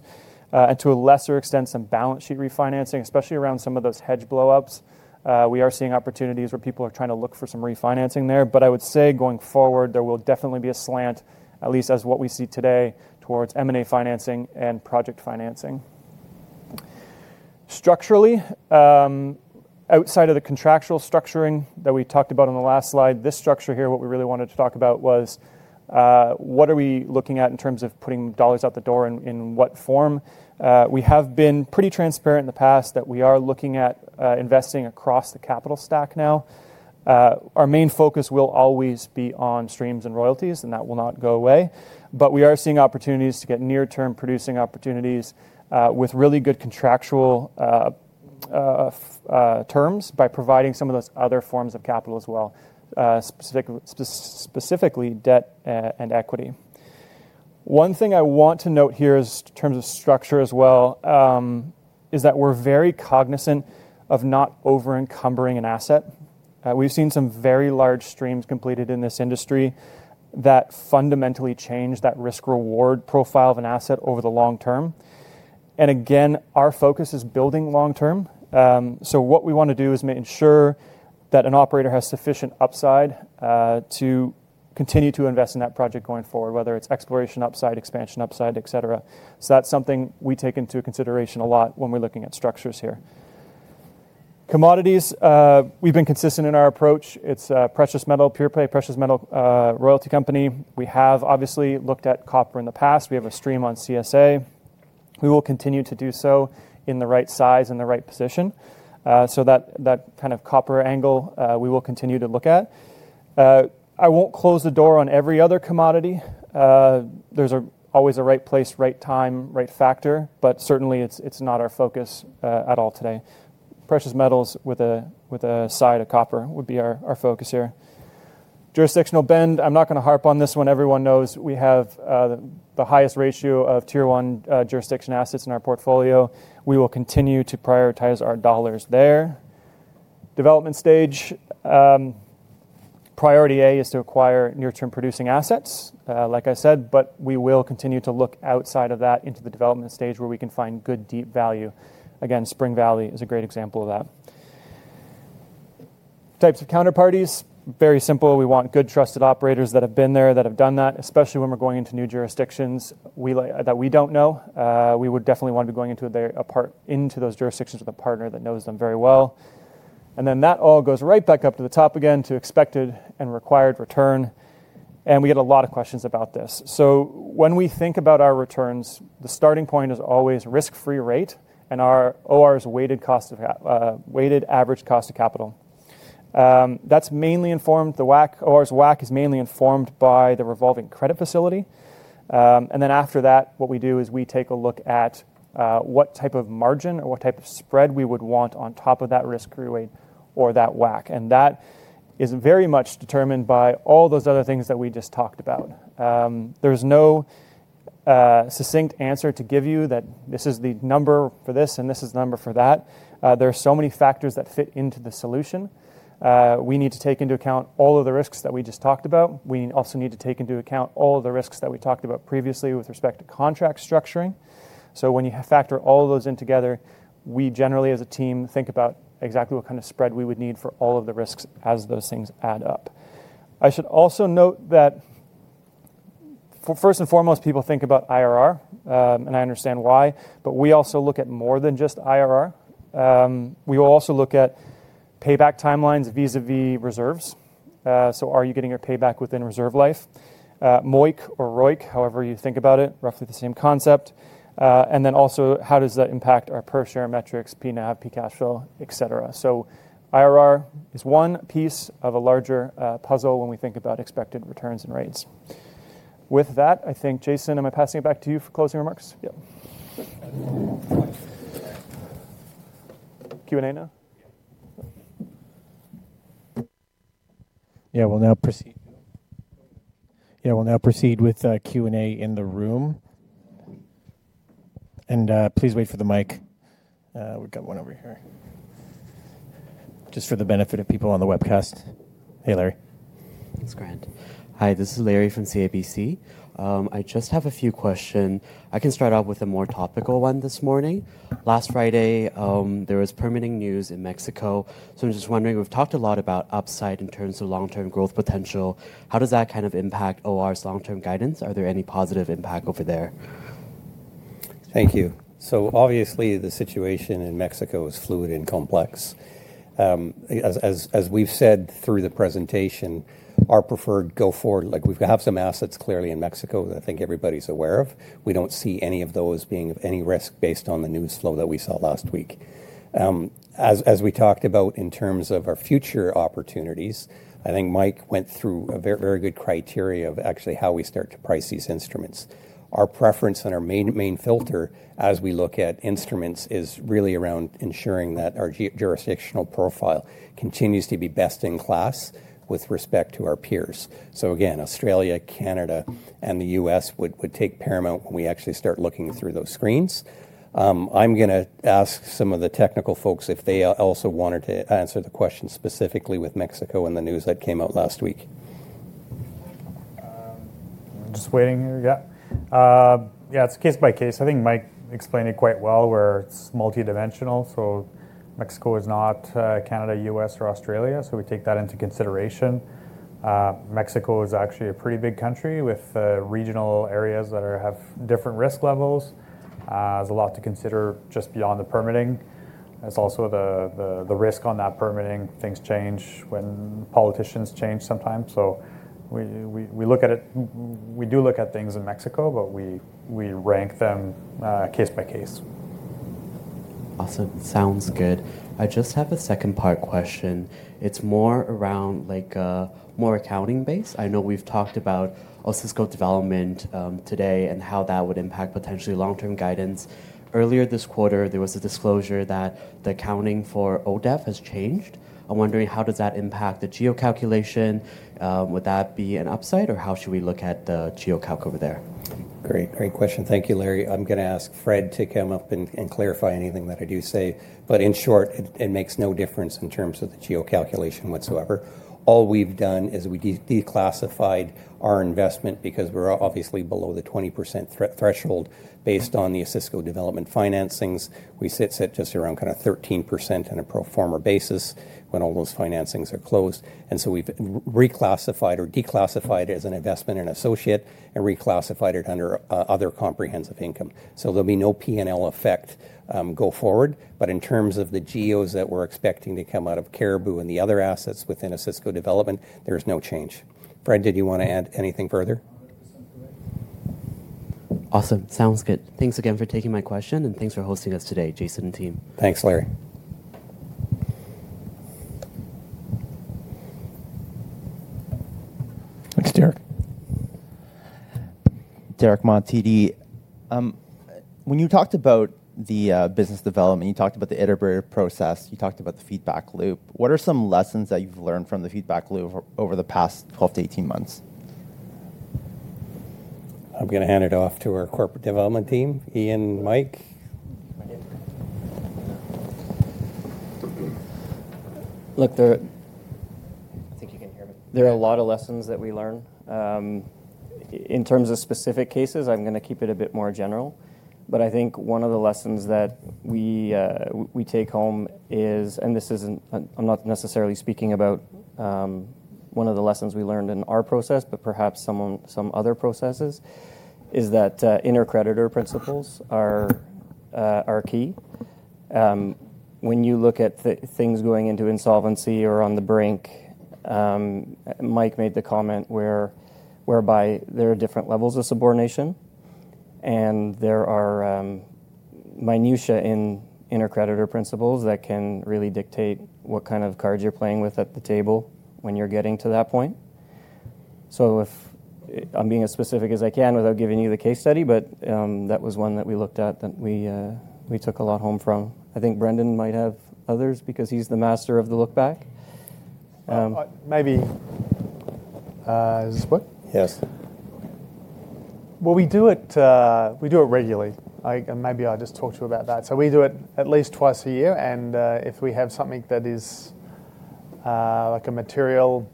To a lesser extent, some balance sheet refinancing, especially around some of those hedge blow-ups. We are seeing opportunities where people are trying to look for some refinancing there. I would say going forward, there will definitely be a slant, at least as what we see today, towards M&A financing and project financing. Structurally, outside of the contractual structuring that we talked about on the last slide, this structure here, what we really wanted to talk about was what are we looking at in terms of putting dollars out the door in what form. We have been pretty transparent in the past that we are looking at investing across the capital stack now. Our main focus will always be on streams and royalties, and that will not go away. We are seeing opportunities to get near-term producing opportunities with really good contractual terms by providing some of those other forms of capital as well, specifically debt and equity. One thing I want to note here in terms of structure as well is that we're very cognizant of not over-encumbering an asset. We've seen some very large streams completed in this industry that fundamentally change that risk-reward profile of an asset over the long term. Again, our focus is building long term. What we want to do is make sure that an operator has sufficient upside to continue to invest in that project going forward, whether it's exploration upside, expansion upside, etc. That's something we take into consideration a lot when we're looking at structures here. Commodities, we've been consistent in our approach. It's a precious metal, pure play, precious metal royalty company. We have obviously looked at copper in the past. We have a stream on CSA. We will continue to do so in the right size and the right position. That kind of copper angle, we will continue to look at. I won't close the door on every other commodity. There's always a right place, right time, right factor, but certainly it's not our focus at all today. Precious metals with a side of copper would be our focus here. Jurisdictional bend, I'm not going to harp on this one. Everyone knows we have the highest ratio of tier one jurisdiction assets in our portfolio. We will continue to prioritize our dollars there. Development stage, priority A is to acquire near-term producing assets, like I said, but we will continue to look outside of that into the development stage where we can find good deep value. Again, Spring Valley is a great example of that. Types of counterparties, very simple. We want good trusted operators that have been there, that have done that, especially when we're going into new jurisdictions that we don't know. We would definitely want to be going into those jurisdictions with a partner that knows them very well. That all goes right back up to the top again to expected and required return. We get a lot of questions about this. When we think about our returns, the starting point is always risk-free rate and our OR's weighted average cost of capital. That mainly informed the WAC or WACC is mainly informed by the revolving credit facility. After that, what we do is we take a look at what type of margin or what type of spread we would want on top of that risk-free rate or that WACC. That is very much determined by all those other things that we just talked about. There is no succinct answer to give you that this is the number for this and this is the number for that. There are so many factors that fit into the solution. We need to take into account all of the risks that we just talked about. We also need to take into account all of the risks that we talked about previously with respect to contract structuring. When you factor all of those in together, we generally, as a team, think about exactly what kind of spread we would need for all of the risks as those things add up. I should also note that first and foremost, people think about IRR, and I understand why, but we also look at more than just IRR. We will also look at payback timelines vis-à-vis reserves. Are you getting your payback within reserve life? MOIC or ROIC, however you think about it, roughly the same concept. How does that impact our per-share metrics, PNAV, P-cash flow, etc.? IRR is one piece of a larger puzzle when we think about expected returns and rates. With that, I think, Jason, am I passing it back to you for closing remarks? Yep. Q&A now? Yeah. Yeah, we'll now proceed. Yeah, we'll now proceed with Q&A in the room. Please wait for the mic. We've got one over here. Just for the benefit of people on the webcast. Hey, Larry. Thanks, Grant. Hi, this is Larry from CIBC. I just have a few questions. I can start off with a more topical one this morning. Last Friday, there was permitting news in Mexico. I'm just wondering, we've talked a lot about upside in terms of long-term growth potential. How does that kind of impact OR's long-term guidance? Are there any positive impact over there? Thank you. Obviously, the situation in Mexico is fluid and complex. As we've said through the presentation, our preferred go-forward, we have some assets clearly in Mexico that I think everybody's aware of. We don't see any of those being of any risk based on the news flow that we saw last week. As we talked about in terms of our future opportunities, I think Mike went through a very good criteria of actually how we start to price these instruments. Our preference and our main filter as we look at instruments is really around ensuring that our jurisdictional profile continues to be best in class with respect to our peers. Again, Australia, Canada, and the U.S. would take paramount when we actually start looking through those screens. I'm going to ask some of the technical folks if they also wanted to answer the question specifically with Mexico in the news that came out last week. Just waiting here. Yeah, it's case by case. I think Mike explained it quite well where it's multidimensional. Mexico is not Canada, U.S., or Australia, so we take that into consideration. Mexico is actually a pretty big country with regional areas that have different risk levels. There's a lot to consider just beyond the permitting. There's also the risk on that permitting. Things change when politicians change sometimes. We look at it. We do look at things in Mexico, but we rank them case by case. Awesome. Sounds good. I just have a second part question. It's more around more accounting base. I know we've talked about Osisko Development today and how that would impact potentially long-term guidance. Earlier this quarter, there was a disclosure that the accounting for ODEF has changed. I'm wondering how does that impact the geo-calculation? Would that be an upside or how should we look at the geo-calc over there? Great. Great question. Thank you, Larry. I'm going to ask Fred to come up and clarify anything that I do say. But in short, it makes no difference in terms of the geo-calculation whatsoever. All we've done is we declassified our investment because we're obviously below the 20% threshold based on the Osisko Development financings. We sit just around kind of 13% on a pro forma basis when all those financings are closed. We have reclassified or declassified it as an investment and associate and reclassified it under other comprehensive income. There will be no P&L effect going forward. In terms of the GEOs that we are expecting to come out of Cariboo and the other assets within Osisko Development, there is no change. Fred, did you want to add anything further? Awesome. Sounds good. Thanks again for taking my question and thanks for hosting us today, Jason and team. Thanks, Larry. Thanks, Derick. Derick Ma, TD. When you talked about the business development, you talked about the iterative process, you talked about the feedback loop. What are some lessons that you have learned from the feedback loop over the past 12 to 18 months? I am going to hand it off to our corporate development team. Iain, Mike. Look, I think you can hear me. There are a lot of lessons that we learn. In terms of specific cases, I'm going to keep it a bit more general. But I think one of the lessons that we take home is, and this isn't, I'm not necessarily speaking about one of the lessons we learned in our process, but perhaps some other processes, is that intercreditor principles are key. When you look at things going into insolvency or on the brink, Mike made the comment whereby there are different levels of subordination and there are minutia in intercreditor principles that can really dictate what kind of cards you're playing with at the table when you're getting to that point. If I'm being as specific as I can without giving you the case study, but that was one that we looked at that we took a lot home from. I think Brendan might have others because he's the master of the look-back. Maybe. Is this what? Yes. We do it regularly. Maybe I'll just talk to you about that. We do it at least twice a year. If we have something that is like a material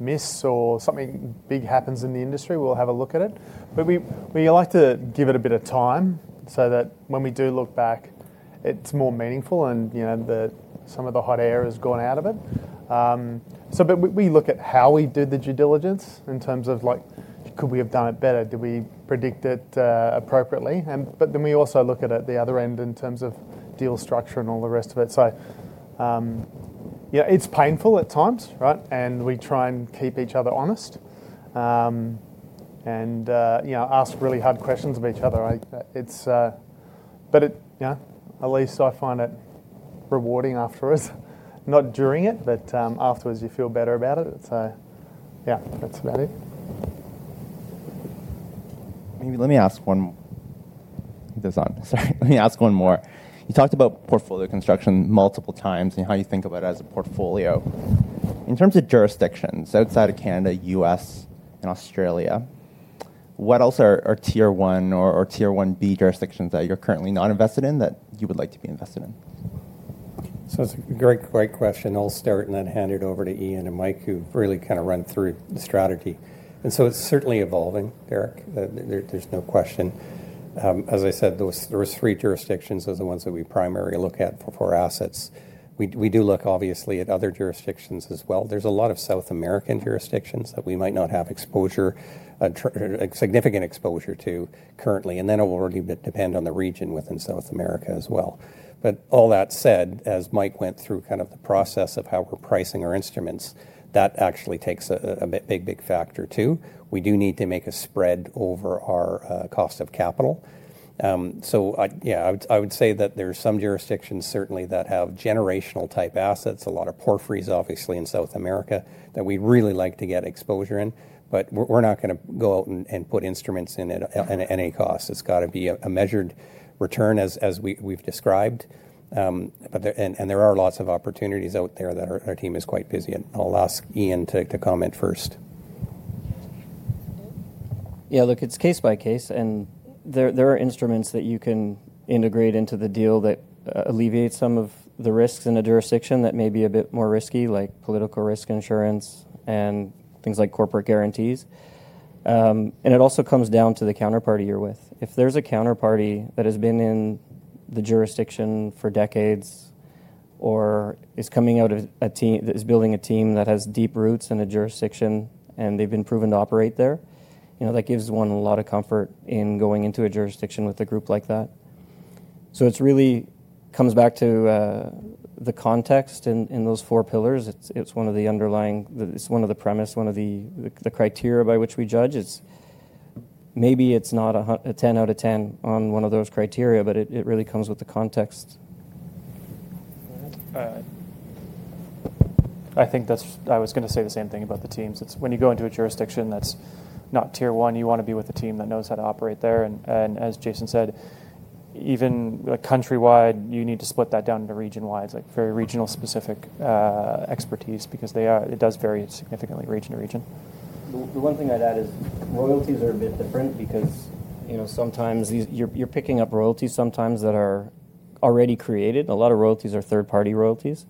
miss or something big happens in the industry, we will have a look at it. We like to give it a bit of time so that when we do look back, it is more meaningful and some of the hot air has gone out of it. We look at how we did the due diligence in terms of could we have done it better. Did we predict it appropriately. We also look at the other end in terms of deal structure and all the rest of it. It is painful at times, right. We try and keep each other honest and ask really hard questions of each other. At least I find it rewarding afterwards. Not during it, but afterwards you feel better about it. Yeah, that's about it. Maybe let me ask one more. Sorry. Let me ask one more. You talked about portfolio construction multiple times and how you think about it as a portfolio. In terms of jurisdictions outside of Canada, U.S., and Australia, what else are tier one or tier one B jurisdictions that you're currently not invested in that you would like to be invested in? That's a great question. I'll start and then hand it over to Iain and Mike who really kind of run through the strategy. It's certainly evolving, Derek. There's no question. As I said, those three jurisdictions are the ones that we primarily look at for assets. We do look obviously at other jurisdictions as well. There's a lot of South American jurisdictions that we might not have significant exposure to currently. It will already depend on the region within South America as well. All that said, as Mike went through kind of the process of how we're pricing our instruments, that actually takes a big, big factor too. We do need to make a spread over our cost of capital. Yeah, I would say that there are some jurisdictions certainly that have generational type assets, a lot of porphyries obviously in South America that we'd really like to get exposure in. We're not going to go out and put instruments in at any cost. It's got to be a measured return as we've described. There are lots of opportunities out there that our team is quite busy in. I'll ask Iain to comment first. Yeah, look, it's case by case. There are instruments that you can integrate into the deal that alleviate some of the risks in a jurisdiction that may be a bit more risky, like political risk insurance and things like corporate guarantees. It also comes down to the counterparty you're with. If there's a counterparty that has been in the jurisdiction for decades or is coming out of a team that is building a team that has deep roots in a jurisdiction and they've been proven to operate there, that gives one a lot of comfort in going into a jurisdiction with a group like that. It really comes back to the context in those four pillars. It's one of the underlying, it's one of the premise, one of the criteria by which we judge. Maybe it's not a 10 out of 10 on one of those criteria, but it really comes with the context. I think I was going to say the same thing about the teams. When you go into a jurisdiction that's not tier one, you want to be with a team that knows how to operate there. As Jason said, even countrywide, you need to split that down into region-wide. It's like very regional-specific expertise because it does vary significantly region to region. The one thing I'd add is royalties are a bit different because sometimes you're picking up royalties that are already created. A lot of royalties are third-party royalties.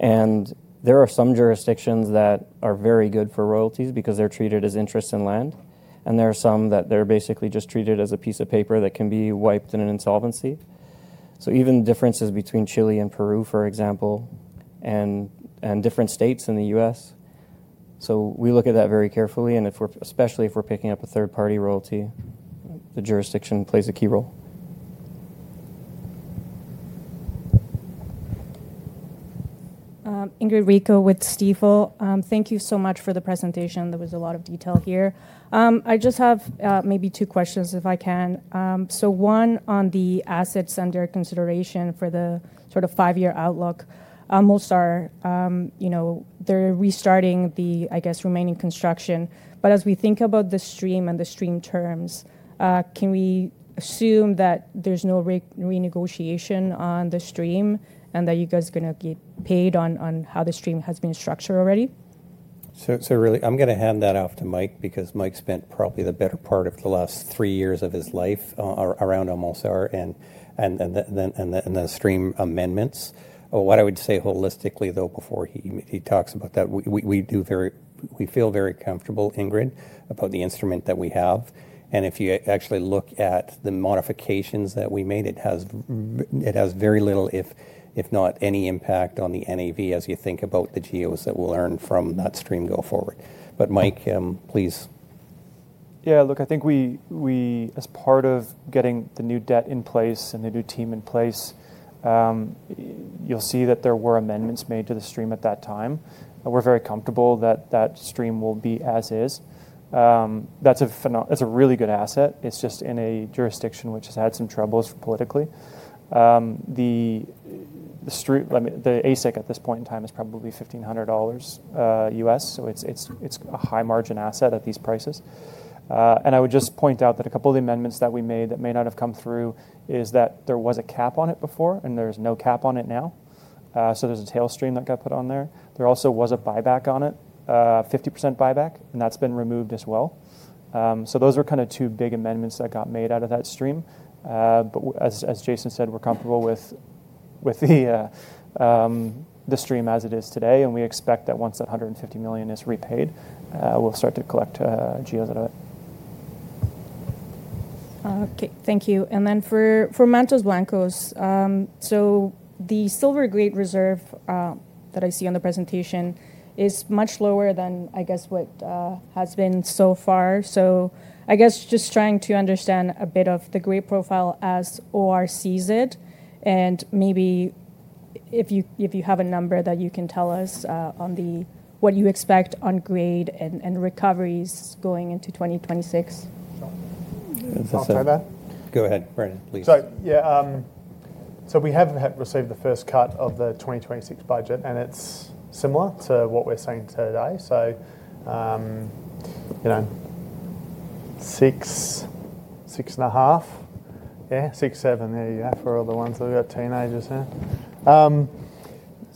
There are some jurisdictions that are very good for royalties because they're treated as interest in land. There are some that they're basically just treated as a piece of paper that can be wiped in an insolvency. Even differences between Chile and Peru, for example, and different states in the U.S. We look at that very carefully. Especially if we're picking up a third-party royalty, the jurisdiction plays a key role. Ingrid Rico with Stifel. Thank you so much for the presentation. There was a lot of detail here. I just have maybe two questions if I can. One on the assets under consideration for the sort of five-year outlook. Most are they're restarting the, I guess, remaining construction. As we think about the stream and the stream terms, can we assume that there's no renegotiation on the stream and that you guys are going to get paid on how the stream has been structured already? Really, I'm going to hand that off to Mike because Mike spent probably the better part of the last three years of his life around Amulsar and the stream amendments. What I would say holistically, though, before he talks about that, we feel very comfortable, Ingrid, about the instrument that we have. If you actually look at the modifications that we made, it has very little, if not any, impact on the NAV as you think about the GEOs that we'll earn from that stream going forward. Mike, please. Yeah, look, I think as part of getting the new debt in place and the new team in place, you'll see that there were amendments made to the stream at that time. We're very comfortable that that stream will be as is. That's a really good asset. It's just in a jurisdiction which has had some troubles politically. The ASIC at this point in time is probably $1,500 U.S.. It is a high-margin asset at these prices. I would just point out that a couple of the amendments that we made that may not have come through is that there was a cap on it before and there is no cap on it now. There is a tail stream that got put on there. There also was a buyback on it, 50% buyback, and that has been removed as well. Those were kind of two big amendments that got made out of that stream. As Jason said, we are comfortable with the stream as it is today. We expect that once that $150 million is repaid, we will start to collect GEOs out of it. Okay. Thank you. For Mantos Blancos, the silver grade reserve that I see on the presentation is much lower than, I guess, what has been so far. I guess just trying to understand a bit of the grade profile as OR sees it. Maybe if you have a number that you can tell us on what you expect on grade and recoveries going into 2026. I'll try that. Go ahead, Brendan, please. Yeah, we have received the first cut of the 2026 budget and it's similar to what we're saying today. Six and a half. Yeah, six seven. There you go for all the ones that are teenagers.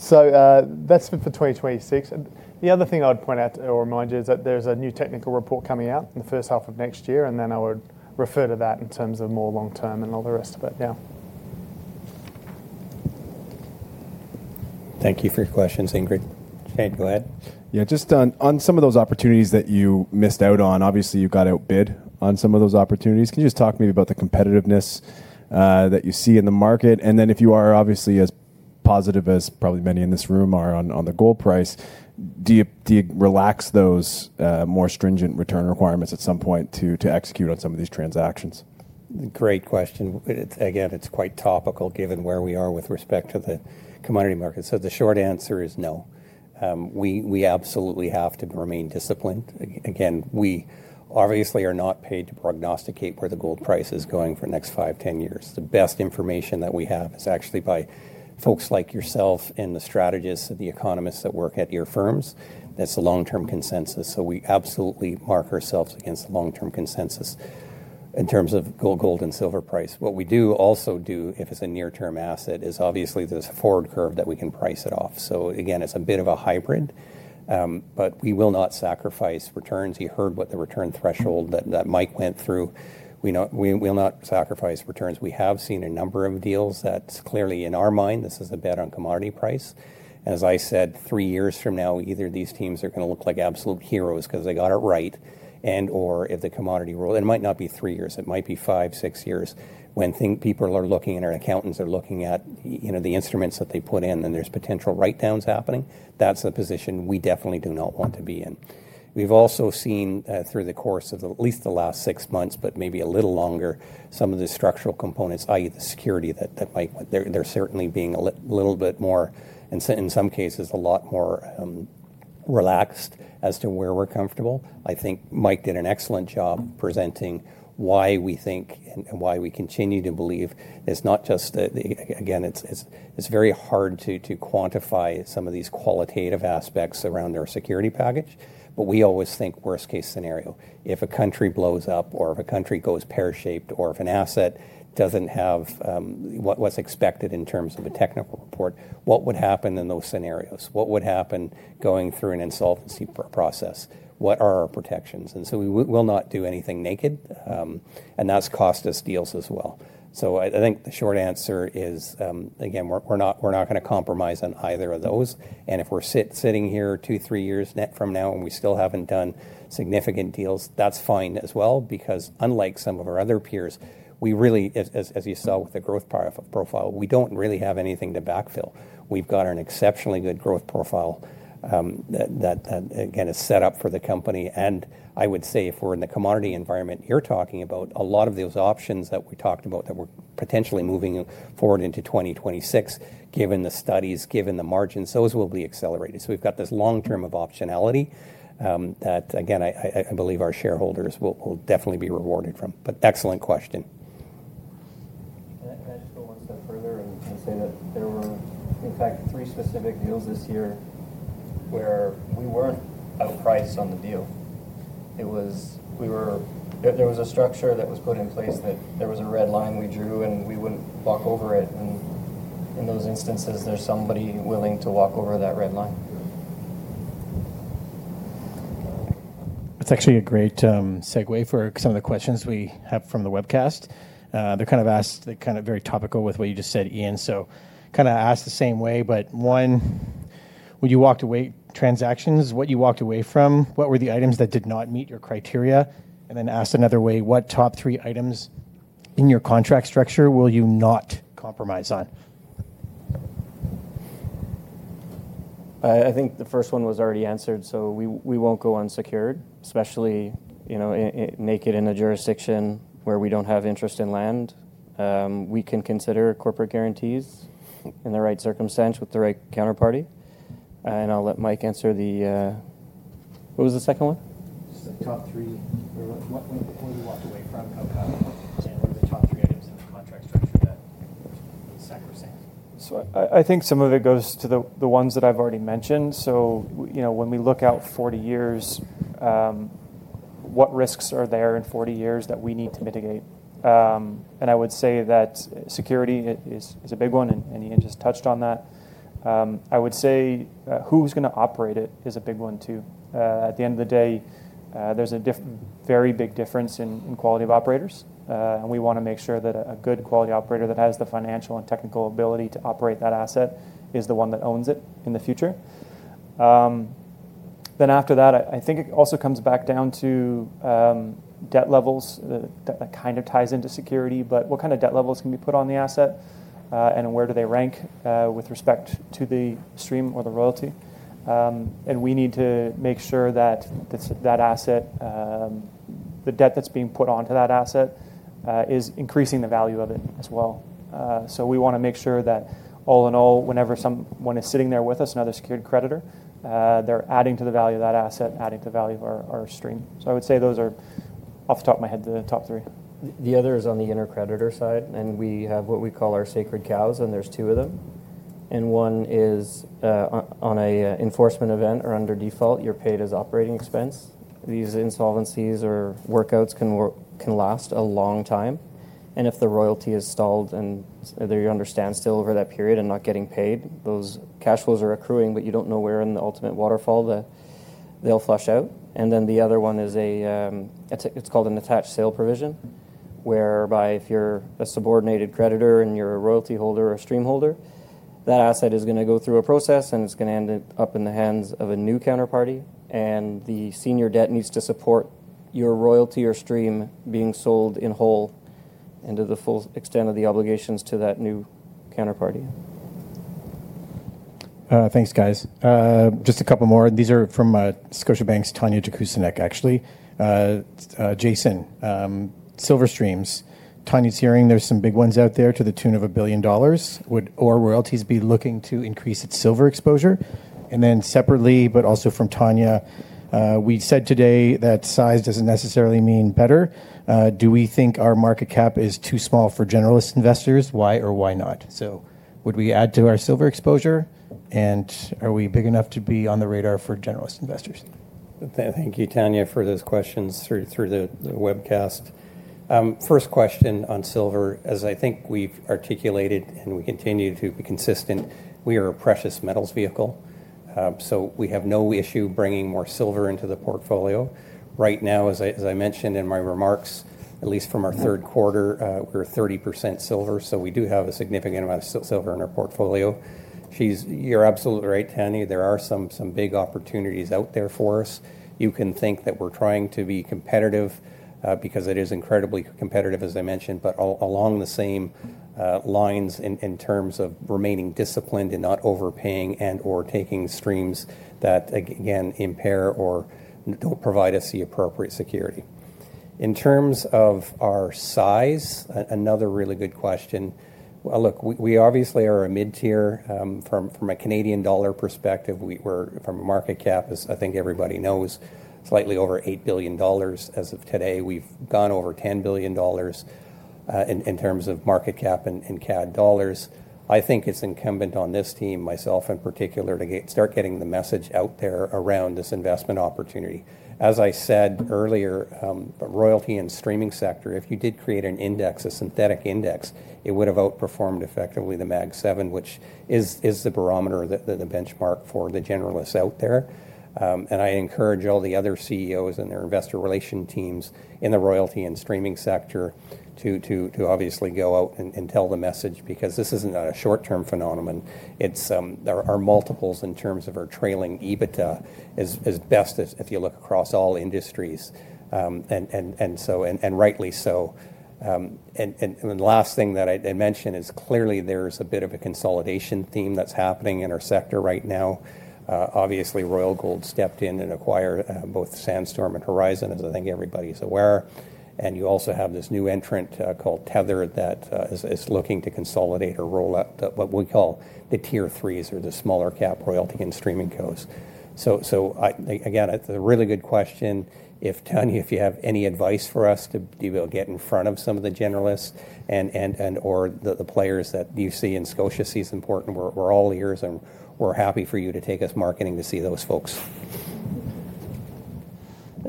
That's for 2026. The other thing I would point out or remind you is that there's a new technical report coming out in the first half of next year.I would refer to that in terms of more long-term and all the rest of it now. Thank you for your questions, Ingrid. Go ahead. Yeah, just on some of those opportunities that you missed out on, obviously you got outbid on some of those opportunities. Can you just talk maybe about the competitiveness that you see in the market? If you are obviously as positive as probably many in this room are on the gold price, do you relax those more stringent return requirements at some point to execute on some of these transactions? Great question. Again, it is quite topical given where we are with respect to the commodity market. The short answer is no. We absolutely have to remain disciplined. Again, we obviously are not paid to prognosticate where the gold price is going for the next 5, 10 years. The best information that we have is actually by folks like yourself and the strategists and the economists that work at your firms. That is a long-term consensus. We absolutely mark ourselves against the long-term consensus in terms of gold and silver price. What we do also do, if it is a near-term asset, is obviously there is a forward curve that we can price it off. Again, it is a bit of a hybrid. We will not sacrifice returns. You heard what the return threshold that Mike went through. We will not sacrifice returns. We have seen a number of deals that clearly in our mind, this is a bet on commodity price. As I said, three years from now, either these teams are going to look like absolute heroes because they got it right. If the commodity rule, it might not be three years, it might be five, six years when people are looking and our accountants are looking at the instruments that they put in and there's potential write-downs happening. That's a position we definitely do not want to be in. We've also seen through the course of at least the last six months, but maybe a little longer, some of the structural components, i.e., the security that Mike, they're certainly being a little bit more and in some cases a lot more relaxed as to where we're comfortable. I think Mike did an excellent job presenting why we think and why we continue to believe it's not just, again, it's very hard to quantify some of these qualitative aspects around our security package. We always think worst-case scenario. If a country blows up or if a country goes pear-shaped or if an asset does not have what is expected in terms of a technical report, what would happen in those scenarios? What would happen going through an insolvency process? What are our protections? We will not do anything naked. That has cost us deals as well. I think the short answer is, again, we are not going to compromise on either of those. If we are sitting here two, three years net from now and we still have not done significant deals, that is fine as well because unlike some of our other peers, we really, as you saw with the growth profile, do not have anything to backfill. We have got an exceptionally good growth profile that, again, is set up for the company. I would say if we're in the commodity environment you're talking about, a lot of those options that we talked about that we're potentially moving forward into 2026, given the studies, given the margins, those will be accelerated. We've got this long-term of optionality that, again, I believe our shareholders will definitely be rewarded from. Excellent question. Can I just go one step further and say that there were, in fact, three specific deals this year where we weren't outpriced on the deal. There was a structure that was put in place that there was a red line we drew and we wouldn't walk over it. In those instances, there's somebody willing to walk over that red line. That's actually a great segue for some of the questions we have from the webcast. They're kind of asked, they're kind of very topical with what you just said, Iain. Kind of asked the same way, but one, when you walked away transactions, what you walked away from, what were the items that did not meet your criteria? Then asked another way, what top three items in your contract structure will you not compromise on? I think the first one was already answered. We won't go unsecured, especially naked in a jurisdiction where we don't have interest in land. We can consider corporate guarantees in the right circumstance with the right counterparty. I'll let Mike answer the what was the second one? Just the top three, what you walked away from, what were the top three items in the contract structure that you sacrificed? I think some of it goes to the ones that I've already mentioned. When we look out 40 years, what risks are there in 40 years that we need to mitigate? I would say that security is a big one, and Iain just touched on that. I would say who's going to operate it is a big one too. At the end of the day, there's a very big difference in quality of operators. We want to make sure that a good quality operator that has the financial and technical ability to operate that asset is the one that owns it in the future. After that, I think it also comes back down to debt levels. That kind of ties into security, but what kind of debt levels can be put on the asset and where do they rank with respect to the stream or the royalty? We need to make sure that that asset, the debt that's being put onto that asset is increasing the value of it as well. We want to make sure that all in all, whenever someone is sitting there with us, another secured creditor, they're adding to the value of that asset, adding to the value of our stream. I would say those are off the top of my head, the top three. The other is on the intercreditor side. We have what we call our sacred cows, and there's two of them. One is on an enforcement event or under default, you're paid as operating expense. These insolvencies or workouts can last a long time. If the royalty is stalled and they understand still over that period and not getting paid, those cash flows are accruing, but you do not know where in the ultimate waterfall they will flush out. The other one is called an attached sale provision whereby if you are a subordinated creditor and you are a royalty holder or a stream holder, that asset is going to go through a process and it is going to end up in the hands of a new counterparty. The senior debt needs to support your royalty or stream being sold in whole and to the full extent of the obligations to that new counterparty. Thanks, guys. Just a couple more. These are from Scotiabank's Tanya Jakusconek, actually. Jason, Silver streams, Tanya is hearing there are some big ones out there to the tune of $1 billion. Would OR Royalties be looking to increase its silver exposure? Then separately, but also from Tanya, we said today that size does not necessarily mean better. Do we think our market cap is too small for generalist investors? Why or why not? Would we add to our silver exposure? Are we big enough to be on the radar for generalist investors? Thank you, Tanya, for those questions through the webcast. First question on silver, as I think we have articulated and we continue to be consistent, we are a precious metals vehicle. We have no issue bringing more silver into the portfolio. Right now, as I mentioned in my remarks, at least from our third quarter, we are 30% silver. We do have a significant amount of silver in our portfolio. You are absolutely right, Tanya. There are some big opportunities out there for us. You can think that we're trying to be competitive because it is incredibly competitive, as I mentioned, but along the same lines in terms of remaining disciplined and not overpaying and/or taking streams that, again, impair or don't provide us the appropriate security. In terms of our size, another really good question. Look, we obviously are a mid-tier. From a Canadian dollar perspective, from a market cap, as I think everybody knows, slightly over 8 billion dollars as of today. We've gone over 10 billion dollars in terms of market cap and CAD dollars. I think it's incumbent on this team, myself in particular, to start getting the message out there around this investment opportunity. As I said earlier, royalty and streaming sector, if you did create an index, a synthetic index, it would have outperformed effectively the Mag 7, which is the barometer that the benchmark for the generalists out there. I encourage all the other CEOs and their investor relation teams in the royalty and streaming sector to obviously go out and tell the message because this is not a short-term phenomenon. There are multiples in terms of our trailing EBITDA as best as if you look across all industries. Rightly so. The last thing that I mentioned is clearly there is a bit of a consolidation theme that is happening in our sector right now. Obviously, Royal Gold stepped in and acquired both Sandstorm and Horizon, as I think everybody is aware. You also have this new entrant called Tether that is looking to consolidate or roll up what we call the tier threes or the smaller cap royalty and streaming companies. Again, it's a really good question. If Tanya, if you have any advice for us to be able to get in front of some of the generalists and/or the players that you see as Scotia sees important, we're all ears and we're happy for you to take us marketing to see those folks.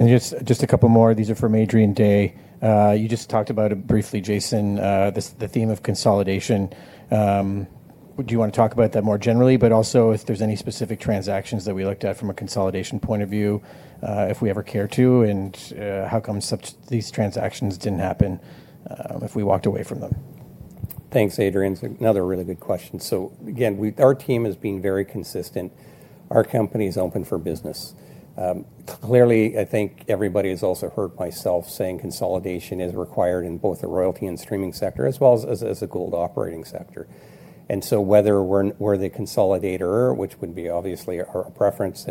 Just a couple more. These are from Adrian Day. You just talked about it briefly, Jason, the theme of consolidation. Do you want to talk about that more generally, but also if there's any specific transactions that we looked at from a consolidation point of view, if we ever care to, and how come these transactions didn't happen if we walked away from them? Thanks, Adrian. It's another really good question. Again, our team has been very consistent. Our company is open for business. Clearly, I think everybody has also heard myself saying consolidation is required in both the royalty and streaming sector as well as the gold operating sector. Whether we're the consolidator, which would be obviously our preference,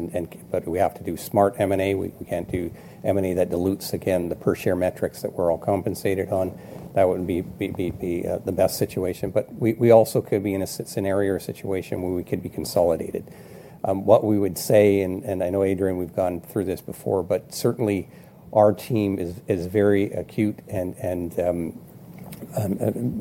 we have to do smart M&A. We can't do M&A that dilutes, again, the per-share metrics that we're all compensated on. That wouldn't be the best situation. We also could be in a scenario or situation where we could be consolidated. What we would say, and I know, Adrian, we've gone through this before, but certainly our team is very acute and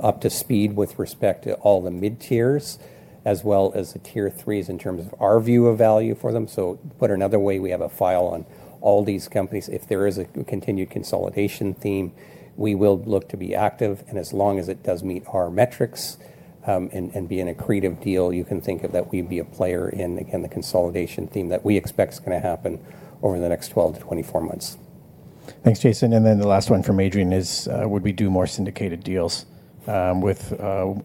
up to speed with respect to all the mid-tiers as well as the tier threes in terms of our view of value for them. Put another way, we have a file on all these companies. If there is a continued consolidation theme, we will look to be active. As long as it does meet our metrics and be an accretive deal, you can think of that we'd be a player in, again, the consolidation theme that we expect is going to happen over the next 12-24 months. Thanks, Jason. The last one from Adrian is, would we do more syndicated deals with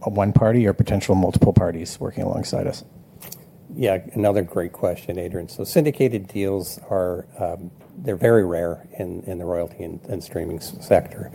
one party or potential multiple parties working alongside us? Yeah, another great question, Adrian. Syndicated deals, they're very rare in the royalty and streaming sector.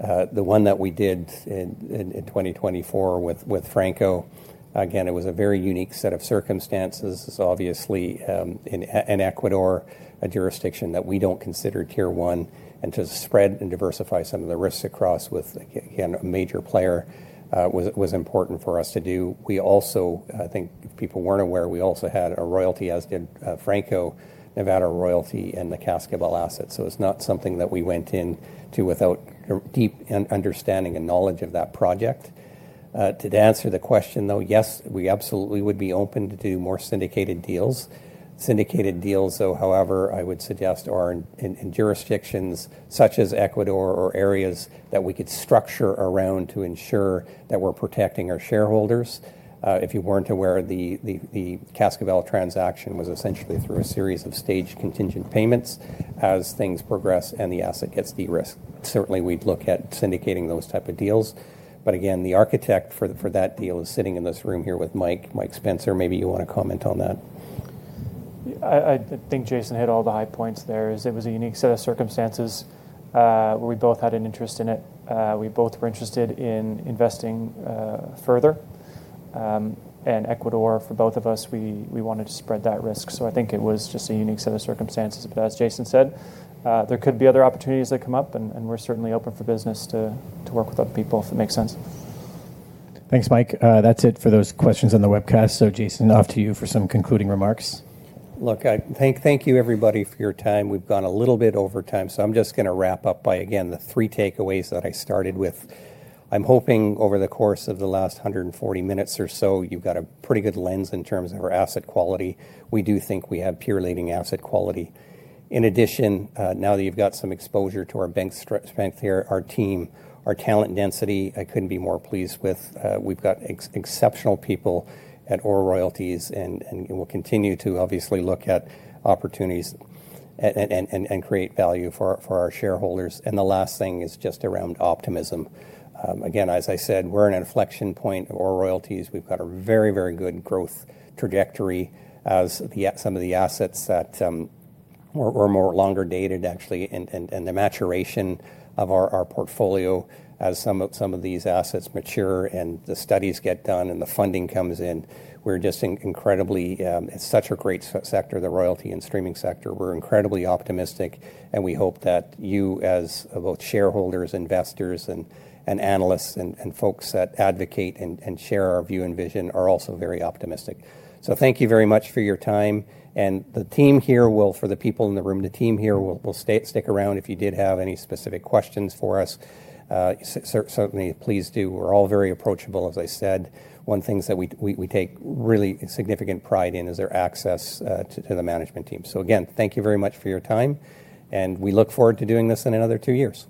The one that we did in 2024 with Franco, again, it was a very unique set of circumstances. It's obviously in Ecuador, a jurisdiction that we don't consider tier one. To spread and diversify some of the risks across with, again, a major player was important for us to do. I think people were not aware, we also had a royalty, as did Franco-Nevada, and the Cascabel asset. It is not something that we went into without deep understanding and knowledge of that project. To answer the question, yes, we absolutely would be open to do more syndicated deals. Syndicated deals, however, I would suggest are in jurisdictions such as Ecuador or areas that we could structure around to ensure that we are protecting our shareholders. If you were not aware, the Cascabel transaction was essentially through a series of staged contingent payments as things progress and the asset gets de-risked. Certainly, we would look at syndicating those type of deals. But again, the architect for that deal is sitting in this room here with Mike, Mike Spencer. Maybe you want to comment on that. I think Jason hit all the high points there. It was a unique set of circumstances where we both had an interest in it. We both were interested in investing further. In Ecuador, for both of us, we wanted to spread that risk. I think it was just a unique set of circumstances. As Jason said, there could be other opportunities that come up, and we're certainly open for business to work with other people if it makes sense. Thanks, Mike. That's it for those questions on the webcast. Jason, off to you for some concluding remarks. Look, thank you everybody for your time. We've gone a little bit over time. I'm just going to wrap up by, again, the three takeaways that I started with. I'm hoping over the course of the last 140 minutes or so, you've got a pretty good lens in terms of our asset quality. We do think we have peer-leading asset quality. In addition, now that you've got some exposure to our bank strength here, our team, our talent density, I couldn't be more pleased with. We've got exceptional people at OR Royalties and will continue to obviously look at opportunities and create value for our shareholders. The last thing is just around optimism. Again, as I said, we're in an inflection point of OR Royalties. We've got a very, very good growth trajectory as some of the assets that were more longer dated, actually, and the maturation of our portfolio as some of these assets mature and the studies get done and the funding comes in. We're just incredibly, it's such a great sector, the royalty and streaming sector. We're incredibly optimistic, and we hope that you as both shareholders, investors, and analysts and folks that advocate and share our view and vision are also very optimistic. Thank you very much for your time. The team here will, for the people in the room, the team here will stick around if you did have any specific questions for us. Certainly, please do. We're all very approachable, as I said. One of the things that we take really significant pride in is their access to the management team. Thank you very much for your time. We look forward to doing this in another two years.